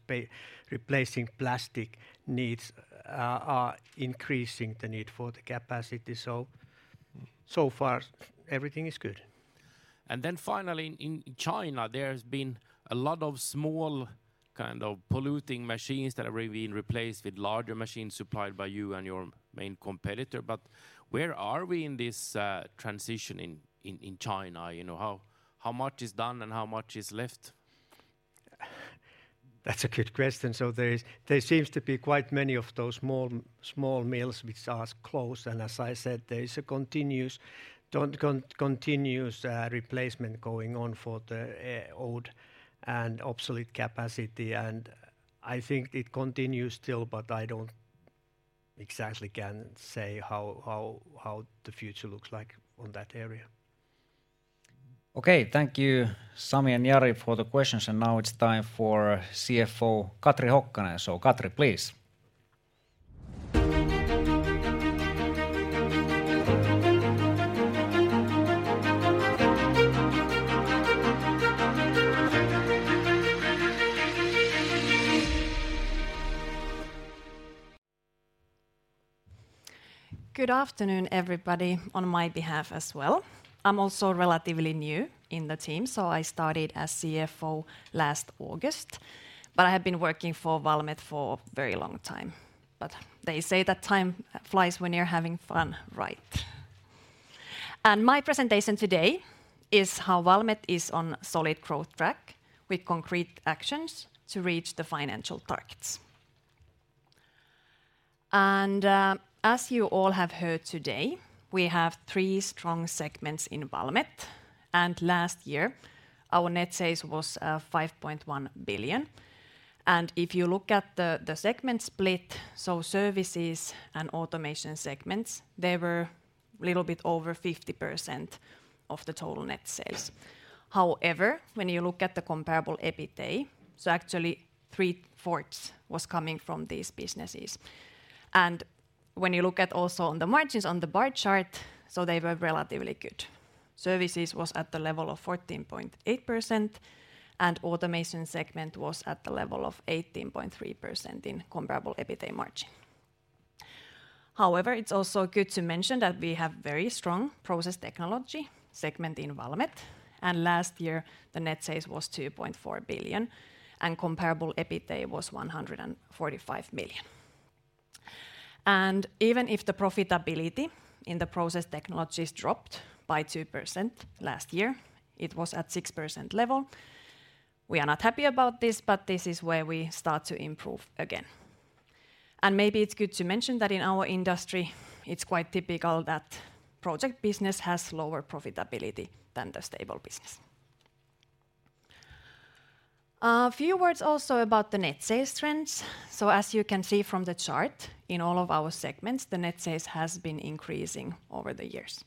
replacing plastic needs are increasing the need for the capacity. So far everything is good. Then finally, in China, there has been a lot of small kind of polluting machines that are really being replaced with larger machines supplied by you and your main competitor. Where are we in this transition in China? You know, how much is done and how much is left? That's a good question. There seems to be quite many of those small mills which has closed, and as I said, there is a continuous replacement going on for the old and obsolete capacity, and I think it continues still, but I don't exactly can say how the future looks like on that area. Okay. Thank you, Sami and Jari, for the questions, and now it's time for CFO Katri Hokkanen. Katri, please. Good afternoon, everybody, on my behalf as well. I'm also relatively new in the team, so I started as CFO last August, but I have been working for Valmet for very long time. They say that time flies when you're having fun, right? My presentation today is how Valmet is on solid growth track with concrete actions to reach the financial targets. As you all have heard today, we have three strong segments in Valmet, and last year our net sales was 5.1 billion. If you look at the segment split, so Services and Automation segments, they were little bit over 50% of the total net sales. However, when you look at the comparable EBITA, so actually 3/4 was coming from these businesses. When you look at also on the margins on the bar chart, they were relatively good. Services was at the level of 14.8%, Automation segment was at the level of 18.3% in comparable EBITA margin. However, it's also good to mention that we have very strong Process Technology segment in Valmet, last year the net sales was 2.4 billion, comparable EBITA was 145 million. Even if the profitability in the Process Technologies dropped by 2% last year, it was at 6% level. We are not happy about this, but this is where we start to improve again. Maybe it's good to mention that in our industry it's quite typical that project business has lower profitability than the stable business. A few words also about the net sales trends. As you can see from the chart, in all of our segments, the net sales has been increasing over the years.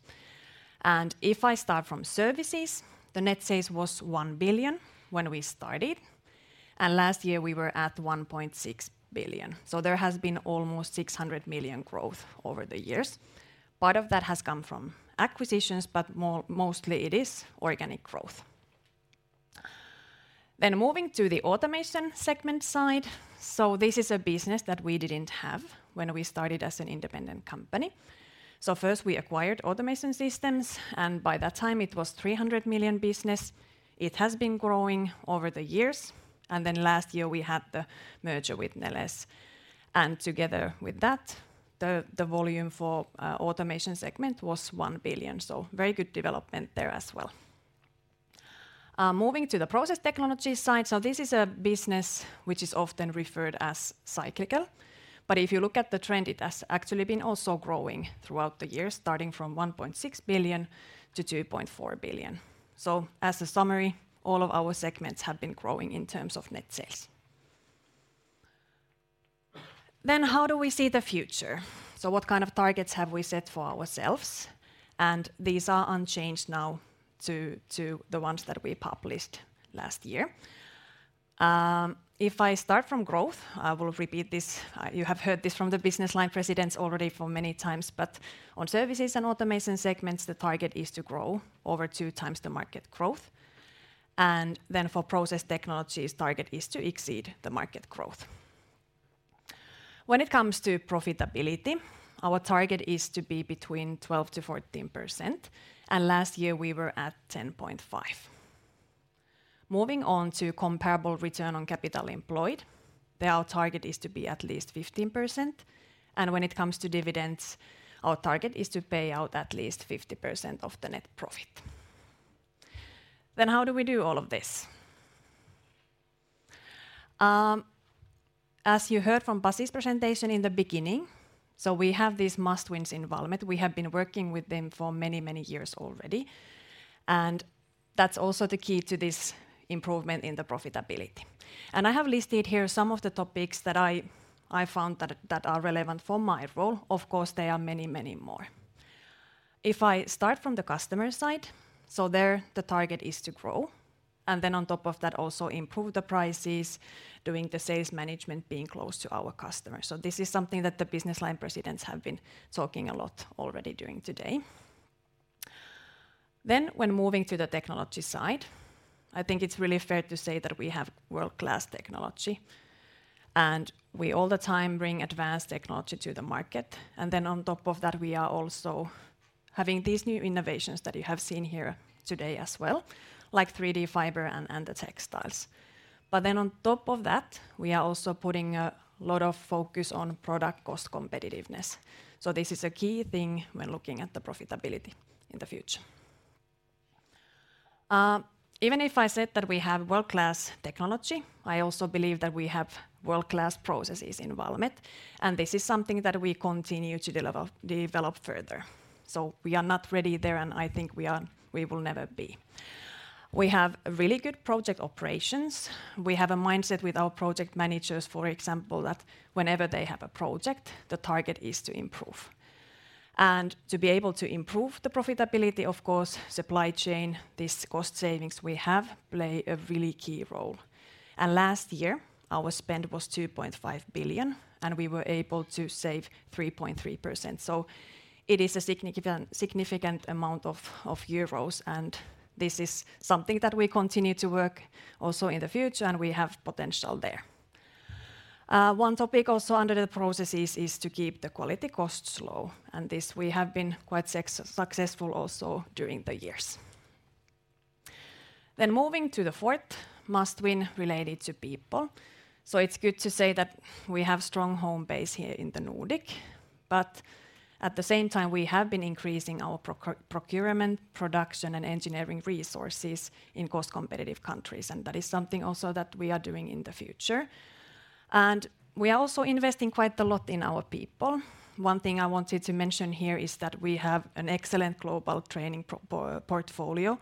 If I start from Services, the net sales was 1 billion when we started, and last year we were at 1.6 billion. There has been almost 600 million growth over the years. Part of that has come from acquisitions, but mostly it is organic growth. Moving to the Automation segment side, this is a business that we didn't have when we started as an independent company. First we acquired Automation Systems, and by that time it was 300 million business. It has been growing over the years. Last year we had the merger with Neles. Together with that, the volume for Automation segment was 1 billion. Very good development there as well. Moving to the Process Technology side, this is a business which is often referred as cyclical. If you look at the trend, it has actually been also growing throughout the years, starting from 1.6 billion to 2.4 billion. As a summary, all of our segments have been growing in terms of net sales. How do we see the future? What kind of targets have we set for ourselves? These are unchanged now to the ones that we published last year. If I start from growth, I will repeat this, you have heard this from the Business Line Presidents already for many times, on Services and Automation segments, the target is to grow over two times the market growth. For Process Technologies target is to exceed the market growth. When it comes to profitability, our target is to be between 12%-14%, and last year we were at 10.5%. Moving on to comparable Return on Capital Employed, there our target is to be at least 15%, and when it comes to dividends, our target is to pay out at least 50% of the net profit. How do we do all of this? As you heard from Pasi's presentation in the beginning, so we have these must-wins in Valmet. We have been working with them for many, many years already, and that's also the key to this improvement in the profitability. I have listed here some of the topics that I found that are relevant for my role. Of course, there are many, many more. If I start from the customer side, there the target is to grow, on top of that, also improve the prices, doing the sales management, being close to our customers. This is something that the Business Line Presidents have been talking a lot already during today. When moving to the technology side, I think it's really fair to say that we have world-class technology, we all the time bring advanced technology to the market. On top of that, we are also having these new innovations that you have seen here today as well, like Valmet 3D Fiber and the textiles. On top of that, we are also putting a lot of focus on product cost competitiveness. This is a key thing when looking at the profitability in the future. Even if I said that we have world-class technology, I also believe that we have world-class processes in Valmet, and this is something that we continue to develop further. We are not ready there, and I think we will never be. We have really good project operations. We have a mindset with our project managers, for example, that whenever they have a project, the target is to improve. To be able to improve the profitability, of course, supply chain, these cost savings we have play a really key role. Last year, our spend was 2.5 billion, and we were able to save 3.3%. It is a significant amount of euros, and this is something that we continue to work also in the future, and we have potential there. One topic also under the processes is to keep the quality costs low. This we have been quite successful also during the years. Moving to the fourth must-win related to people. It's good to say that we have strong home base here in the Nordic, but at the same time, we have been increasing our procurement, production, and engineering resources in cost-competitive countries. That is something also that we are doing in the future. We are also investing quite a lot in our people. One thing I wanted to mention here is that we have an excellent global training portfolio,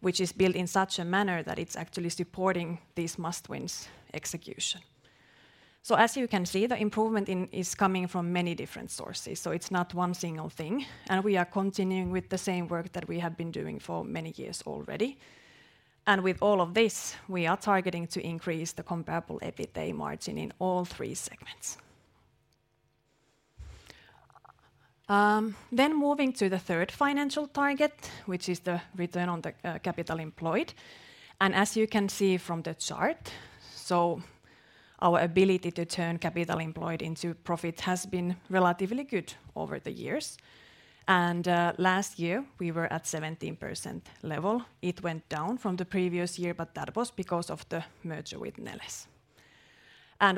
which is built in such a manner that it's actually supporting these must-wins' execution. As you can see, the improvement in- is coming from many different sources, so it's not one single thing, and we are continuing with the same work that we have been doing for many years already. With all of this, we are targeting to increase the comparable EBITDA margin in all three segments. Moving to the third financial target, which is the Return on Capital Employed. As you can see from the chart, so our ability to turn Capital Employed into profit has been relatively good over the years. Last year, we were at 17% level. It went down from the previous year, but that was because of the merger with Neles.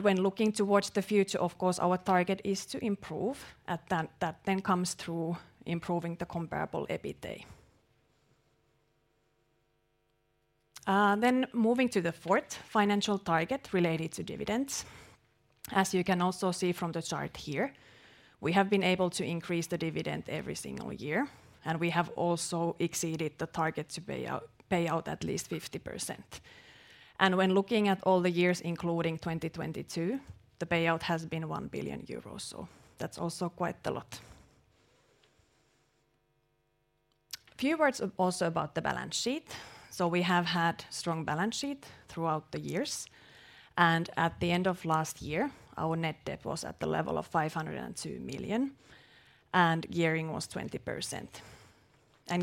When looking towards the future, of course, our target is to improve. That then comes through improving the comparable EBITDA. Moving to the fourth financial target related to dividends. As you can also see from the chart here, we have been able to increase the dividend every single year. We have also exceeded the target to pay out at least 50%. When looking at all the years, including 2022, the payout has been 1 billion euros, so that's also quite a lot. A few words also about the balance sheet. We have had strong balance sheet throughout the years, and at the end of last year, our net debt was at the level of 502 million, and gearing was 20%.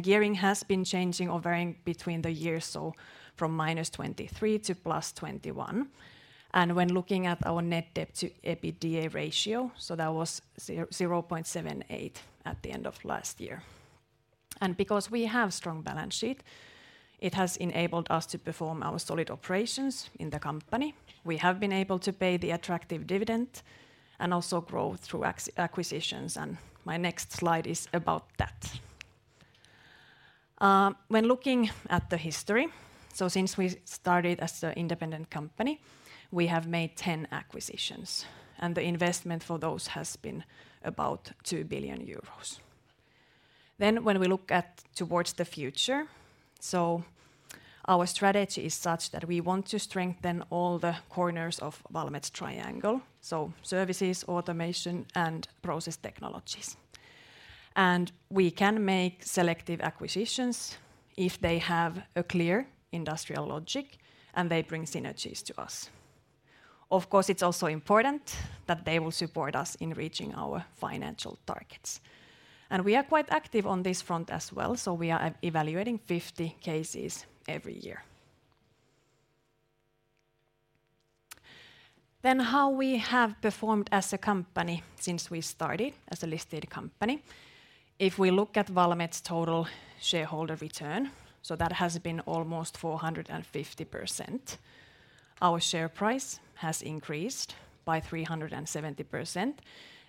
Gearing has been changing or varying between the years, so from -23% to +21%. When looking at our Net Debt to EBITDA ratio, that was 0.78 at the end of last year. Because we have strong balance sheet, it has enabled us to perform our solid operations in the company. We have been able to pay the attractive dividend and also grow through acquisitions. My next slide is about that. When looking at the history, so since we started as a independent company, we have made 10 acquisitions, and the investment for those has been about 2 billion euros. When we look at towards the future, so our strategy is such that we want to strengthen all the corners of Valmet's triangle, so services, automation, and process technologies. We can make selective acquisitions if they have a clear industrial logic and they bring synergies to us. Of course, it's also important that they will support us in reaching our financial targets. We are quite active on this front as well, so we are evaluating 50 cases every year. how we have performed as a company since we started as a listed company. If we look at Valmet's total shareholder return, that has been almost 450%. Our share price has increased by 370%,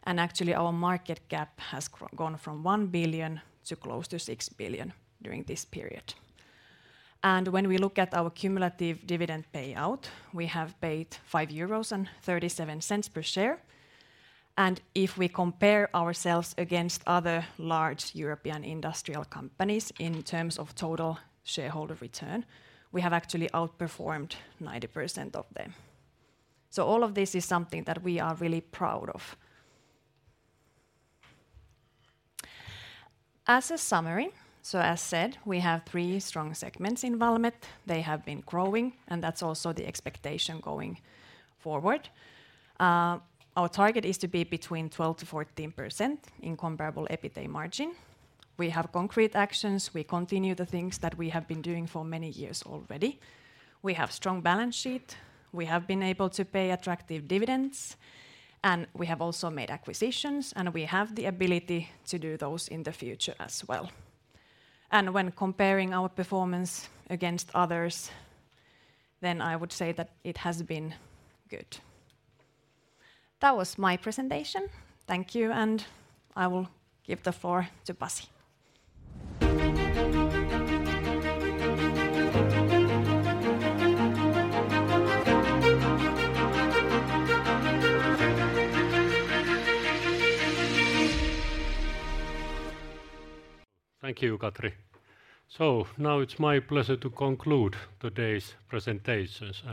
and actually our market cap has gone from 1 billion to close to 6 billion during this period. When we look at our cumulative dividend payout, we have paid 5.37 euros per share. If we compare ourselves against other large European industrial companies in terms of total shareholder return, we have actually outperformed 90% of them. All of this is something that we are really proud of. As a summary, as said, we have three strong segments in Valmet. They have been growing, and that's also the expectation going forward. Our target is to be between 12%-14% in comparable EBITA margin. We have concrete actions. We continue the things that we have been doing for many years already. We have strong balance sheet. We have been able to pay attractive dividends, and we have also made acquisitions, and we have the ability to do those in the future as well. When comparing our performance against others, then I would say that it has been good. That was my presentation. Thank you, and I will give the floor to Pasi. Thank you, Katri. Now it's my pleasure to conclude today's presentations.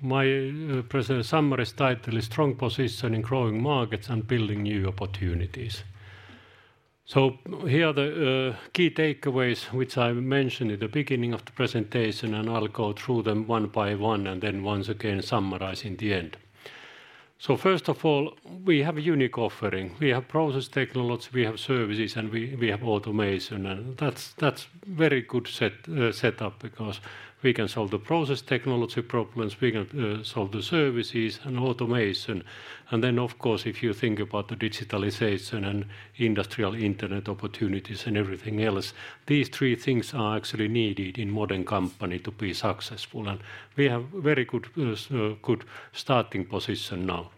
My present summary's title is Strong Position in Growing Markets and Building New Opportunities. Here are the key takeaways which I mentioned at the beginning of the presentation. I'll go through them one by one and then once again summarize in the end. First of all, we have a unique offering. We have process technology, we have services, and we have automation. That's very good setup because we can solve the process technology problems, we can solve the services and automation. Of course if you think about the digitalization and Valmet Industrial Internet opportunities and everything else, these three things are actually needed in modern company to be successful, and we have very good starting position now.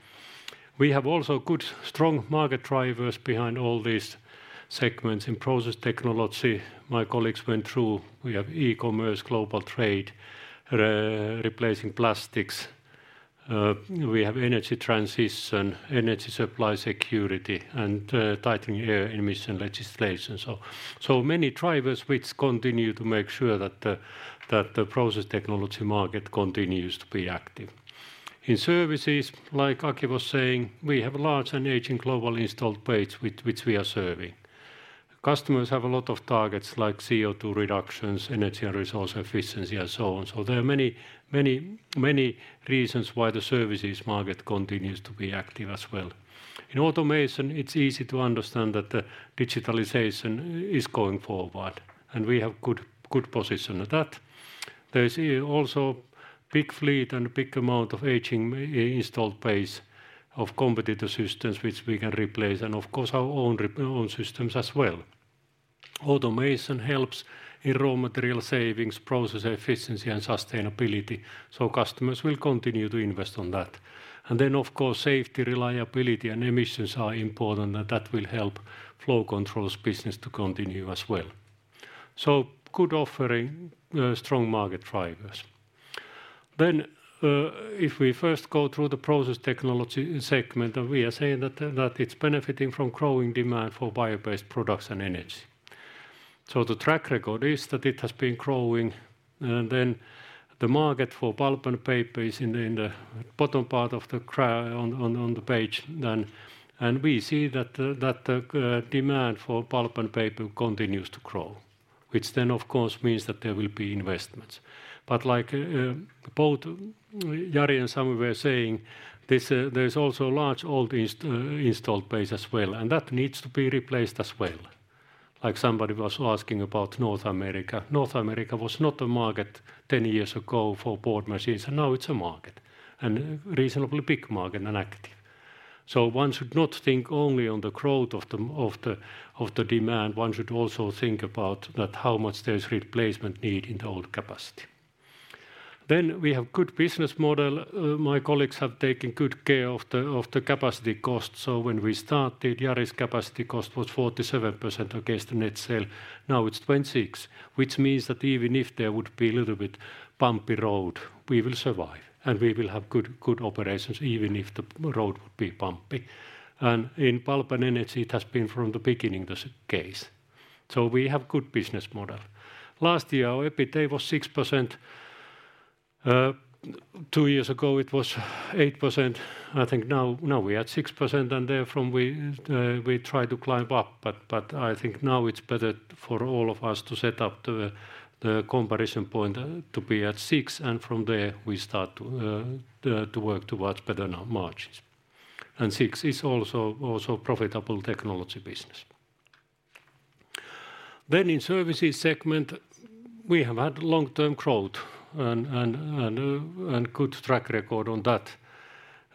We have also good strong market drivers behind all these segments. In process technology, my colleagues went through, we have e-commerce, global trade, replacing plastics, we have energy transition, energy supply security, and tightening air emission legislation. Many drivers which continue to make sure that the process technology market continues to be active. In services, like Aki was saying, we have large and aging global installed base which we are serving. Customers have a lot of targets like CO2 reductions, energy and resource efficiency, and so on. There are many reasons why the services market continues to be active as well. In automation, it's easy to understand that the digitalization is going forward, and we have good position at that. There's also big fleet and big amount of aging installed base of competitor systems which we can replace, and of course our own systems as well. Automation helps in raw material savings, process efficiency, and sustainability, customers will continue to invest on that. Of course safety, reliability, and emissions are important, that will help Flow Control business to continue as well. Good offering, strong market drivers. If we first go through the process technology segment, we are saying that it's benefiting from growing demand for bio-based products and energy. The track record is that it has been growing, and then the market for pulp and paper is in the bottom part of the page then, and we see that the demand for pulp and paper continues to grow, which then of course means that there will be investments. Like both Jari and Sami were saying, this there's also large old installed base as well, and that needs to be replaced as well. Like somebody was asking about North America. North America was not a market 10 years ago for board machines, and now it's a market, and reasonably big market and active. One should not think only on the growth of the demand. One should also think about that how much there's replacement need in the old capacity. We have good business model. My colleagues have taken good care of the capacity cost, so when we started, Jari's capacity cost was 47% against the net sale. Now it's 26%, which means that even if there would be a little bit bumpy road, we will survive, and we will have good operations even if the road would be bumpy. In Pulp and Energy, it has been from the beginning this case. We have good business model. Last year, our EBITA was 6%. two years ago, it was 8%. I think now we are at 6%, therefrom we try to climb up, but I think now it's better for all of us to set up the comparison point to be at six. From there we start to work towards better margins. Six is also profitable technology business. In services segment, we have had long-term growth and good track record on that.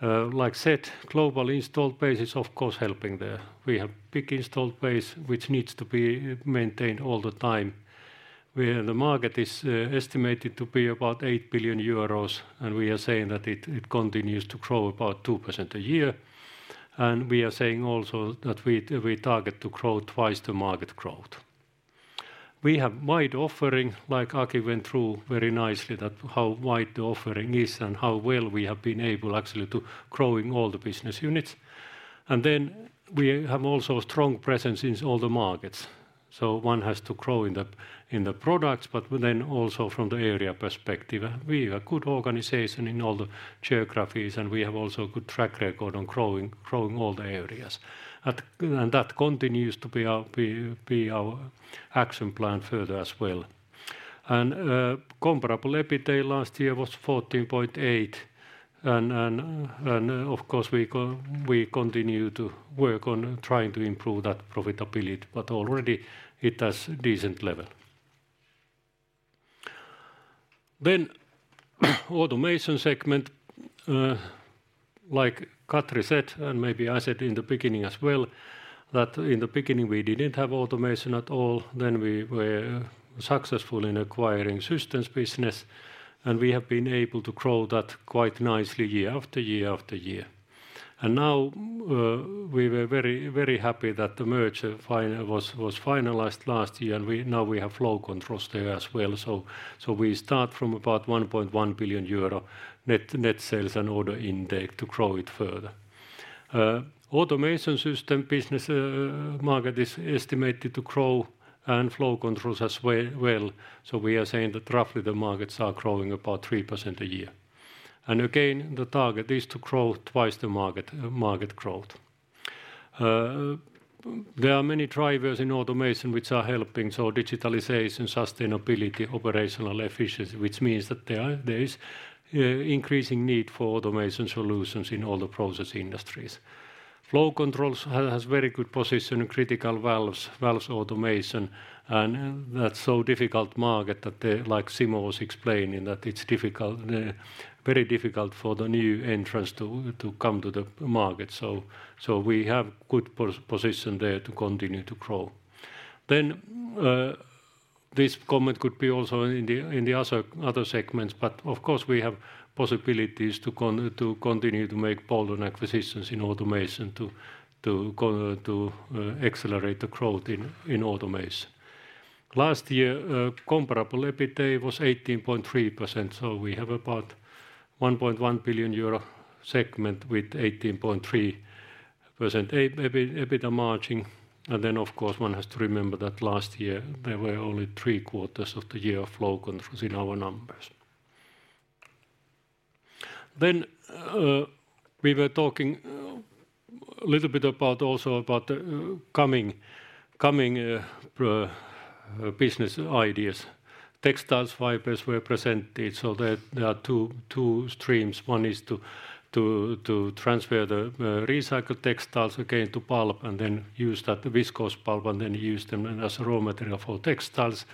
Like said, global installed base is of course helping there. We have big installed base which needs to be maintained all the time, where the market is estimated to be about 8 billion euros. We are saying that it continues to grow about 2% a year. We are saying also that we target to grow twice the market growth. We have wide offering, like Aki went through very nicely that how wide the offering is and how well we have been able actually to growing all the business units. We have also strong presence in all the markets. One has to grow in the products, then also from the area perspective. We have a good organization in all the geographies, and we have also a good track record on growing all the areas. That continues to be our action plan further as well. Comparable EBITDA last year was 14.8%. Of course we continue to work on trying to improve that profitability, but already it has decent level. Automation segment, like Katri said, and maybe I said in the beginning as well, that in the beginning we didn't have automation at all, then we were successful in acquiring systems business, and we have been able to grow that quite nicely year after year after year. Now, we were very, very happy that the merger was finalized last year, and we now we have flow controls there as well. We start from about 1.1 billion euro net sales and order intake to grow it further. Automation system business, market is estimated to grow and flow controls as well, we are saying that roughly the markets are growing about 3% a year. Again, the target is to grow twice the market growth. There are many drivers in automation which are helping, so digitalization, sustainability, operational efficiency, which means that there is increasing need for automation solutions in all the process industries. Flow Control has very good position in critical valves automation, and that's so difficult market that, like Simo was explaining, that it's difficult, very difficult for the new entrants to come to the market. So we have good position there to continue to grow. This comment could be also in the other segments, but of course we have possibilities to continue to make bold new acquisitions in automation to go to accelerate the growth in automation. Last year, comparable EBITDA was 18.3%, so we have about 1.1 billion euro segment with 18.3% EBITDA margin. Of course, one has to remember that last year there were only three quarters of the year of Flow Control in our numbers. We were talking a little bit about also about coming business ideas. Textile fibers were presented, so there are two streams. One is to transfer the recycled textiles again to pulp and then use that viscose pulp and then use them as a raw material for textiles.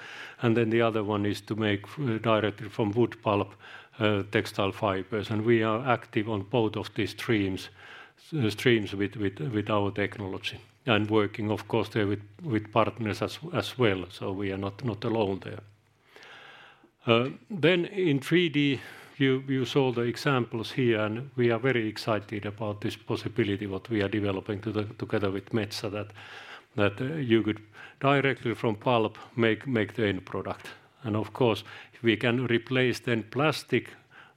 The other one is to make directly from wood pulp textile fibers. We are active on both of these streams with our technology and working of course there with partners as well. We are not alone there. In 3D you saw the examples here. We are very excited about this possibility, what we are developing together with Metsä, that you could directly from pulp make the end product. Of course, if we can replace then plastic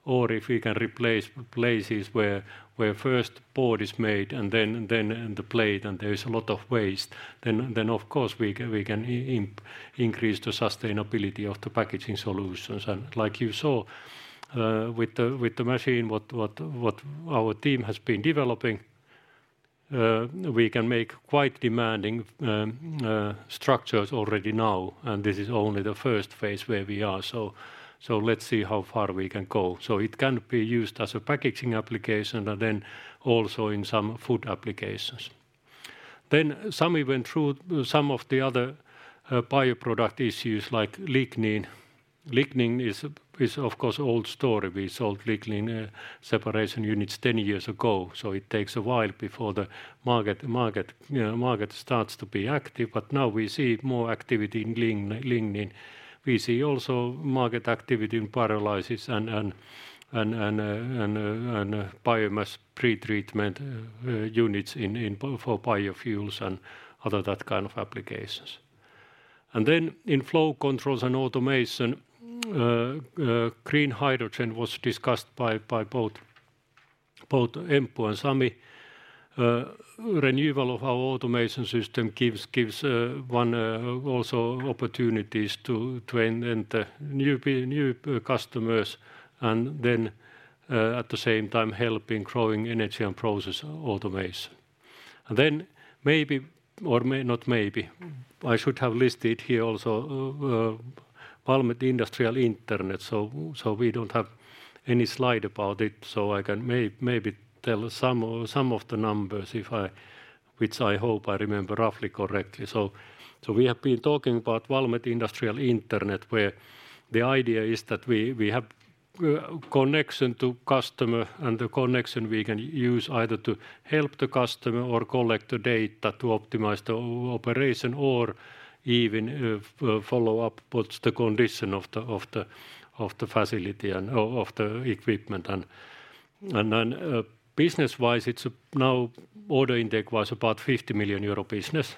or if we can replace places where first board is made and then and the plate and there is a lot of waste, then of course we can increase the sustainability of the packaging solutions. Like you saw, with the machine, what our team has been developing, we can make quite demanding structures already now, and this is only the first phase where we are. Let's see how far we can go. It can be used as a packaging application also in some food applications. Sami went through some of the other bio product issues like lignin. Lignin is of course old story. We sold lignin separation units 10 years ago, it takes a while before the market, you know, market starts to be active. Now we see more activity in lignin. We see also market activity in pyrolysis and biomass pretreatment units in for biofuels and other that kind of applications. In flow controls and automation, green hydrogen was discussed by both Emilia and Sami. Renewal of our automation system gives one also opportunities to enter new customers and then at the same time helping growing energy and process automates. Maybe, or not maybe, I should have listed here also Valmet Industrial Internet. We don't have any slide about it. I can maybe tell some of the numbers if I Which I hope I remember roughly correctly. We have been talking about Valmet Industrial Internet, where the idea is that we have connection to customer, and the connection we can use either to help the customer or collect the data to optimize the operation or even follow up what's the condition of the facility and of the equipment. Then business-wise, it's now order intake was about 50 million euro business.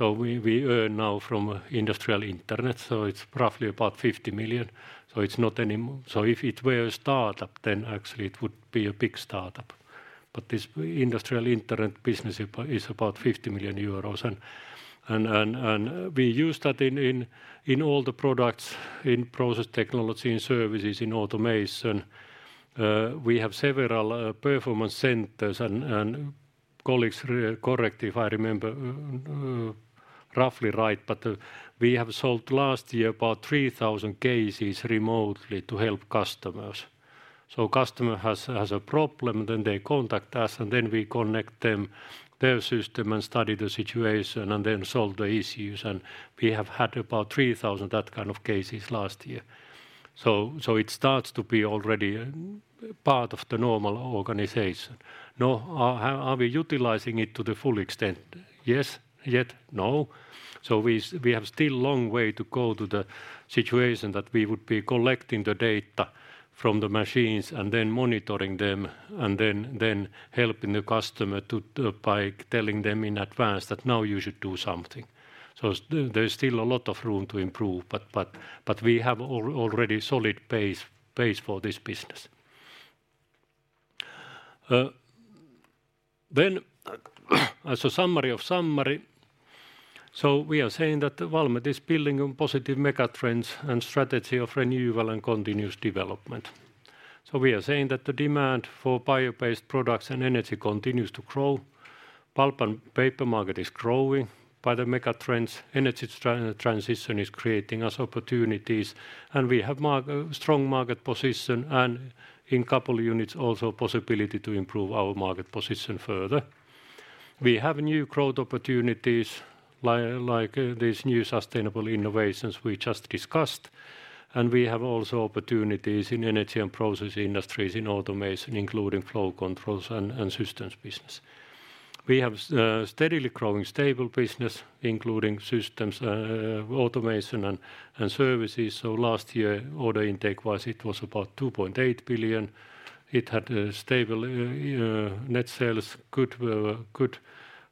We earn now from Industrial Internet. It's roughly about 50 million. If it were a startup, then actually it would be a big startup. This Industrial Internet business is about 50 million euros and we use that in all the products, in process technology, in services, in automation. We have several performance centers and colleagues re-correct if I remember, roughly right, but we have sold last year about 3,000 cases remotely to help customers. Customer has a problem, then they contact us, and then we connect them their system and study the situation and then solve the issues. We have had about 3,000 that kind of cases last year. It starts to be already part of the normal organization. Now, are we utilizing it to the full extent? Yes. Yet? No. We have still long way to go to the situation that we would be collecting the data from the machines and then monitoring them and then helping the customer to by telling them in advance that now you should do something. There's still a lot of room to improve, but we have already solid base for this business. As a summary of summary, we are saying that Valmet is building on positive megatrends and strategy of renewal and continuous development. We are saying that the demand for bio-based products and energy continues to grow. Pulp and paper market is growing by the megatrends. Energy transition is creating us opportunities, and we have strong market position and in couple units also possibility to improve our market position further. We have new growth opportunities like these new sustainable innovations we just discussed, and we have also opportunities in energy and process industries, in automation, including flow controls and systems business. We have steadily growing stable business, including systems, automation and services. Last year, order intake it was about 2.8 billion. It had a stable net sales, good good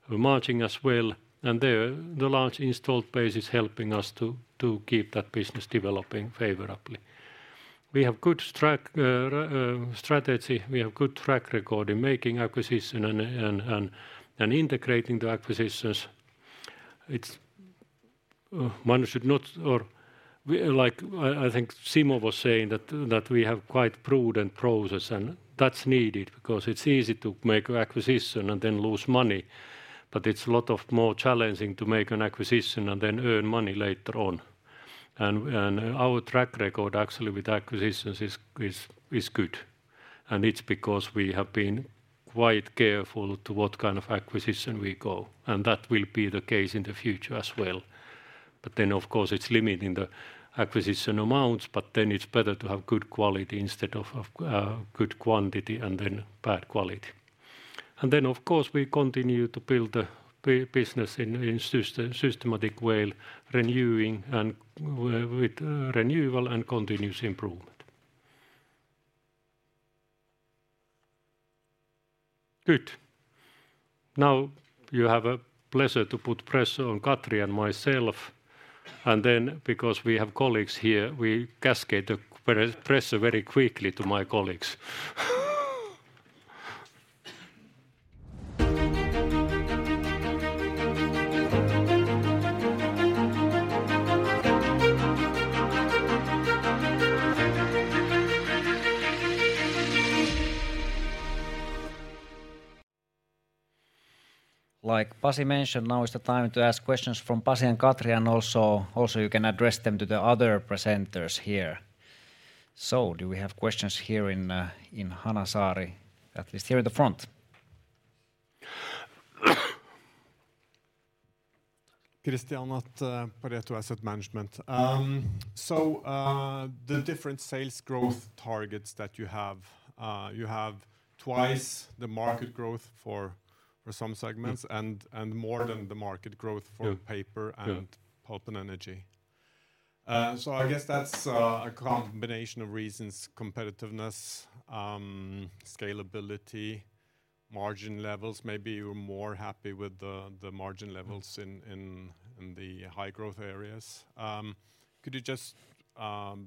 margin as well, the large installed base is helping us to keep that business developing favorably. We have good track strategy, we have good track record in making acquisition and integrating the acquisitions. It's one should not or we like I think Simo was saying that we have quite prudent process, that's needed because it's easy to make acquisition and then lose money. It's a lot of more challenging to make an acquisition and then earn money later on. Our track record actually with acquisitions is good, and it's because we have been quite careful to what kind of acquisition we go, and that will be the case in the future as well. Of course it's limiting the acquisition amounts, but it's better to have good quality instead of good quantity and bad quality. Of course we continue to build the business in systematic way, renewing and with renewal and continuous improvement. Good. Now you have a pleasure to put pressure on Katri and myself, and because we have colleagues here, we cascade the pressure very quickly to my colleagues. Like Pasi mentioned, now is the time to ask questions from Pasi and Katri, and also you can address them to the other presenters here. Do we have questions here in Hanasaari, at least here in the front? Christian, Pareto Asset Management. The different sales growth targets that you have, you have twice the market growth for some segments and more than the market growth for paper- Yeah. and pulp and energy. I guess that's a combination of reasons, competitiveness, scalability, margin levels. Maybe you're more happy with the margin levels in the high growth areas. Could you just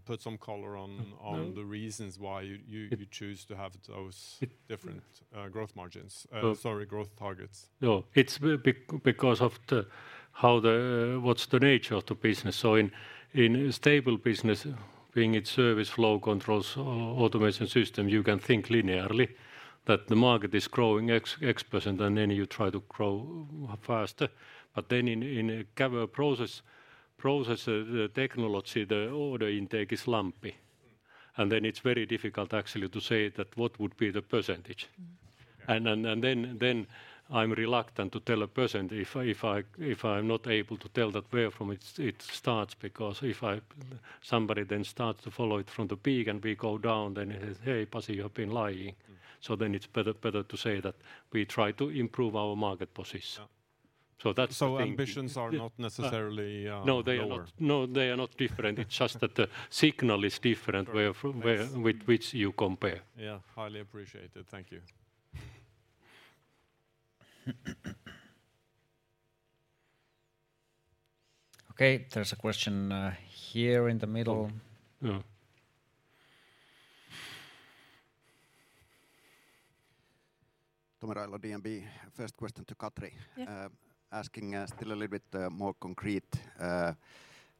put some color on the reasons why you choose to have those different growth margins? Sorry, growth targets. It's because of the nature of the business. In, in stable business, being it service flow controls or automation system, you can think linearly that the market is growing x percent and then you try to grow faster. In, in a cover process technology, the order intake is lumpy. It's very difficult actually to say that what would be the percentage. Yeah. Then I'm reluctant to tell a person if I'm not able to tell that where from it starts because somebody then starts to follow it from the peak and we go down, then it is, "Hey, Pasi, you have been lying. Mm. It's better to say that we try to improve our market position. Yeah. That's the thing. Ambitions are not necessarily- No, they are not. lower. No, they are not different. It's just that the signal is different where with which you compare. Yeah, highly appreciated. Thank you. Okay. There's a question, here in the middle. Yeah. Tomi Railo, DNB. First question to Katri. Yeah. Asking still a little bit more concrete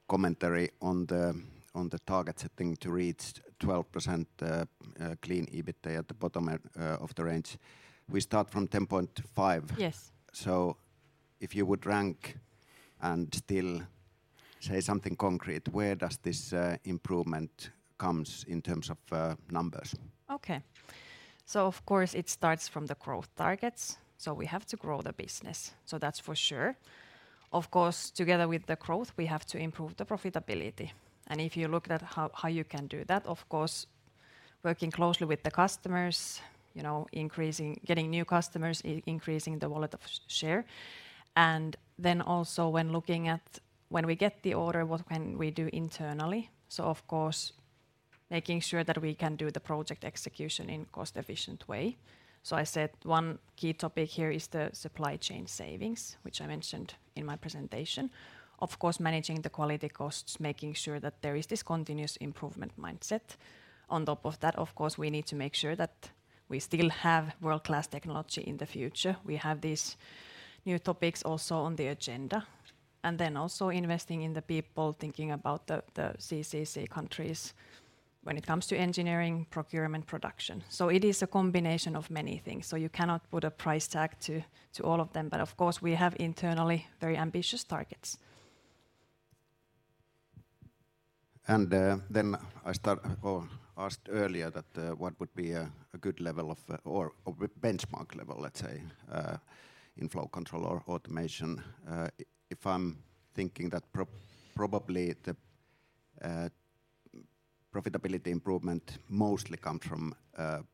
commentary on the target setting to reach 12% clean EBITA at the bottom of the range? We start from 10.5%. Yes. If you would rank and still say something concrete, where does this improvement comes in terms of numbers? Of course, it starts from the growth targets. We have to grow the business. That's for sure. Of course, together with the growth, we have to improve the profitability. If you look at how you can do that, of course, working closely with the customers, you know, getting new customers, increasing the wallet of share. Then also when looking at when we get the order, what can we do internally? Of course, making sure that we can do the project execution in cost-efficient way. I said one key topic here is the supply chain savings, which I mentioned in my presentation. Of course, managing the quality costs, making sure that there is this continuous improvement mindset. On top of that, of course, we need to make sure that we still have world-class technology in the future. We have these new topics also on the agenda. Also investing in the people, thinking about the LCC countries when it comes to engineering, procurement, production. It is a combination of many things. You cannot put a price tag to all of them. Of course, we have internally very ambitious targets. Then I asked earlier that, what would be a good level of or a benchmark level, let's say, in Flow Control or automation. If I'm thinking that probably the profitability improvement mostly come from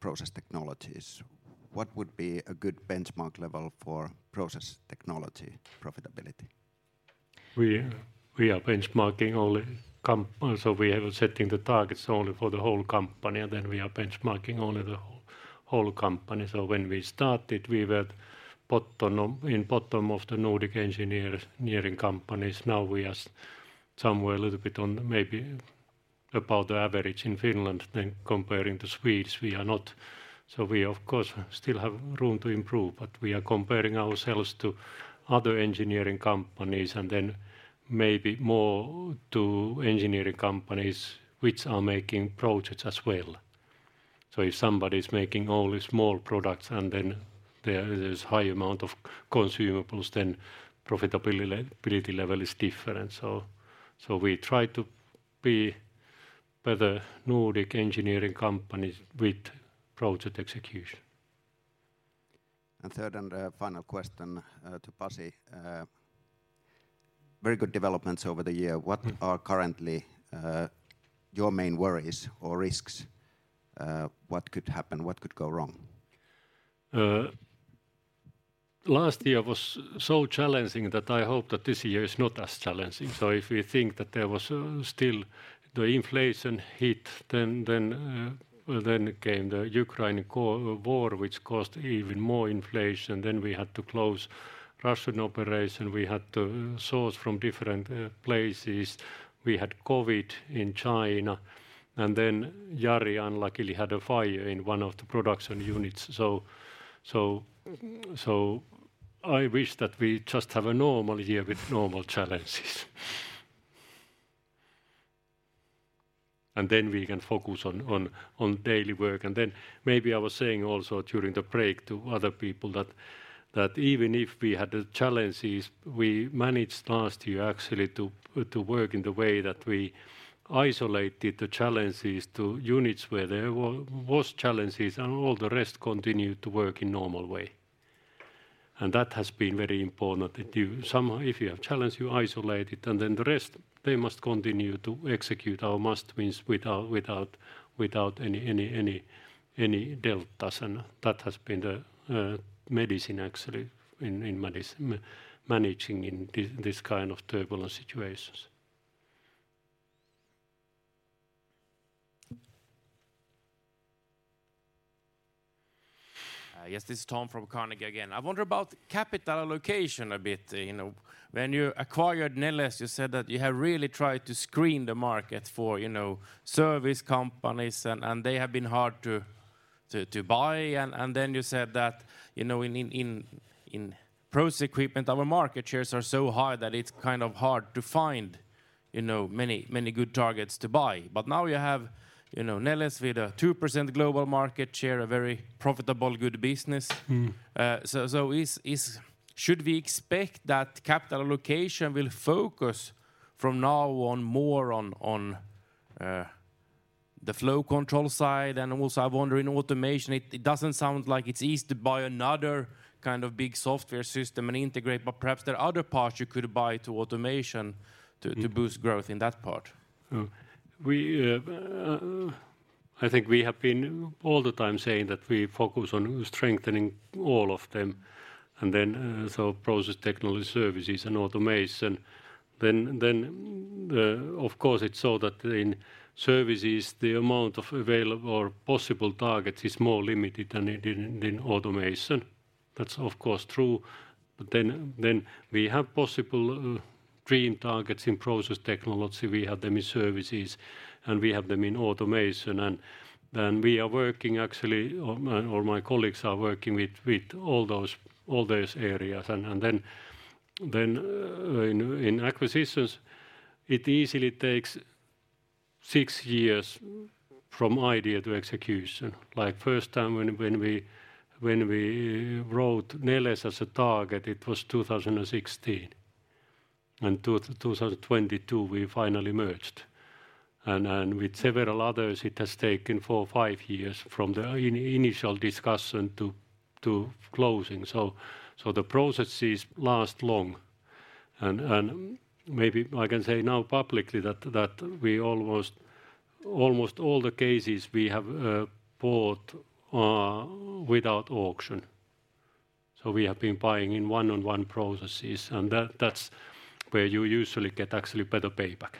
process technologies, what would be a good benchmark level for process technology profitability? We are benchmarking only. We are setting the targets only for the whole company, and then we are benchmarking only the whole company. When we started, we were in bottom of the Nordic engineering companies. Now we are somewhere a little bit on maybe about the average in Finland than comparing to Swedes, we are not. We of course still have room to improve, but we are comparing ourselves to other engineering companies and then maybe more to engineering companies which are making projects as well. If somebody's making only small products and then there is high amount of consumables, then profitability level is different. We try to be better Nordic engineering companies with project execution. Third and final question to Pasi. Very good developments over the year. What are currently your main worries or risks? What could happen? What could go wrong? Last year was so challenging that I hope that this year is not as challenging. If we think that there was still the inflation hit, then came the Ukraine war, which caused even more inflation. We had to close Russian operation. We had to source from different places. We had COVID in China. Then Jari unluckily had a fire in one of the production units. I wish that we just have a normal year with normal challenges. Then we can focus on daily work. Maybe I was saying also during the break to other people that even if we had the challenges, we managed last year actually to work in the way that we isolated the challenges to units where there were worst challenges, and all the rest continued to work in normal way. That has been very important that you If you have challenge, you isolate it, and then the rest, they must continue to execute our must wins without any deltas. That has been the medicine actually in managing in this kind of turbulent situations. Yes, this is Tom from Carnegie again. I wonder about capital allocation a bit. You know, when you acquired Neles, you said that you have really tried to screen the market for, you know, service companies and they have been hard to buy. Then you said that, you know, in process equipment, our market shares are so high that it's kind of hard to find, you know, many good targets to buy. Now you have, you know, Neles with a 2% global market share, a very profitable good business. Mm. Should we expect that capital allocation will focus from now on more on? The Flow Control side and also I wonder in Automation, it doesn't sound like it's easy to buy another kind of big software system and integrate, but perhaps there are other parts you could buy to Automation to boost growth in that part. We, I think we have been all the time saying that we focus on strengthening all of them, and then so process technology services and automation. Of course it's so that in services the amount of possible targets is more limited than in automation. That's of course true. We have possible dream targets in process technology. We have them in services, and we have them in automation and we are working actually or my colleagues are working with all those areas. In acquisitions it easily takes six years from idea to execution. Like first time when we wrote Neles as a target it was 2016, and 2022 we finally merged. With several others it has taken four, five years from the initial discussion to closing. The processes last long and maybe I can say now publicly that we almost all the cases we have bought without auction. We have been buying in one-on-one processes and that's where you usually get actually better payback.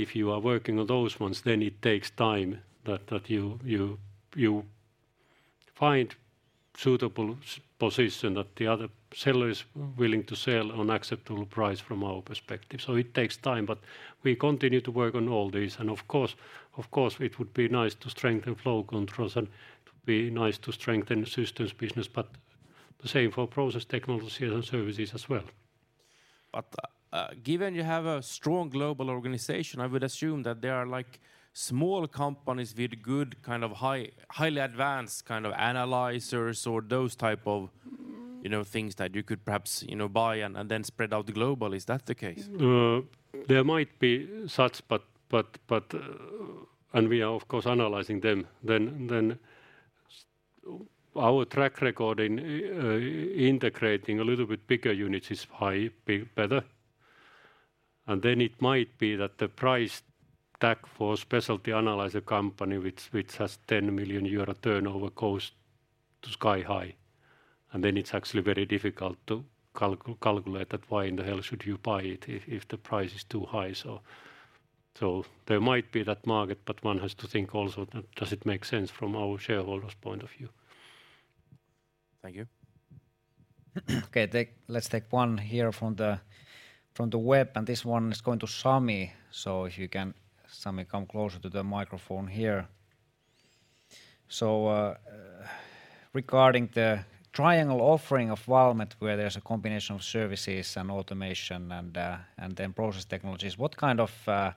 If you are working on those ones, then it takes time that you find suitable position that the other seller is willing to sell on acceptable price from our perspective. It takes time, but we continue to work on all these. Of course it would be nice to strengthen Flow Controls, and it would be nice to strengthen systems business, but the same for process technologies and Services as well. Given you have a strong global organization, I would assume that there are like small companies with good kind of highly advanced kind of analyzers or those type of, you know, things that you could perhaps, you know, buy and then spread out global. Is that the case? There might be such, but. We are of course analyzing them. Our track record in integrating a little bit bigger units is better. It might be that the price tag for specialty analyzer company which has 10 million euro turnover goes to sky high. It's actually very difficult to calculate that why in the hell should you buy it if the price is too high so. There might be that market, but one has to think also that does it make sense from our shareholders' point of view. Thank you. Okay, let's take one here from the web, and this one is going to Sami. If you can, Sami, come closer to the microphone here. Regarding the triangle offering of Valmet where there's a combination of services and Automation Systems and then process technologies, what kind of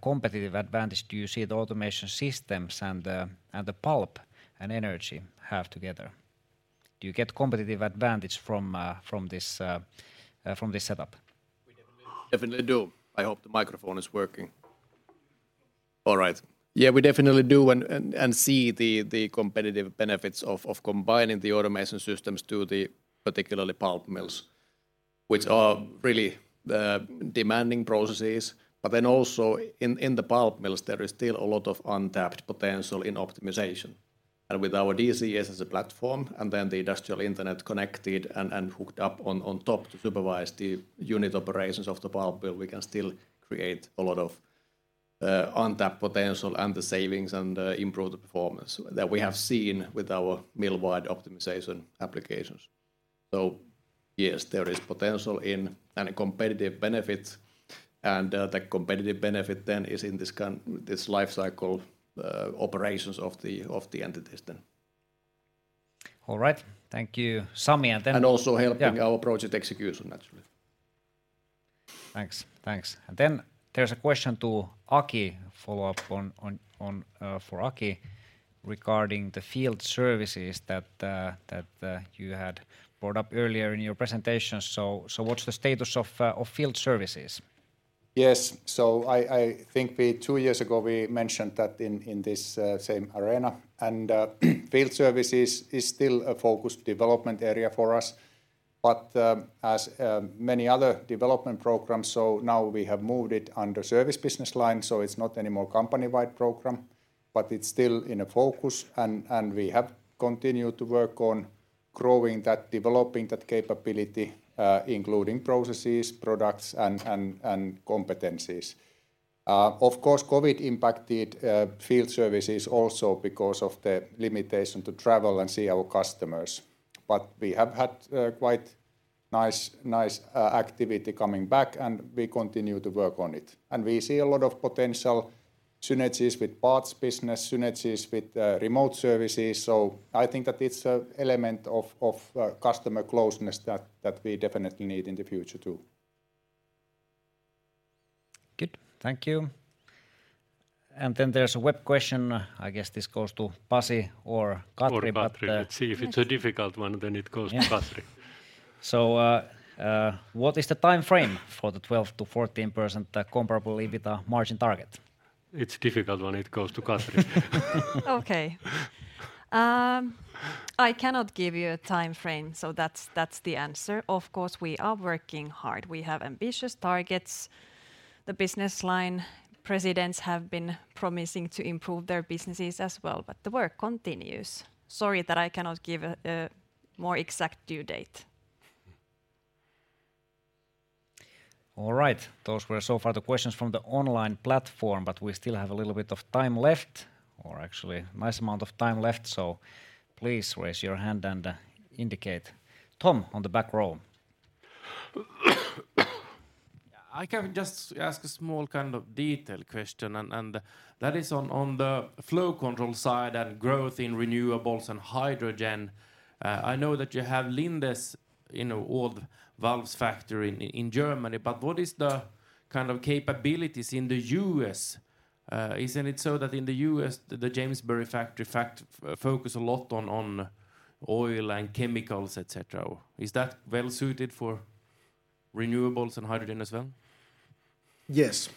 competitive advantage do you see the Automation Systems and the Pulp and Energy have together? Do you get competitive advantage from this setup? We definitely do. I hope the microphone is working. All right. Yeah, we definitely do and see the competitive benefits of combining the automation systems to the particularly pulp mills, which are really demanding processes. Also in the pulp mills there is still a lot of untapped potential in optimization. With our DCS as a platform and then the Industrial Internet connected and hooked up on top to supervise the unit operations of the pulp mill, we can still create a lot of untapped potential and the savings and improve the performance that we have seen with our mill-wide optimization applications. Yes, there is potential in any competitive benefits, and the competitive benefit then is in this life cycle operations of the entities then. All right. Thank you, Sami. Also helping- Yeah our project execution naturally. Thanks. Thanks. Then there's a question to Aki, follow-up for Aki regarding the field services that you had brought up earlier in your presentation. What's the status of field services? Yes. I think we two years ago we mentioned that in this same arena, and field services is still a focused development area for us, but as many other development programs, so now we have moved it under service business line, so it's not any more company-wide program. It's still in a focus and we have continued to work on growing that, developing that capability, including processes, products and competencies. Of course COVID impacted field services also because of the limitation to travel and see our customers. We have had quite nice activity coming back, and we continue to work on it. We see a lot of potential synergies with parts business, synergies with remote services. I think that it's a element of customer closeness that we definitely need in the future too. Good. Thank you. There's a web question. I guess this goes to Pasi or Katri. Katri. Let's see. If it's a difficult one, then it goes to Katri. Yeah. What is the timeframe for the 12-14% comparably with the margin target? It's difficult one it goes to Katri. I cannot give you a timeframe, so that's the answer. Of course, we are working hard. We have ambitious targets. The business line presidents have been promising to improve their businesses as well, but the work continues. Sorry that I cannot give a more exact due date. All right. Those were so far the questions from the online platform, but we still have a little bit of time left, or actually a nice amount of time left. Please raise your hand and indicate. Tom, on the back row. I can just ask a small kind of detail question and that is on the flow control side and growth in renewables and hydrogen. I know that you have Linde's, you know, old valves factory in Germany, but what is the kind of capabilities in the U.S.? Isn't it so that in the U.S. the Jamesbury factory focus a lot on oil and chemicals, et cetera? Is that well suited for renewables and hydrogen as well? Yes.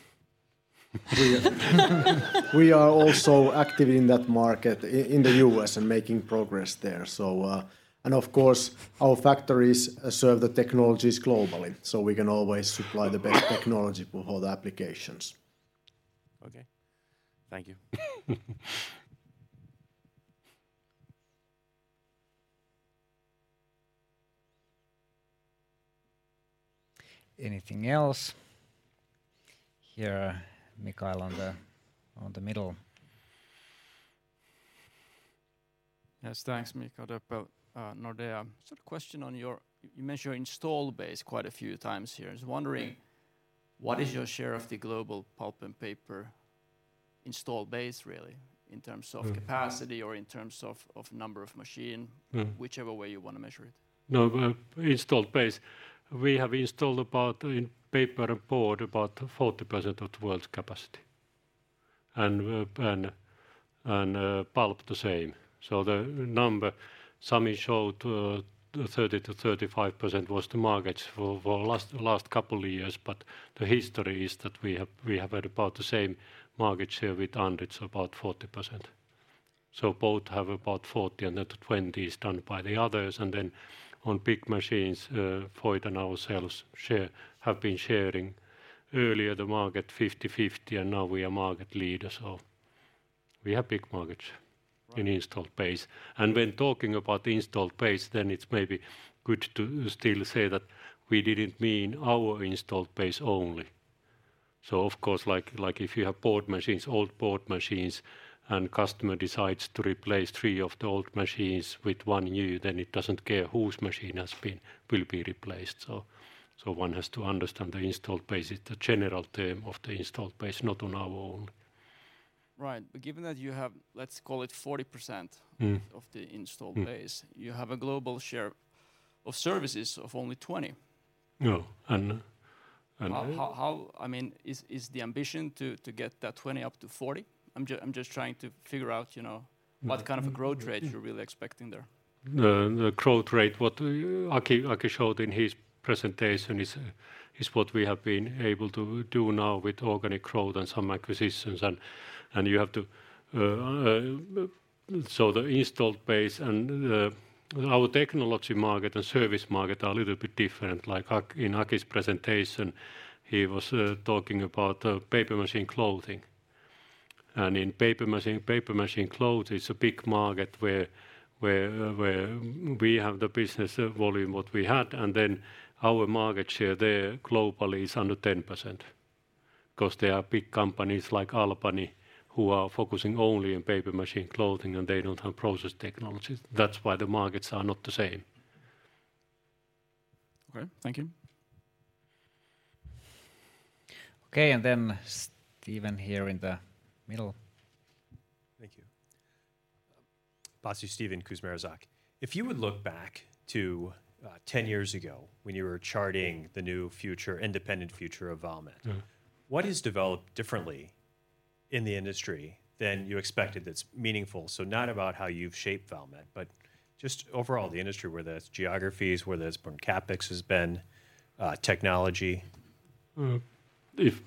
We are also active in that market in the US and making progress there. And of course, our factories serve the technologies globally, so we can always supply the best technology for all the applications. Okay. Thank you. Anything else? Here, Mikael on the middle. Yes, thanks, Mikael Doepel, Nordea. Sort of question on your. You mentioned install base quite a few times here. I was wondering, what is your share of the global pulp and paper install base really in terms of- Mm capacity or in terms of number of machine? Mm. Whichever way you want to measure it. No, install base, we have installed about, in paper and board, about 40% of the world's capacity. Pulp the same. The number Sami showed, 30%-35% was the market for last couple years, but the history is that we have, we have had about the same market share with Andritz, about 40%. Both have about 40, and the 20 is done by the others. Then on big machines, Voith and ourselves share, have been sharing earlier the market 50/50, and now we are market leader. We have big market. Right In installed base. When talking about installed base, then it's maybe good to still say that we didn't mean our installed base only. Of course, like if you have board machines, old board machines, and customer decides to replace three of the old machines with one new, then it doesn't care whose machine will be replaced. One has to understand the installed base is the general term of the installed base, not on our own. Right. given that you have, let's call it 40%- Mm of the installed base- Mm syou have a global share of services of only 20%. No. How I mean, is the ambition to get that 20 up to 40? I'm just trying to figure out, you know? Mm. What kind of a growth rate you're really expecting there? The growth rate, what Aki showed in his presentation is what we have been able to do now with organic growth and some acquisitions and you have to. The installed base and the, our technology market and service market are a little bit different. Like in Aki's presentation, he was talking about paper machine clothing. In paper machine clothes is a big market where we have the business volume what we had, and then our market share there globally is under 10%, 'cause there are big companies like Albany who are focusing only on paper machine clothing, and they don't have process technology. That's why the markets are not the same. Okay. Thank you. Okay, Steven here in the middle. Thank you. Pasi, Stephen Kusmierczak. If you would look back to 10 years ago when you were charting the new future, independent future of Valmet- Mm-hmm what has developed differently in the industry than you expected that's meaningful? Not about how you've shaped Valmet, but just overall the industry, whether that's geographies, whether that's where CapEx has been, technology.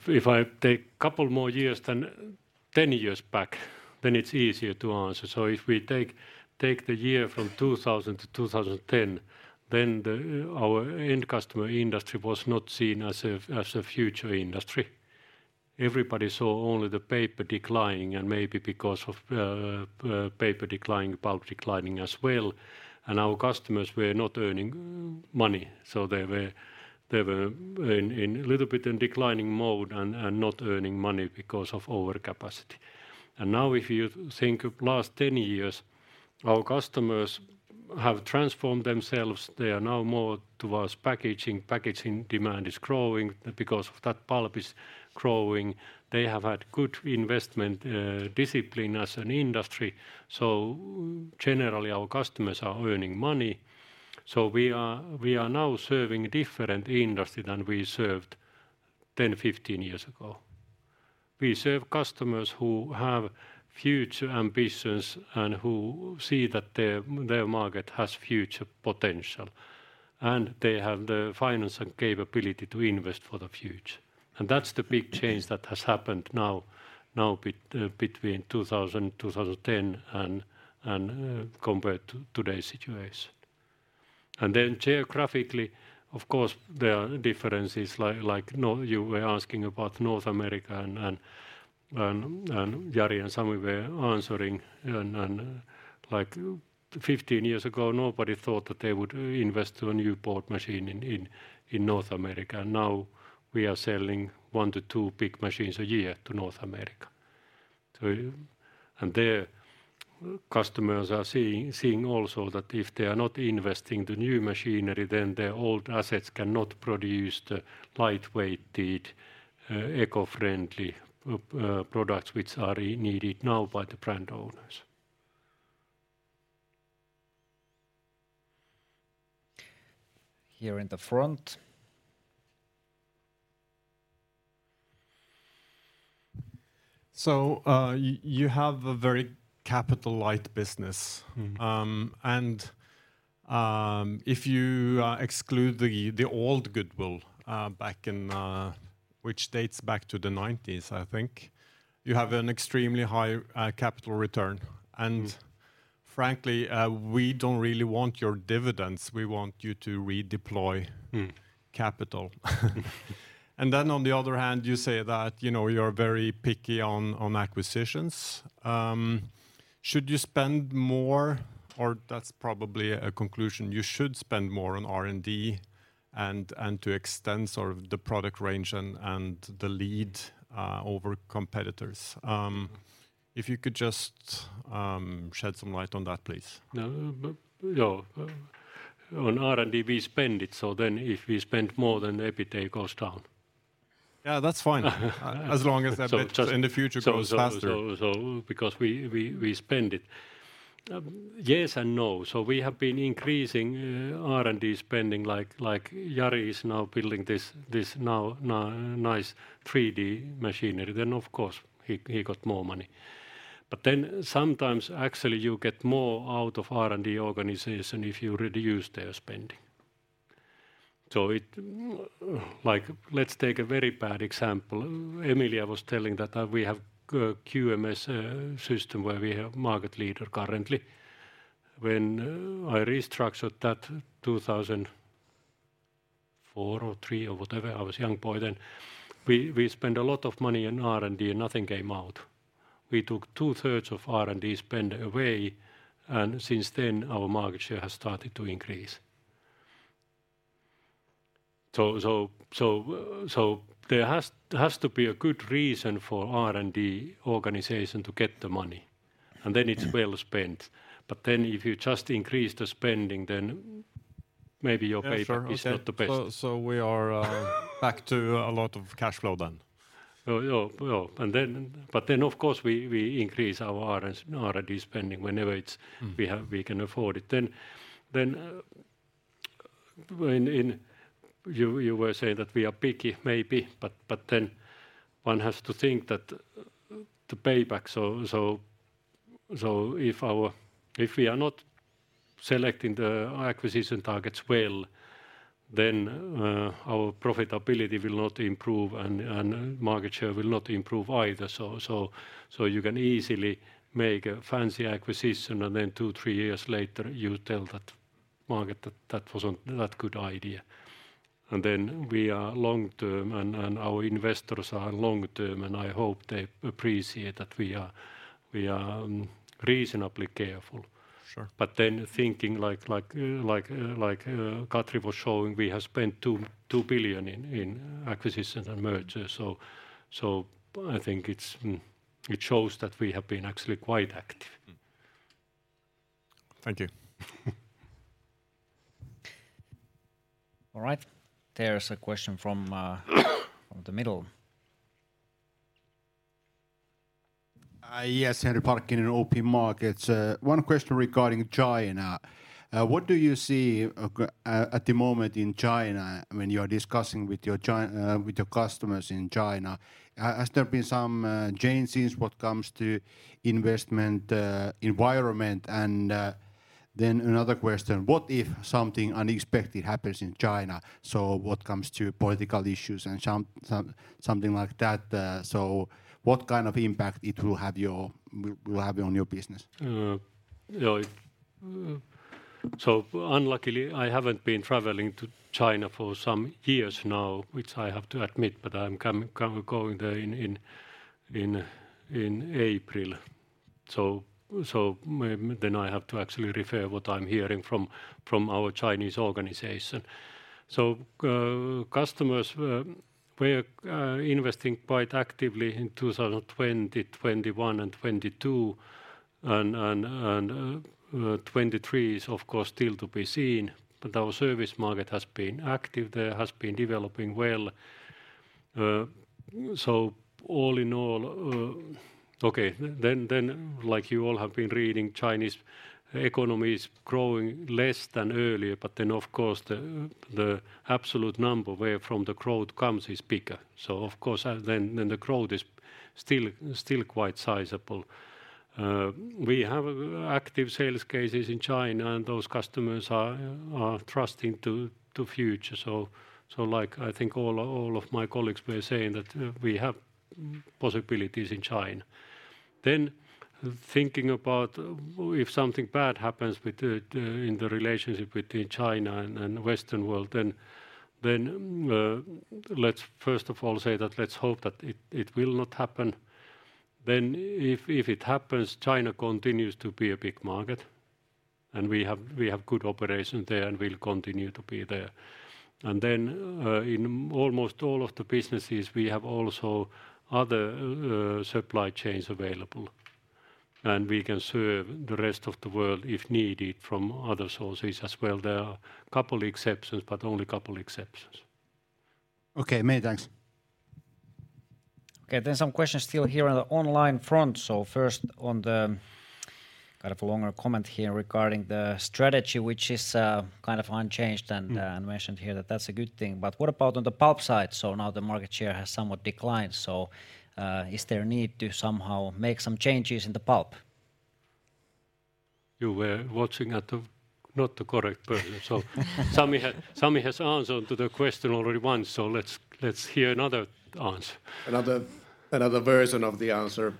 If I take couple more years than 10 years back, then it's easier to answer. If we take the year from 2000 to 2010, then the, our end customer industry was not seen as a, as a future industry. Everybody saw only the paper declining, and maybe because of paper declining, pulp declining as well. Our customers were not earning money, so they were in a little bit in declining mode and not earning money because of overcapacity. Now if you think of last 10 years, our customers have transformed themselves. They are now more towards packaging. Packaging demand is growing. Because of that, pulp is growing. They have had good investment discipline as an industry, so generally our customers are earning money. We are now serving different industry than we served 10, 15 years ago. We serve customers who have future ambitions and who see that their market has future potential. They have the finance and capability to invest for the future. That's the big change that has happened now between 2000, 2010 and compared to today's situation. Geographically, of course, there are differences like North, you were asking about North America and Jari and Sami were answering. Like 15 years ago, nobody thought that they would invest to a new board machine in North America. Now we are selling one to two big machines a year to North America. There customers are seeing also that if they are not investing the new machinery, then their old assets cannot produce the lightweighted, eco-friendly, products which are needed now by the brand owners. Here in the front. You have a very capital light business. Mm-hmm. If you exclude the old goodwill, back in, which dates back to the 1990s, I think, you have an extremely high capital return. Mm-hmm. Frankly, we don't really want your dividends, we want you to re-deploy- Mm. capital. On the other hand, you say that, you know, you're very picky on acquisitions. Should you spend more or that's probably a conclusion you should spend more on R&D and to extend sort of the product range and the lead over competitors? If you could just shed some light on that, please? You know, on R&D, we spend it, so then if we spend more, then the EBITDA goes down. Yeah, that's fine. As long as the EBITDA in the future goes faster. Because we spend it. Yes and no. We have been increasing R&D spending like Jari is building this nice 3-D machinery, of course he got more money. Sometimes actually you get more out of R&D organization if you reduce their spending. Like, let's take a very bad example. Emilia was telling that we have QMS system where we are market leader currently. When I restructured that 2004 or 2003 or whatever, I was young boy then, we spent a lot of money on R&D and nothing came out. We took 2/3 of R&D spend away, since then our market share has started to increase. There has to be a good reason for R&D organization to get the money, and then it's well spent. If you just increase the spending, then maybe your payback- Yeah, sure. is not the best. We are back to a lot of cash flow then. Well, yeah, well. of course we increase our R&D spending whenever it's. Mm. we can afford it. When in--you were saying that we are picky, maybe, but then one has to think that the payback. If we are not selecting the acquisition targets well, then, our profitability will not improve and market share will not improve either. You can easily make a fancy acquisition and then two, three years later, you tell that market that that wasn't that good idea. Then we are long-term and our investors are long-term, and I hope they appreciate that we are reasonably careful. Sure. Thinking like, Katri was showing, we have spent 2 billion in acquisitions and mergers. I think it shows that we have been actually quite active. Thank you. All right. There's a question from the middle. Yes, Henri Parkkinen in OP Markets. One question regarding China. What do you see at the moment in China when you are discussing with your with your customers in China? Has there been some changes what comes to investment environment? Another question: What if something unexpected happens in China, what comes to political issues and something like that? What kind of impact it will have on your business? Yeah. Unluckily, I haven't been traveling to China for some years now, which I have to admit, but I'm going there in April. Then I have to actually refer what I'm hearing from our Chinese organization. Customers were investing quite actively in 2020, 2021 and 2022. 2023 is of course still to be seen. Our service market has been active there, has been developing well. All in all, like you all have been reading, Chinese economy is growing less than earlier. Of course the absolute number where from the growth comes is bigger. Of course, the growth is still quite sizable. We have active sales cases in China, and those customers are trusting to future. Like I think all of my colleagues were saying that we have possibilities in China. Thinking about if something bad happens in the relationship between China and Western world, then let's first of all say that let's hope that it will not happen. If it happens, China continues to be a big market, and we have good operation there, and we'll continue to be there. In almost all of the businesses, we have also other supply chains available, and we can serve the rest of the world if needed from other sources as well. There are a couple exceptions, but only a couple exceptions. Okay. Many thanks. Okay. There's some questions still here on the online front. First on the kind of a longer comment here regarding the strategy, which is, kind of unchanged- Mm and mentioned here that that's a good thing. What about on the pulp side? Now the market share has somewhat declined. Is there a need to somehow make some changes in the pulp? You were watching at the not the correct person. Sami has answered to the question already once, let's hear another answer. Another version of the answer.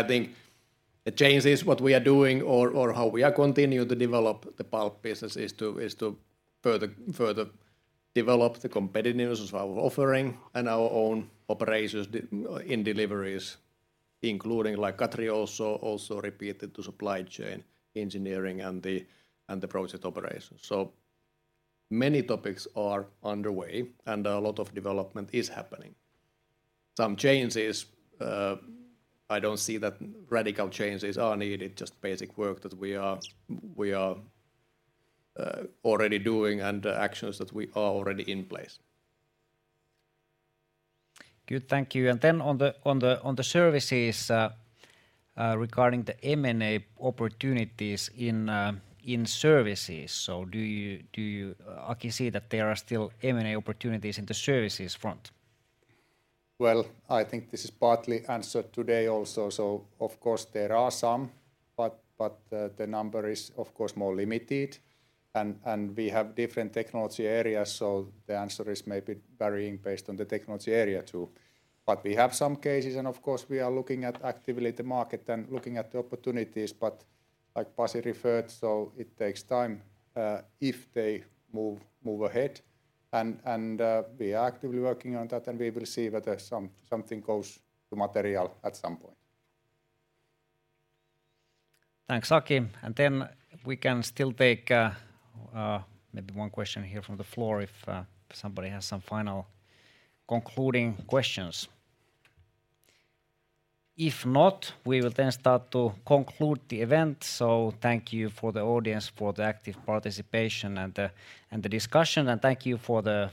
I think the change is what we are doing or how we are continuing to develop the pulp business is to further develop the competitiveness of our offering and our own operations in deliveries, including, like Katri also repeated, the supply chain engineering and the project operations. So many topics are underway, and a lot of development is happening. Some changes, I don't see that radical changes are needed, just basic work that we are already doing and actions that we are already in place. Good. Thank you. On the services, regarding the M&A opportunities in services. Do you, Aki, see that there are still M&A opportunities in the services front? I think this is partly answered today also. Of course there are some, but the number is of course more limited and we have different technology areas, so the answer is maybe varying based on the technology area too. We have some cases, and of course we are looking at activity market and looking at the opportunities. Like Pasi referred, so it takes time, if they move ahead and, we are actively working on that, and we will see whether something goes to material at some point. Thanks, Aki. Then we can still take maybe one question here from the floor if somebody has some final concluding questions. If not, we will then start to conclude the event. Thank you for the audience for the active participation and the discussion, and thank you for the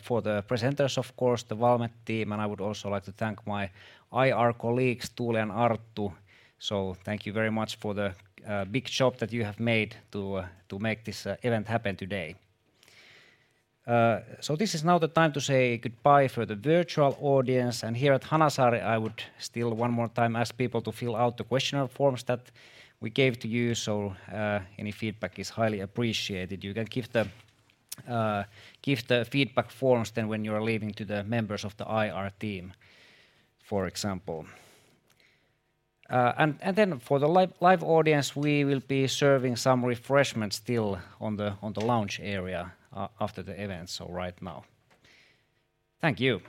presenters, of course, the Valmet team. I would also like to thank my IR colleagues, Tuuli and Arttu. Thank you very much for the big job that you have made to make this event happen today. This is now the time to say goodbye for the virtual audience. Here at Hanasaari, I would still one more time ask people to fill out the questionnaire forms that we gave to you. Any feedback is highly appreciated. You can give the feedback forms then when you are leaving to the members of the IR team, for example. For the live audience, we will be serving some refreshments still on the lounge area after the event, right now. Thank you.